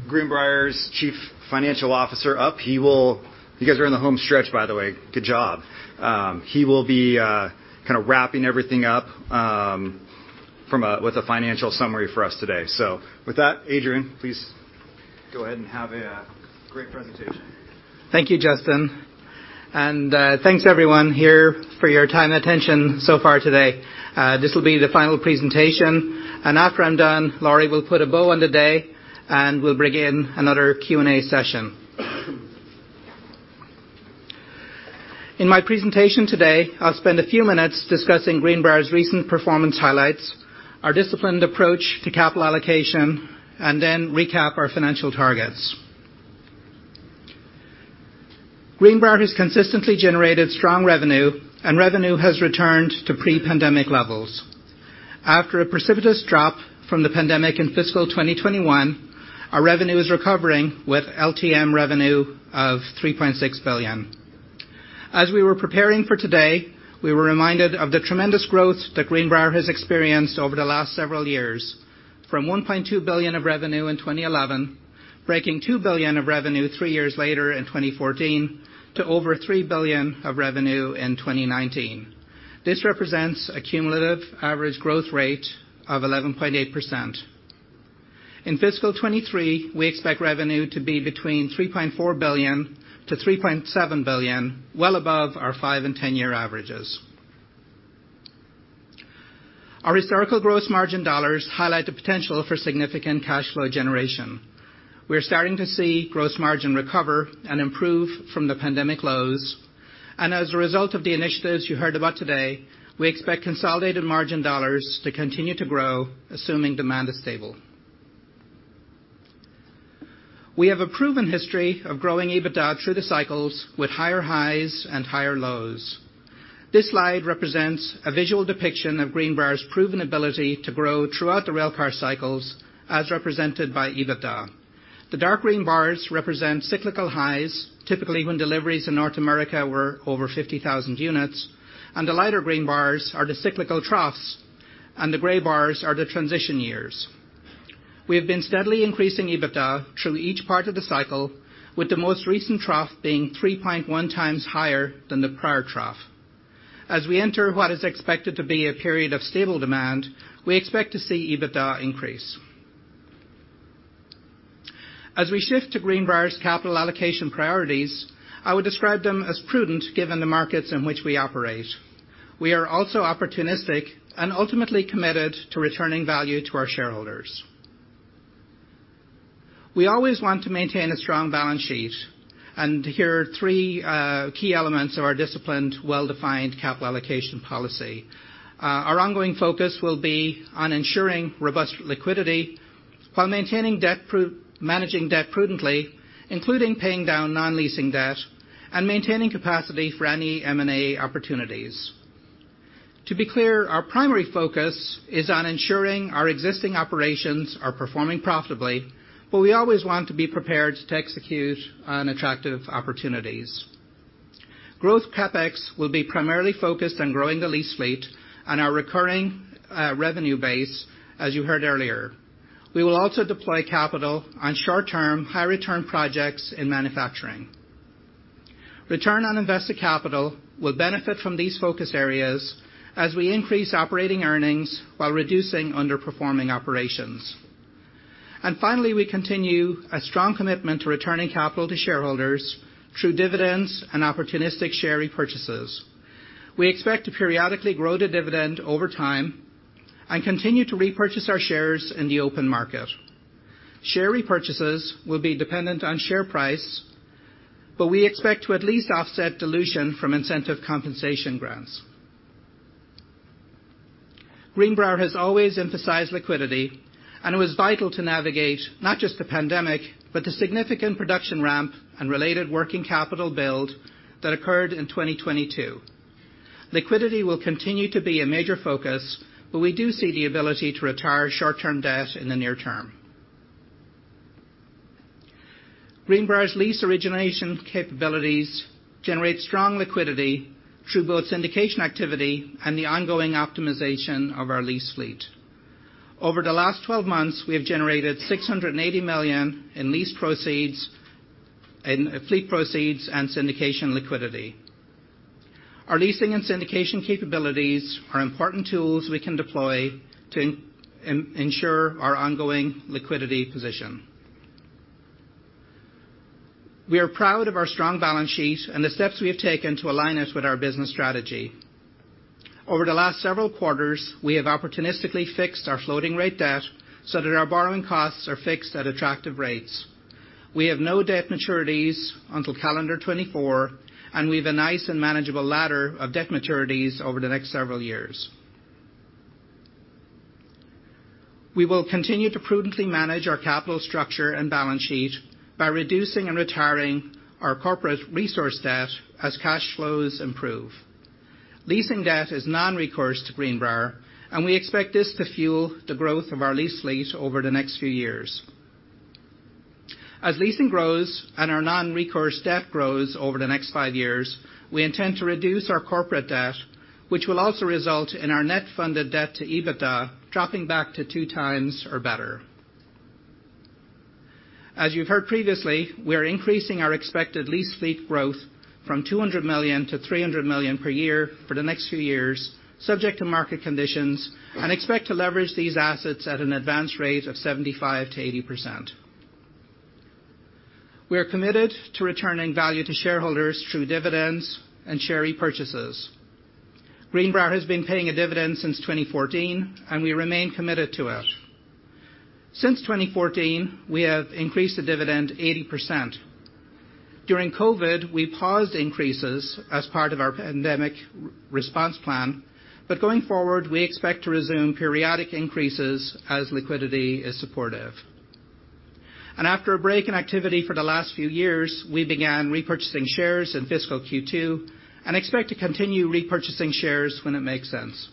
Greenbrier's Chief Financial Officer up. You guys are in the home stretch, by the way. Good job. He will be kind of wrapping everything up with a financial summary for us today. With that, Adrian, please go ahead and have a great presentation. Thank you, Justin. Thanks everyone here for your time and attention so far today. This will be the final presentation. After I'm done, Lorie will put a bow on today. We'll bring in another Q&A session. In my presentation today, I'll spend a few minutes discussing Greenbrier's recent performance highlights, our disciplined approach to capital allocation, then recap our financial targets. Greenbrier has consistently generated strong revenue. Revenue has returned to pre-pandemic levels. After a precipitous drop from the pandemic in fiscal 2021, our revenue is recovering with LTM revenue of $3.6 billion. As we were preparing for today, we were reminded of the tremendous growth that Greenbrier has experienced over the last several years, from $1.2 billion of revenue in 2011, breaking $2 billion of revenue three years later in 2014 to over $3 billion of revenue in 2019. This represents a cumulative average growth rate of 11.8%. In fiscal 2023, we expect revenue to be between $3.4 billion-$3.7 billion, well above our five and 10-year averages. Our historical gross margin dollars highlight the potential for significant cash flow generation. We're starting to see gross margin recover and improve from the pandemic lows. As a result of the initiatives you heard about today, we expect consolidated margin dollars to continue to grow, assuming demand is stable. We have a proven history of growing EBITDA through the cycles with higher highs and higher lows. This slide represents a visual depiction of Greenbrier's proven ability to grow throughout the railcar cycles, as represented by EBITDA. The dark green bars represent cyclical highs, typically when deliveries in North America were over 50,000 units, and the lighter green bars are the cyclical troughs, and the gray bars are the transition years. We have been steadily increasing EBITDA through each part of the cycle, with the most recent trough being 3.1x higher than the prior trough. As we enter what is expected to be a period of stable demand, we expect to see EBITDA increase. As we shift to Greenbrier's capital allocation priorities, I would describe them as prudent given the markets in which we operate. We are also opportunistic and ultimately committed to returning value to our shareholders. We always want to maintain a strong balance sheet, and here are three key elements of our disciplined, well-defined capital allocation policy. Our ongoing focus will be on ensuring robust liquidity while managing debt prudently, including paying down non-leasing debt and maintaining capacity for any M&A opportunities. To be clear, our primary focus is on ensuring our existing operations are performing profitably, but we always want to be prepared to execute on attractive opportunities. Growth CapEx will be primarily focused on growing the lease fleet and our recurring revenue base, as you heard earlier. We will also deploy capital on short-term, high-return projects in manufacturing. Return on invested capital will benefit from these focus areas as we increase operating earnings while reducing underperforming operations. Finally, we continue a strong commitment to returning capital to shareholders through dividends and opportunistic share repurchases. We expect to periodically grow the dividend over time and continue to repurchase our shares in the open market. Share repurchases will be dependent on share price, but we expect to at least offset dilution from incentive compensation grants. Greenbrier has always emphasized liquidity, and it was vital to navigate not just the pandemic, but the significant production ramp and related working capital build that occurred in 2022. Liquidity will continue to be a major focus, but we do see the ability to retire short-term debt in the near term. Greenbrier's lease origination capabilities generate strong liquidity through both syndication activity and the ongoing optimization of our lease fleet. Over the last 12 months, we have generated $680 million in fleet proceeds and syndication liquidity. Our leasing and syndication capabilities are important tools we can deploy to ensure our ongoing liquidity position. We are proud of our strong balance sheet and the steps we have taken to align us with our business strategy. Over the last several quarters, we have opportunistically fixed our floating rate debt so that our borrowing costs are fixed at attractive rates. We have no debt maturities until calendar 2024, and we have a nice and manageable ladder of debt maturities over the next several years. We will continue to prudently manage our capital structure and balance sheet by reducing and retiring our corporate recourse debt as cash flows improve. Leasing debt is non-recourse to Greenbrier, we expect this to fuel the growth of our lease fleet over the next few years. As leasing grows and our non-recourse debt grows over the next five years, we intend to reduce our corporate debt, which will also result in our net funded debt to EBITDA dropping back to 2x or better. As you've heard previously, we are increasing our expected lease fleet growth from $200 million-$300 million per year for the next few years, subject to market conditions, and expect to leverage these assets at an advanced rate of 75%-80%. We are committed to returning value to shareholders through dividends and share repurchases. Greenbrier has been paying a dividend since 2014, and we remain committed to it. Since 2014, we have increased the dividend 80%. During COVID, we paused increases as part of our pandemic response plan, but going forward, we expect to resume periodic increases as liquidity is supportive. After a break in activity for the last few years, we began repurchasing shares in fiscal Q2 and expect to continue repurchasing shares when it makes sense.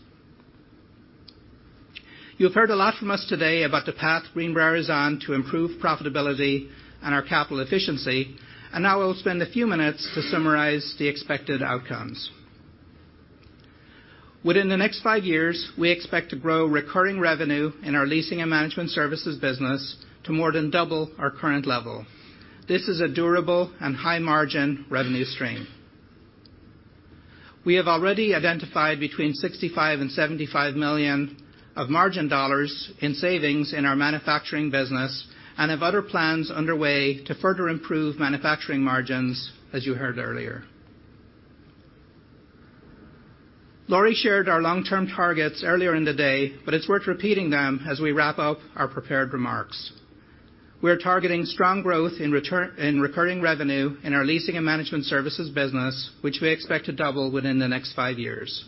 You've heard a lot from us today about the path Greenbrier is on to improve profitability and our capital efficiency. Now I will spend a few minutes to summarize the expected outcomes. Within the next five years, we expect to grow recurring revenue in our leasing and management services business to more than double our current level. This is a durable and high-margin revenue stream. We have already identified between $65 million and $75 million of margin dollars in savings in our Manufacturing business and have other plans underway to further improve manufacturing margins, as you heard earlier. Lorie shared our long-term targets earlier in the day, but it's worth repeating them as we wrap up our prepared remarks. We are targeting strong growth in recurring revenue in our leasing and Management Services business, which we expect to double within the next five years.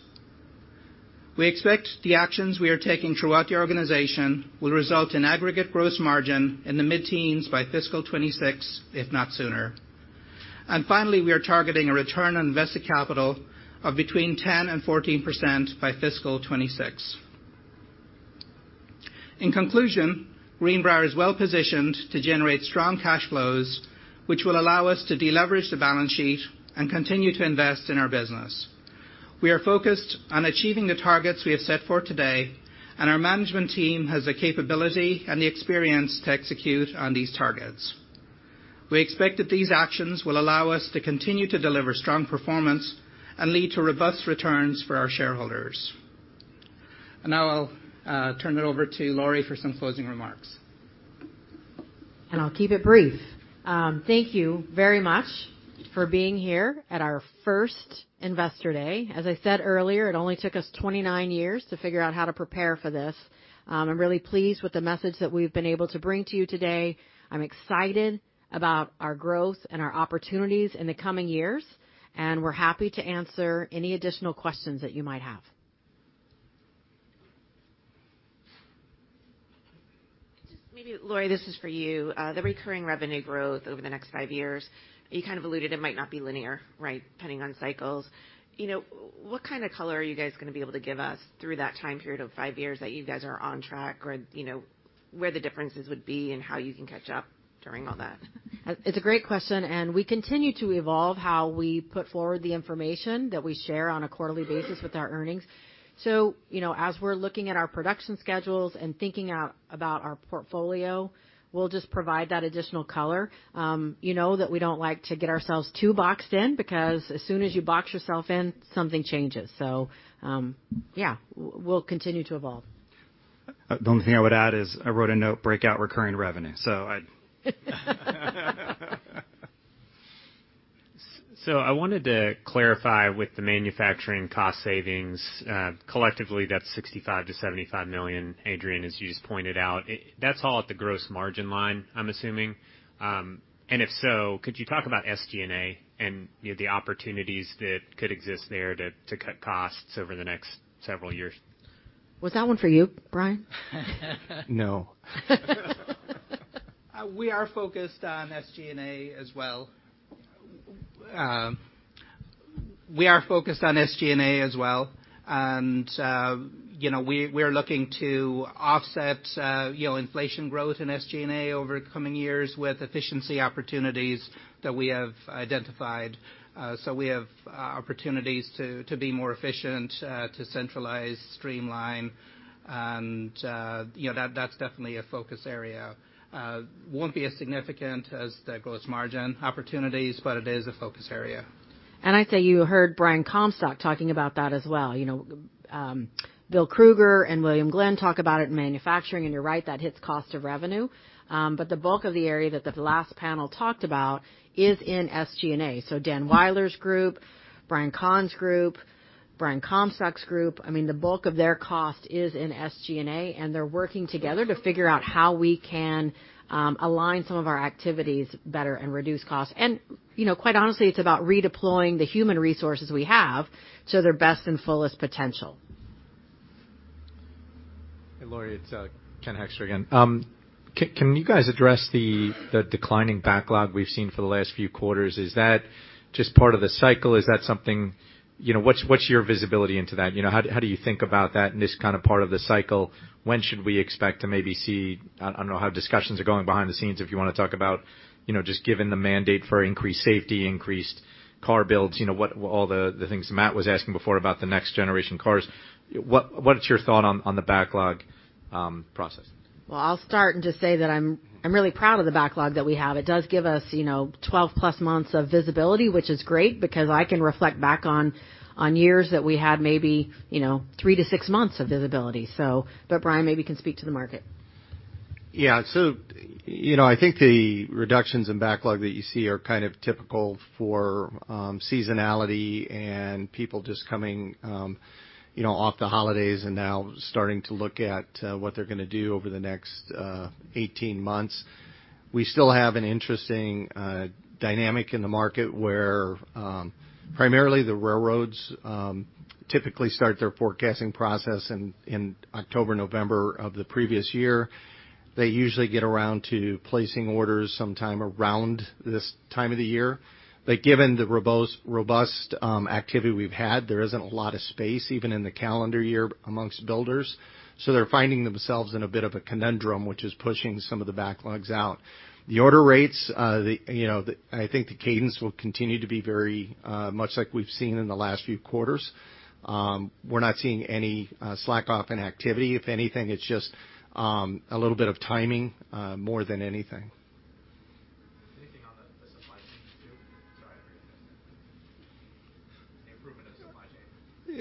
We expect the actions we are taking throughout the organization will result in aggregate gross margin in the mid-teens by fiscal 2026, if not sooner. Finally, we are targeting a return on invested capital of between 10% and 14% by fiscal 2026. In conclusion, Greenbrier is well positioned to generate strong cash flows, which will allow us to deleverage the balance sheet and continue to invest in our business. We are focused on achieving the targets we have set for today, and our management team has the capability and the experience to execute on these targets. We expect that these actions will allow us to continue to deliver strong performance and lead to robust returns for our shareholders. Now I'll turn it over to Lorie for some closing remarks. I'll keep it brief. Thank you very much for being here at our first Investor Day. As I said earlier, it only took us 29 years to figure out how to prepare for this. I'm really pleased with the message that we've been able to bring to you today. I'm excited about our growth and our opportunities in the coming years, and we're happy to answer any additional questions that you might have. Just maybe, Lorie, this is for you. The recurring revenue growth over the next five years, you kind of alluded it might not be linear, right, depending on cycles. You know, what kind of color are you guys gonna be able to give us through that time period of five years that you guys are on track or, you know, where the differences would be and how you can catch up during all that? It's a great question. We continue to evolve how we put forward the information that we share on a quarterly basis with our earnings. You know, as we're looking at our production schedules and thinking out about our portfolio, we'll just provide that additional color. You know that we don't like to get ourselves too boxed in because as soon as you box yourself in, something changes. Yeah, we'll continue to evolve. The only thing I would add is I wrote a note, breakout recurring revenue. I wanted to clarify with the manufacturing cost savings, collectively, that's $65 million-$75 million, Adrian, as you just pointed out. That's all at the gross margin line, I'm assuming. If so, could you talk about SG&A and, you know, the opportunities that could exist there to cut costs over the next several years? Was that one for you, Brian? No. We are focused on SG&A as well. We are focused on SG&A as well, and, you know, we're looking to offset, you know, inflation growth in SG&A over coming years with efficiency opportunities that we have identified. We have opportunities to be more efficient, to centralize, streamline, and, you know, that's definitely a focus area. Won't be as significant as the gross margin opportunities, but it is a focus area. I'd say you heard Brian Comstock talking about that as well. You know, Bill Krueger and William Glenn talk about it in manufacturing, and you're right, that hits cost of revenue. The bulk of the area that the last panel talked about is in SG&A. Dan Weiler's group, Brian Conn's group, Brian Comstock's group, I mean, the bulk of their cost is in SG&A, and they're working together to figure out how we can align some of our activities better and reduce costs. You know, quite honestly, it's about redeploying the human resources we have to their best and fullest potential. Hey, Lorie, it's Ken Hoexter again. Can you guys address the declining backlog we've seen for the last few quarters? Is that just part of the cycle? Is that something? You know, what's your visibility into that? You know, how do you think about that in this kinda part of the cycle? When should we expect to maybe see, I don't know how discussions are going behind the scenes, if you wanna talk about, you know, just given the mandate for increased safety, increased car builds, you know, all the things Matt was asking before about the next generation cars, what's your thought on the backlog process? Well, I'll start and just say that I'm really proud of the backlog that we have. It does give us, you know, 12-plus months of visibility, which is great because I can reflect back on years that we had maybe, you know, 3-6 months of visibility. Brian, maybe can speak to the market. Yeah. you know, I think the reductions in backlog that you see are kind of typical for seasonality and people just coming, you know, off the holidays and now starting to look at what they're gonna do over the next 18 months. We still have an interesting dynamic in the market where primarily the railroads typically start their forecasting process in October, November of the previous year. They usually get around to placing orders sometime around this time of the year. Given the robust activity we've had, there isn't a lot of space even in the calendar year amongst builders, so they're finding themselves in a bit of a conundrum, which is pushing some of the backlogs out. The order rates, you know, I think the cadence will continue to be very much like we've seen in the last few quarters. We're not seeing any slack off in activity. If anything, it's just a little bit of timing more than anything.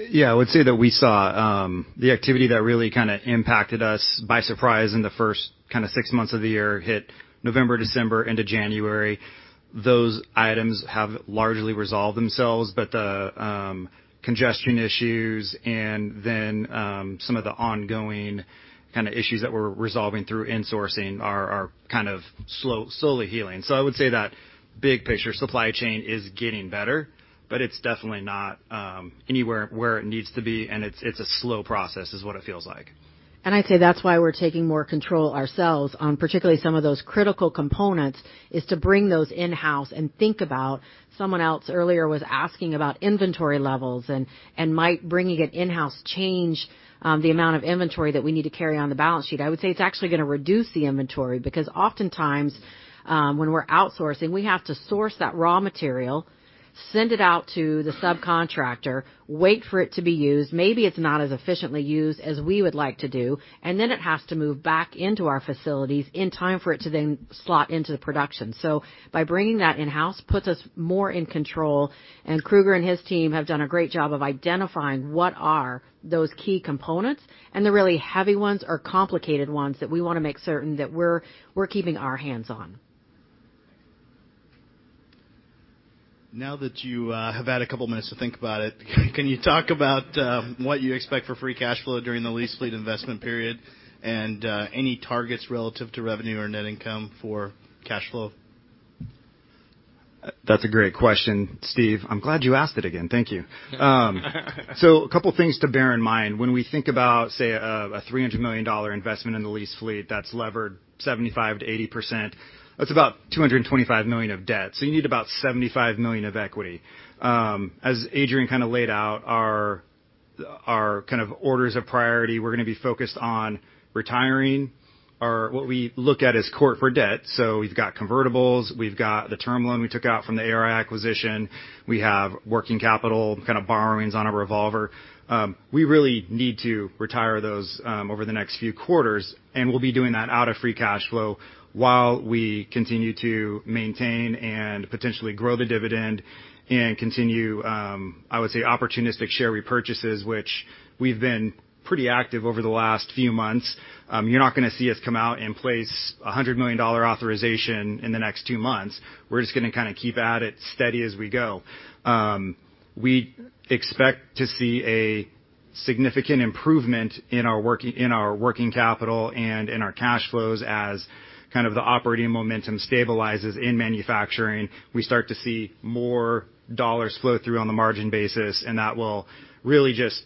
Anything on the supply chain too? Sorry, Adrian. The improvement of supply chain. I would say that we saw the activity that really kinda impacted us by surprise in the first kinda 6 months of the year hit November, December into January. Those items have largely resolved themselves, but the congestion issues and then some of the ongoing kinda issues that we're resolving through insourcing are kind of slowly healing. I would say that big picture supply chain is getting better, but it's definitely not anywhere where it needs to be, and it's a slow process, is what it feels like. I'd say that's why we're taking more control ourselves on particularly some of those critical components, is to bring those in-house and think about someone else earlier was asking about inventory levels and might bringing it in-house change the amount of inventory that we need to carry on the balance sheet. I would say it's actually gonna reduce the inventory because oftentimes, when we're outsourcing, we have to source that raw material, send it out to the subcontractor, wait for it to be used, maybe it's not as efficiently used as we would like to do, and then it has to move back into our facilities in time for it to then slot into the production. By bringing that in-house puts us more in control, and Krueger and his team have done a great job of identifying what are those key components, and the really heavy ones or complicated ones that we want to make certain that we're keeping our hands on. Now that you have had a couple minutes to think about it, can you talk about what you expect for free cash flow during the lease fleet investment period and any targets relative to revenue or net income for cash flow? That's a great question, Steve. I'm glad you asked it again. Thank you. A couple things to bear in mind. When we think about, say, a $300 million investment in the lease fleet that's levered 75%-80%, that's about $225 million of debt, you need about $75 million of equity. As Adrian kinda laid out, our kind of orders of priority, we're gonna be focused on retiring or what we look at as core for debt. We've got convertibles, we've got the term loan we took out from the ARI acquisition, we have working capital, kind of borrowings on a revolver. We really need to retire those over the next few quarters, we'll be doing that out of free cash flow while we continue to maintain and potentially grow the dividend and continue, I would say, opportunistic share repurchases, which we've been pretty active over the last few months. You're not gonna see us come out and place a $100 million authorization in the next two months. We're just gonna kinda keep at it steady as we go. We expect to see a significant improvement in our working capital and in our cash flows as kind of the operating momentum stabilizes in manufacturing, we start to see more dollars flow through on the margin basis, that will really just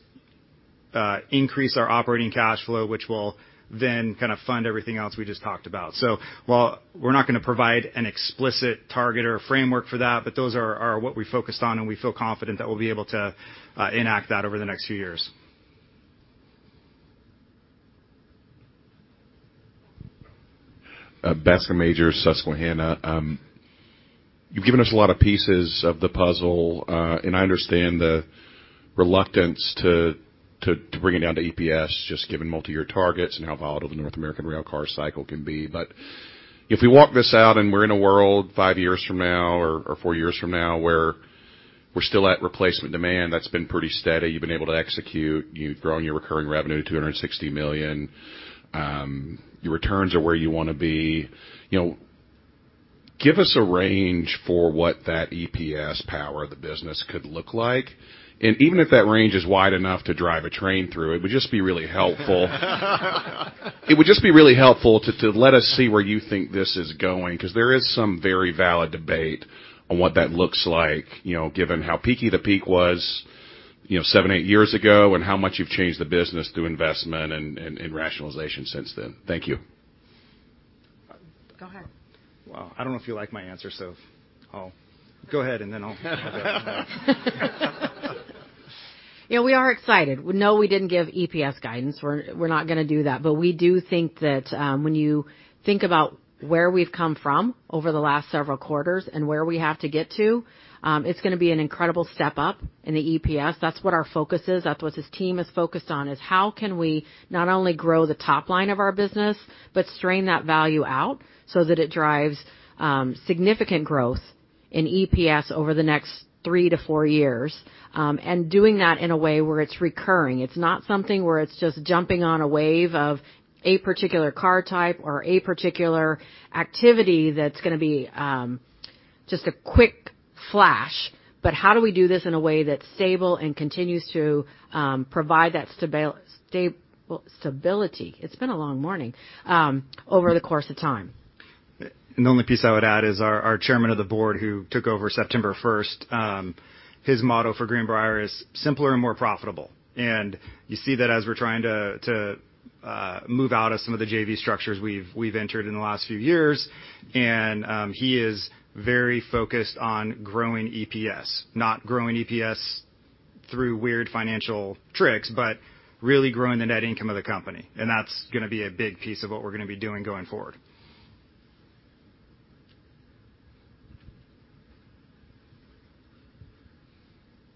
increase our operating cash flow, which will then kind of fund everything else we just talked about. While we're not going to provide an explicit target or a framework for that, but those are what we focused on, and we feel confident that we'll be able to enact that over the next few years. Bascom Majors, Susquehanna. You've given us a lot of pieces of the puzzle, and I understand the reluctance to bring it down to EPS, just given multiyear targets and how volatile the North American rail car cycle can be. If we walk this out and we're in a world five years from now or four years from now, where we're still at replacement demand, that's been pretty steady. You've been able to execute, you've grown your recurring revenue to $260 million. Your returns are where you wanna be. You know, give us a range for what that EPS power of the business could look like. Even if that range is wide enough to drive a train through, it would just be really helpful. It would just be really helpful to let us see where you think this is going, 'cause there is some very valid debate on what that looks like, you know, given how peaky the peak was, you know, seven, eight years ago, and how much you've changed the business through investment and rationalization since then. Thank you. Go ahead. I don't know if you like my answer, so I'll go ahead, and then I'll... Yeah, we are excited. No, we didn't give EPS guidance. We're not gonna do that. We do think that when you think about where we've come from over the last several quarters and where we have to get to, it's gonna be an incredible step up in the EPS. That's what our focus is. That's what this team is focused on, is how can we not only grow the top line of our business, but strain that value out so that it drives significant growth in EPS over the next three to four years and doing that in a way where it's recurring. It's not something where it's just jumping on a wave of a particular car type or a particular activity that's gonna be just a quick flash. How do we do this in a way that's stable and continues to provide that stability, it's been a long morning, over the course of time. The only piece I would add is our chairman of the board who took over September 1st, his motto for Greenbrier is simpler and more profitable. You see that as we're trying to move out of some of the JV structures we've entered in the last few years. He is very focused on growing EPS, not growing EPS through weird financial tricks, but really growing the net income of the company. That's gonna be a big piece of what we're gonna be doing going forward.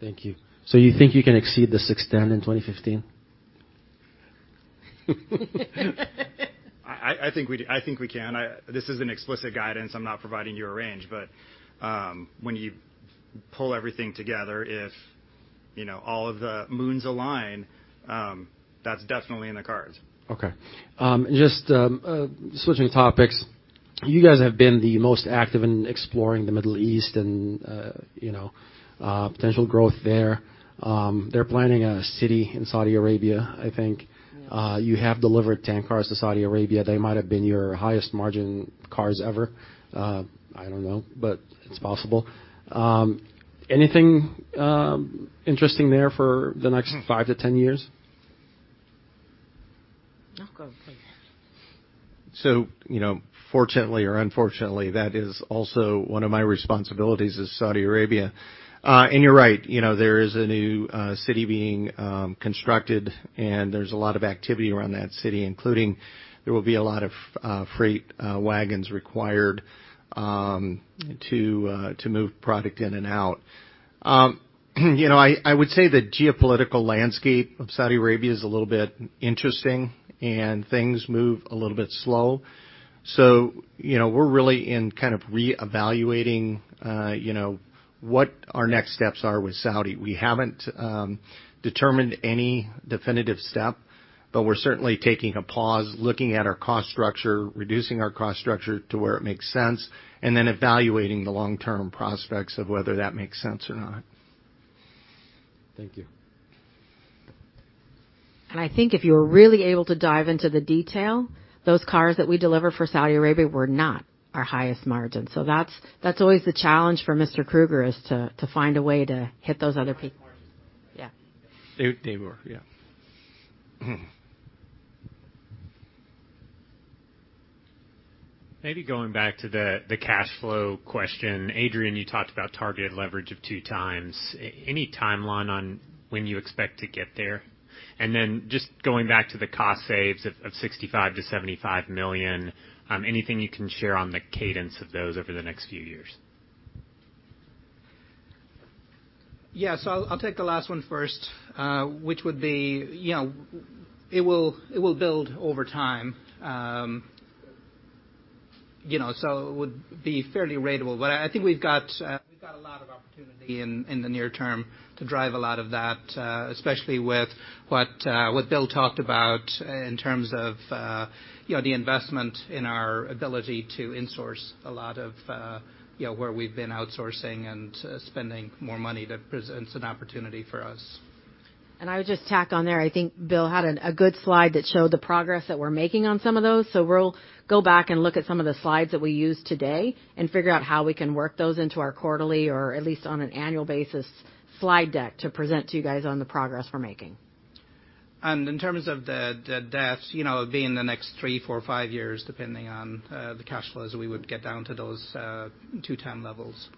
Thank you. You think you can exceed the 610 in 2015? I think we can. This is an explicit guidance. I'm not providing you a range. When you pull everything together, if, you know, all of the moons align, that's definitely in the cards. Okay. Just switching topics, you guys have been the most active in exploring the Middle East and, you know, potential growth there. They're planning a city in Saudi Arabia, I think. You have delivered tank cars to Saudi Arabia. They might have been your highest margin cars ever. I don't know, but it's possible. Anything interesting there for the next 5-10 years? I'll go. You know, fortunately or unfortunately, that is also one of my responsibilities is Saudi Arabia. You're right, you know, there is a new city being constructed, and there's a lot of activity around that city, including there will be a lot of freight wagons required to move product in and out. You know, I would say the geopolitical landscape of Saudi Arabia is a little bit interesting, and things move a little bit slow. You know, we're really in kind of reevaluating, you know, what our next steps are with Saudi. We haven't determined any definitive step, but we're certainly taking a pause, looking at our cost structure, reducing our cost structure to where it makes sense, and then evaluating the long-term prospects of whether that makes sense or not. Thank you. I think if you were really able to dive into the detail, those cars that we deliver for Saudi Arabia were not our highest margin. That's always the challenge for Mr. Krueger, is to find a way to hit those other people. Yeah. They were. Yeah. Maybe going back to the cash flow question, Adrian, you talked about targeted leverage of 2x. Any timeline on when you expect to get there? Just going back to the cost saves of $65 million-$75 million, anything you can share on the cadence of those over the next few years? Yeah. I'll take the last one first, which would be, you know, it will build over time. You know, it would be fairly ratable. I think we've got a lot of opportunity in the near term to drive a lot of that, especially with what Bill talked about in terms of, you know, the investment in our ability to insource a lot of where we've been outsourcing and spending more money. That presents an opportunity for us. I would just tack on there, I think Bill had a good slide that showed the progress that we're making on some of those. We'll go back and look at some of the slides that we used today and figure out how we can work those into our quarterly or at least on an annual basis slide deck to present to you guys on the progress we're making. In terms of the debt, you know, be in the next three, four, five years, depending on the cash flows, we would get down to those two time levels.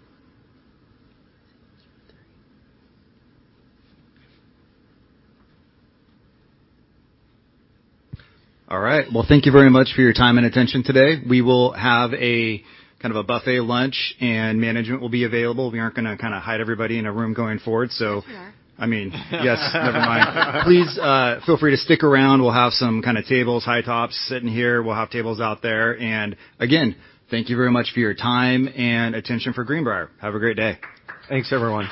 All right. Well, thank you very much for your time and attention today. We will have a kind of a buffet lunch, and management will be available. We aren't gonna kinda hide everybody in a room going forward. Yes, we are. I mean, yes, never mind. Please, feel free to stick around. We'll have some kinda tables, high tops sitting here. We'll have tables out there. Again, thank you very much for your time and attention for Greenbrier. Have a great day. Thanks, everyone.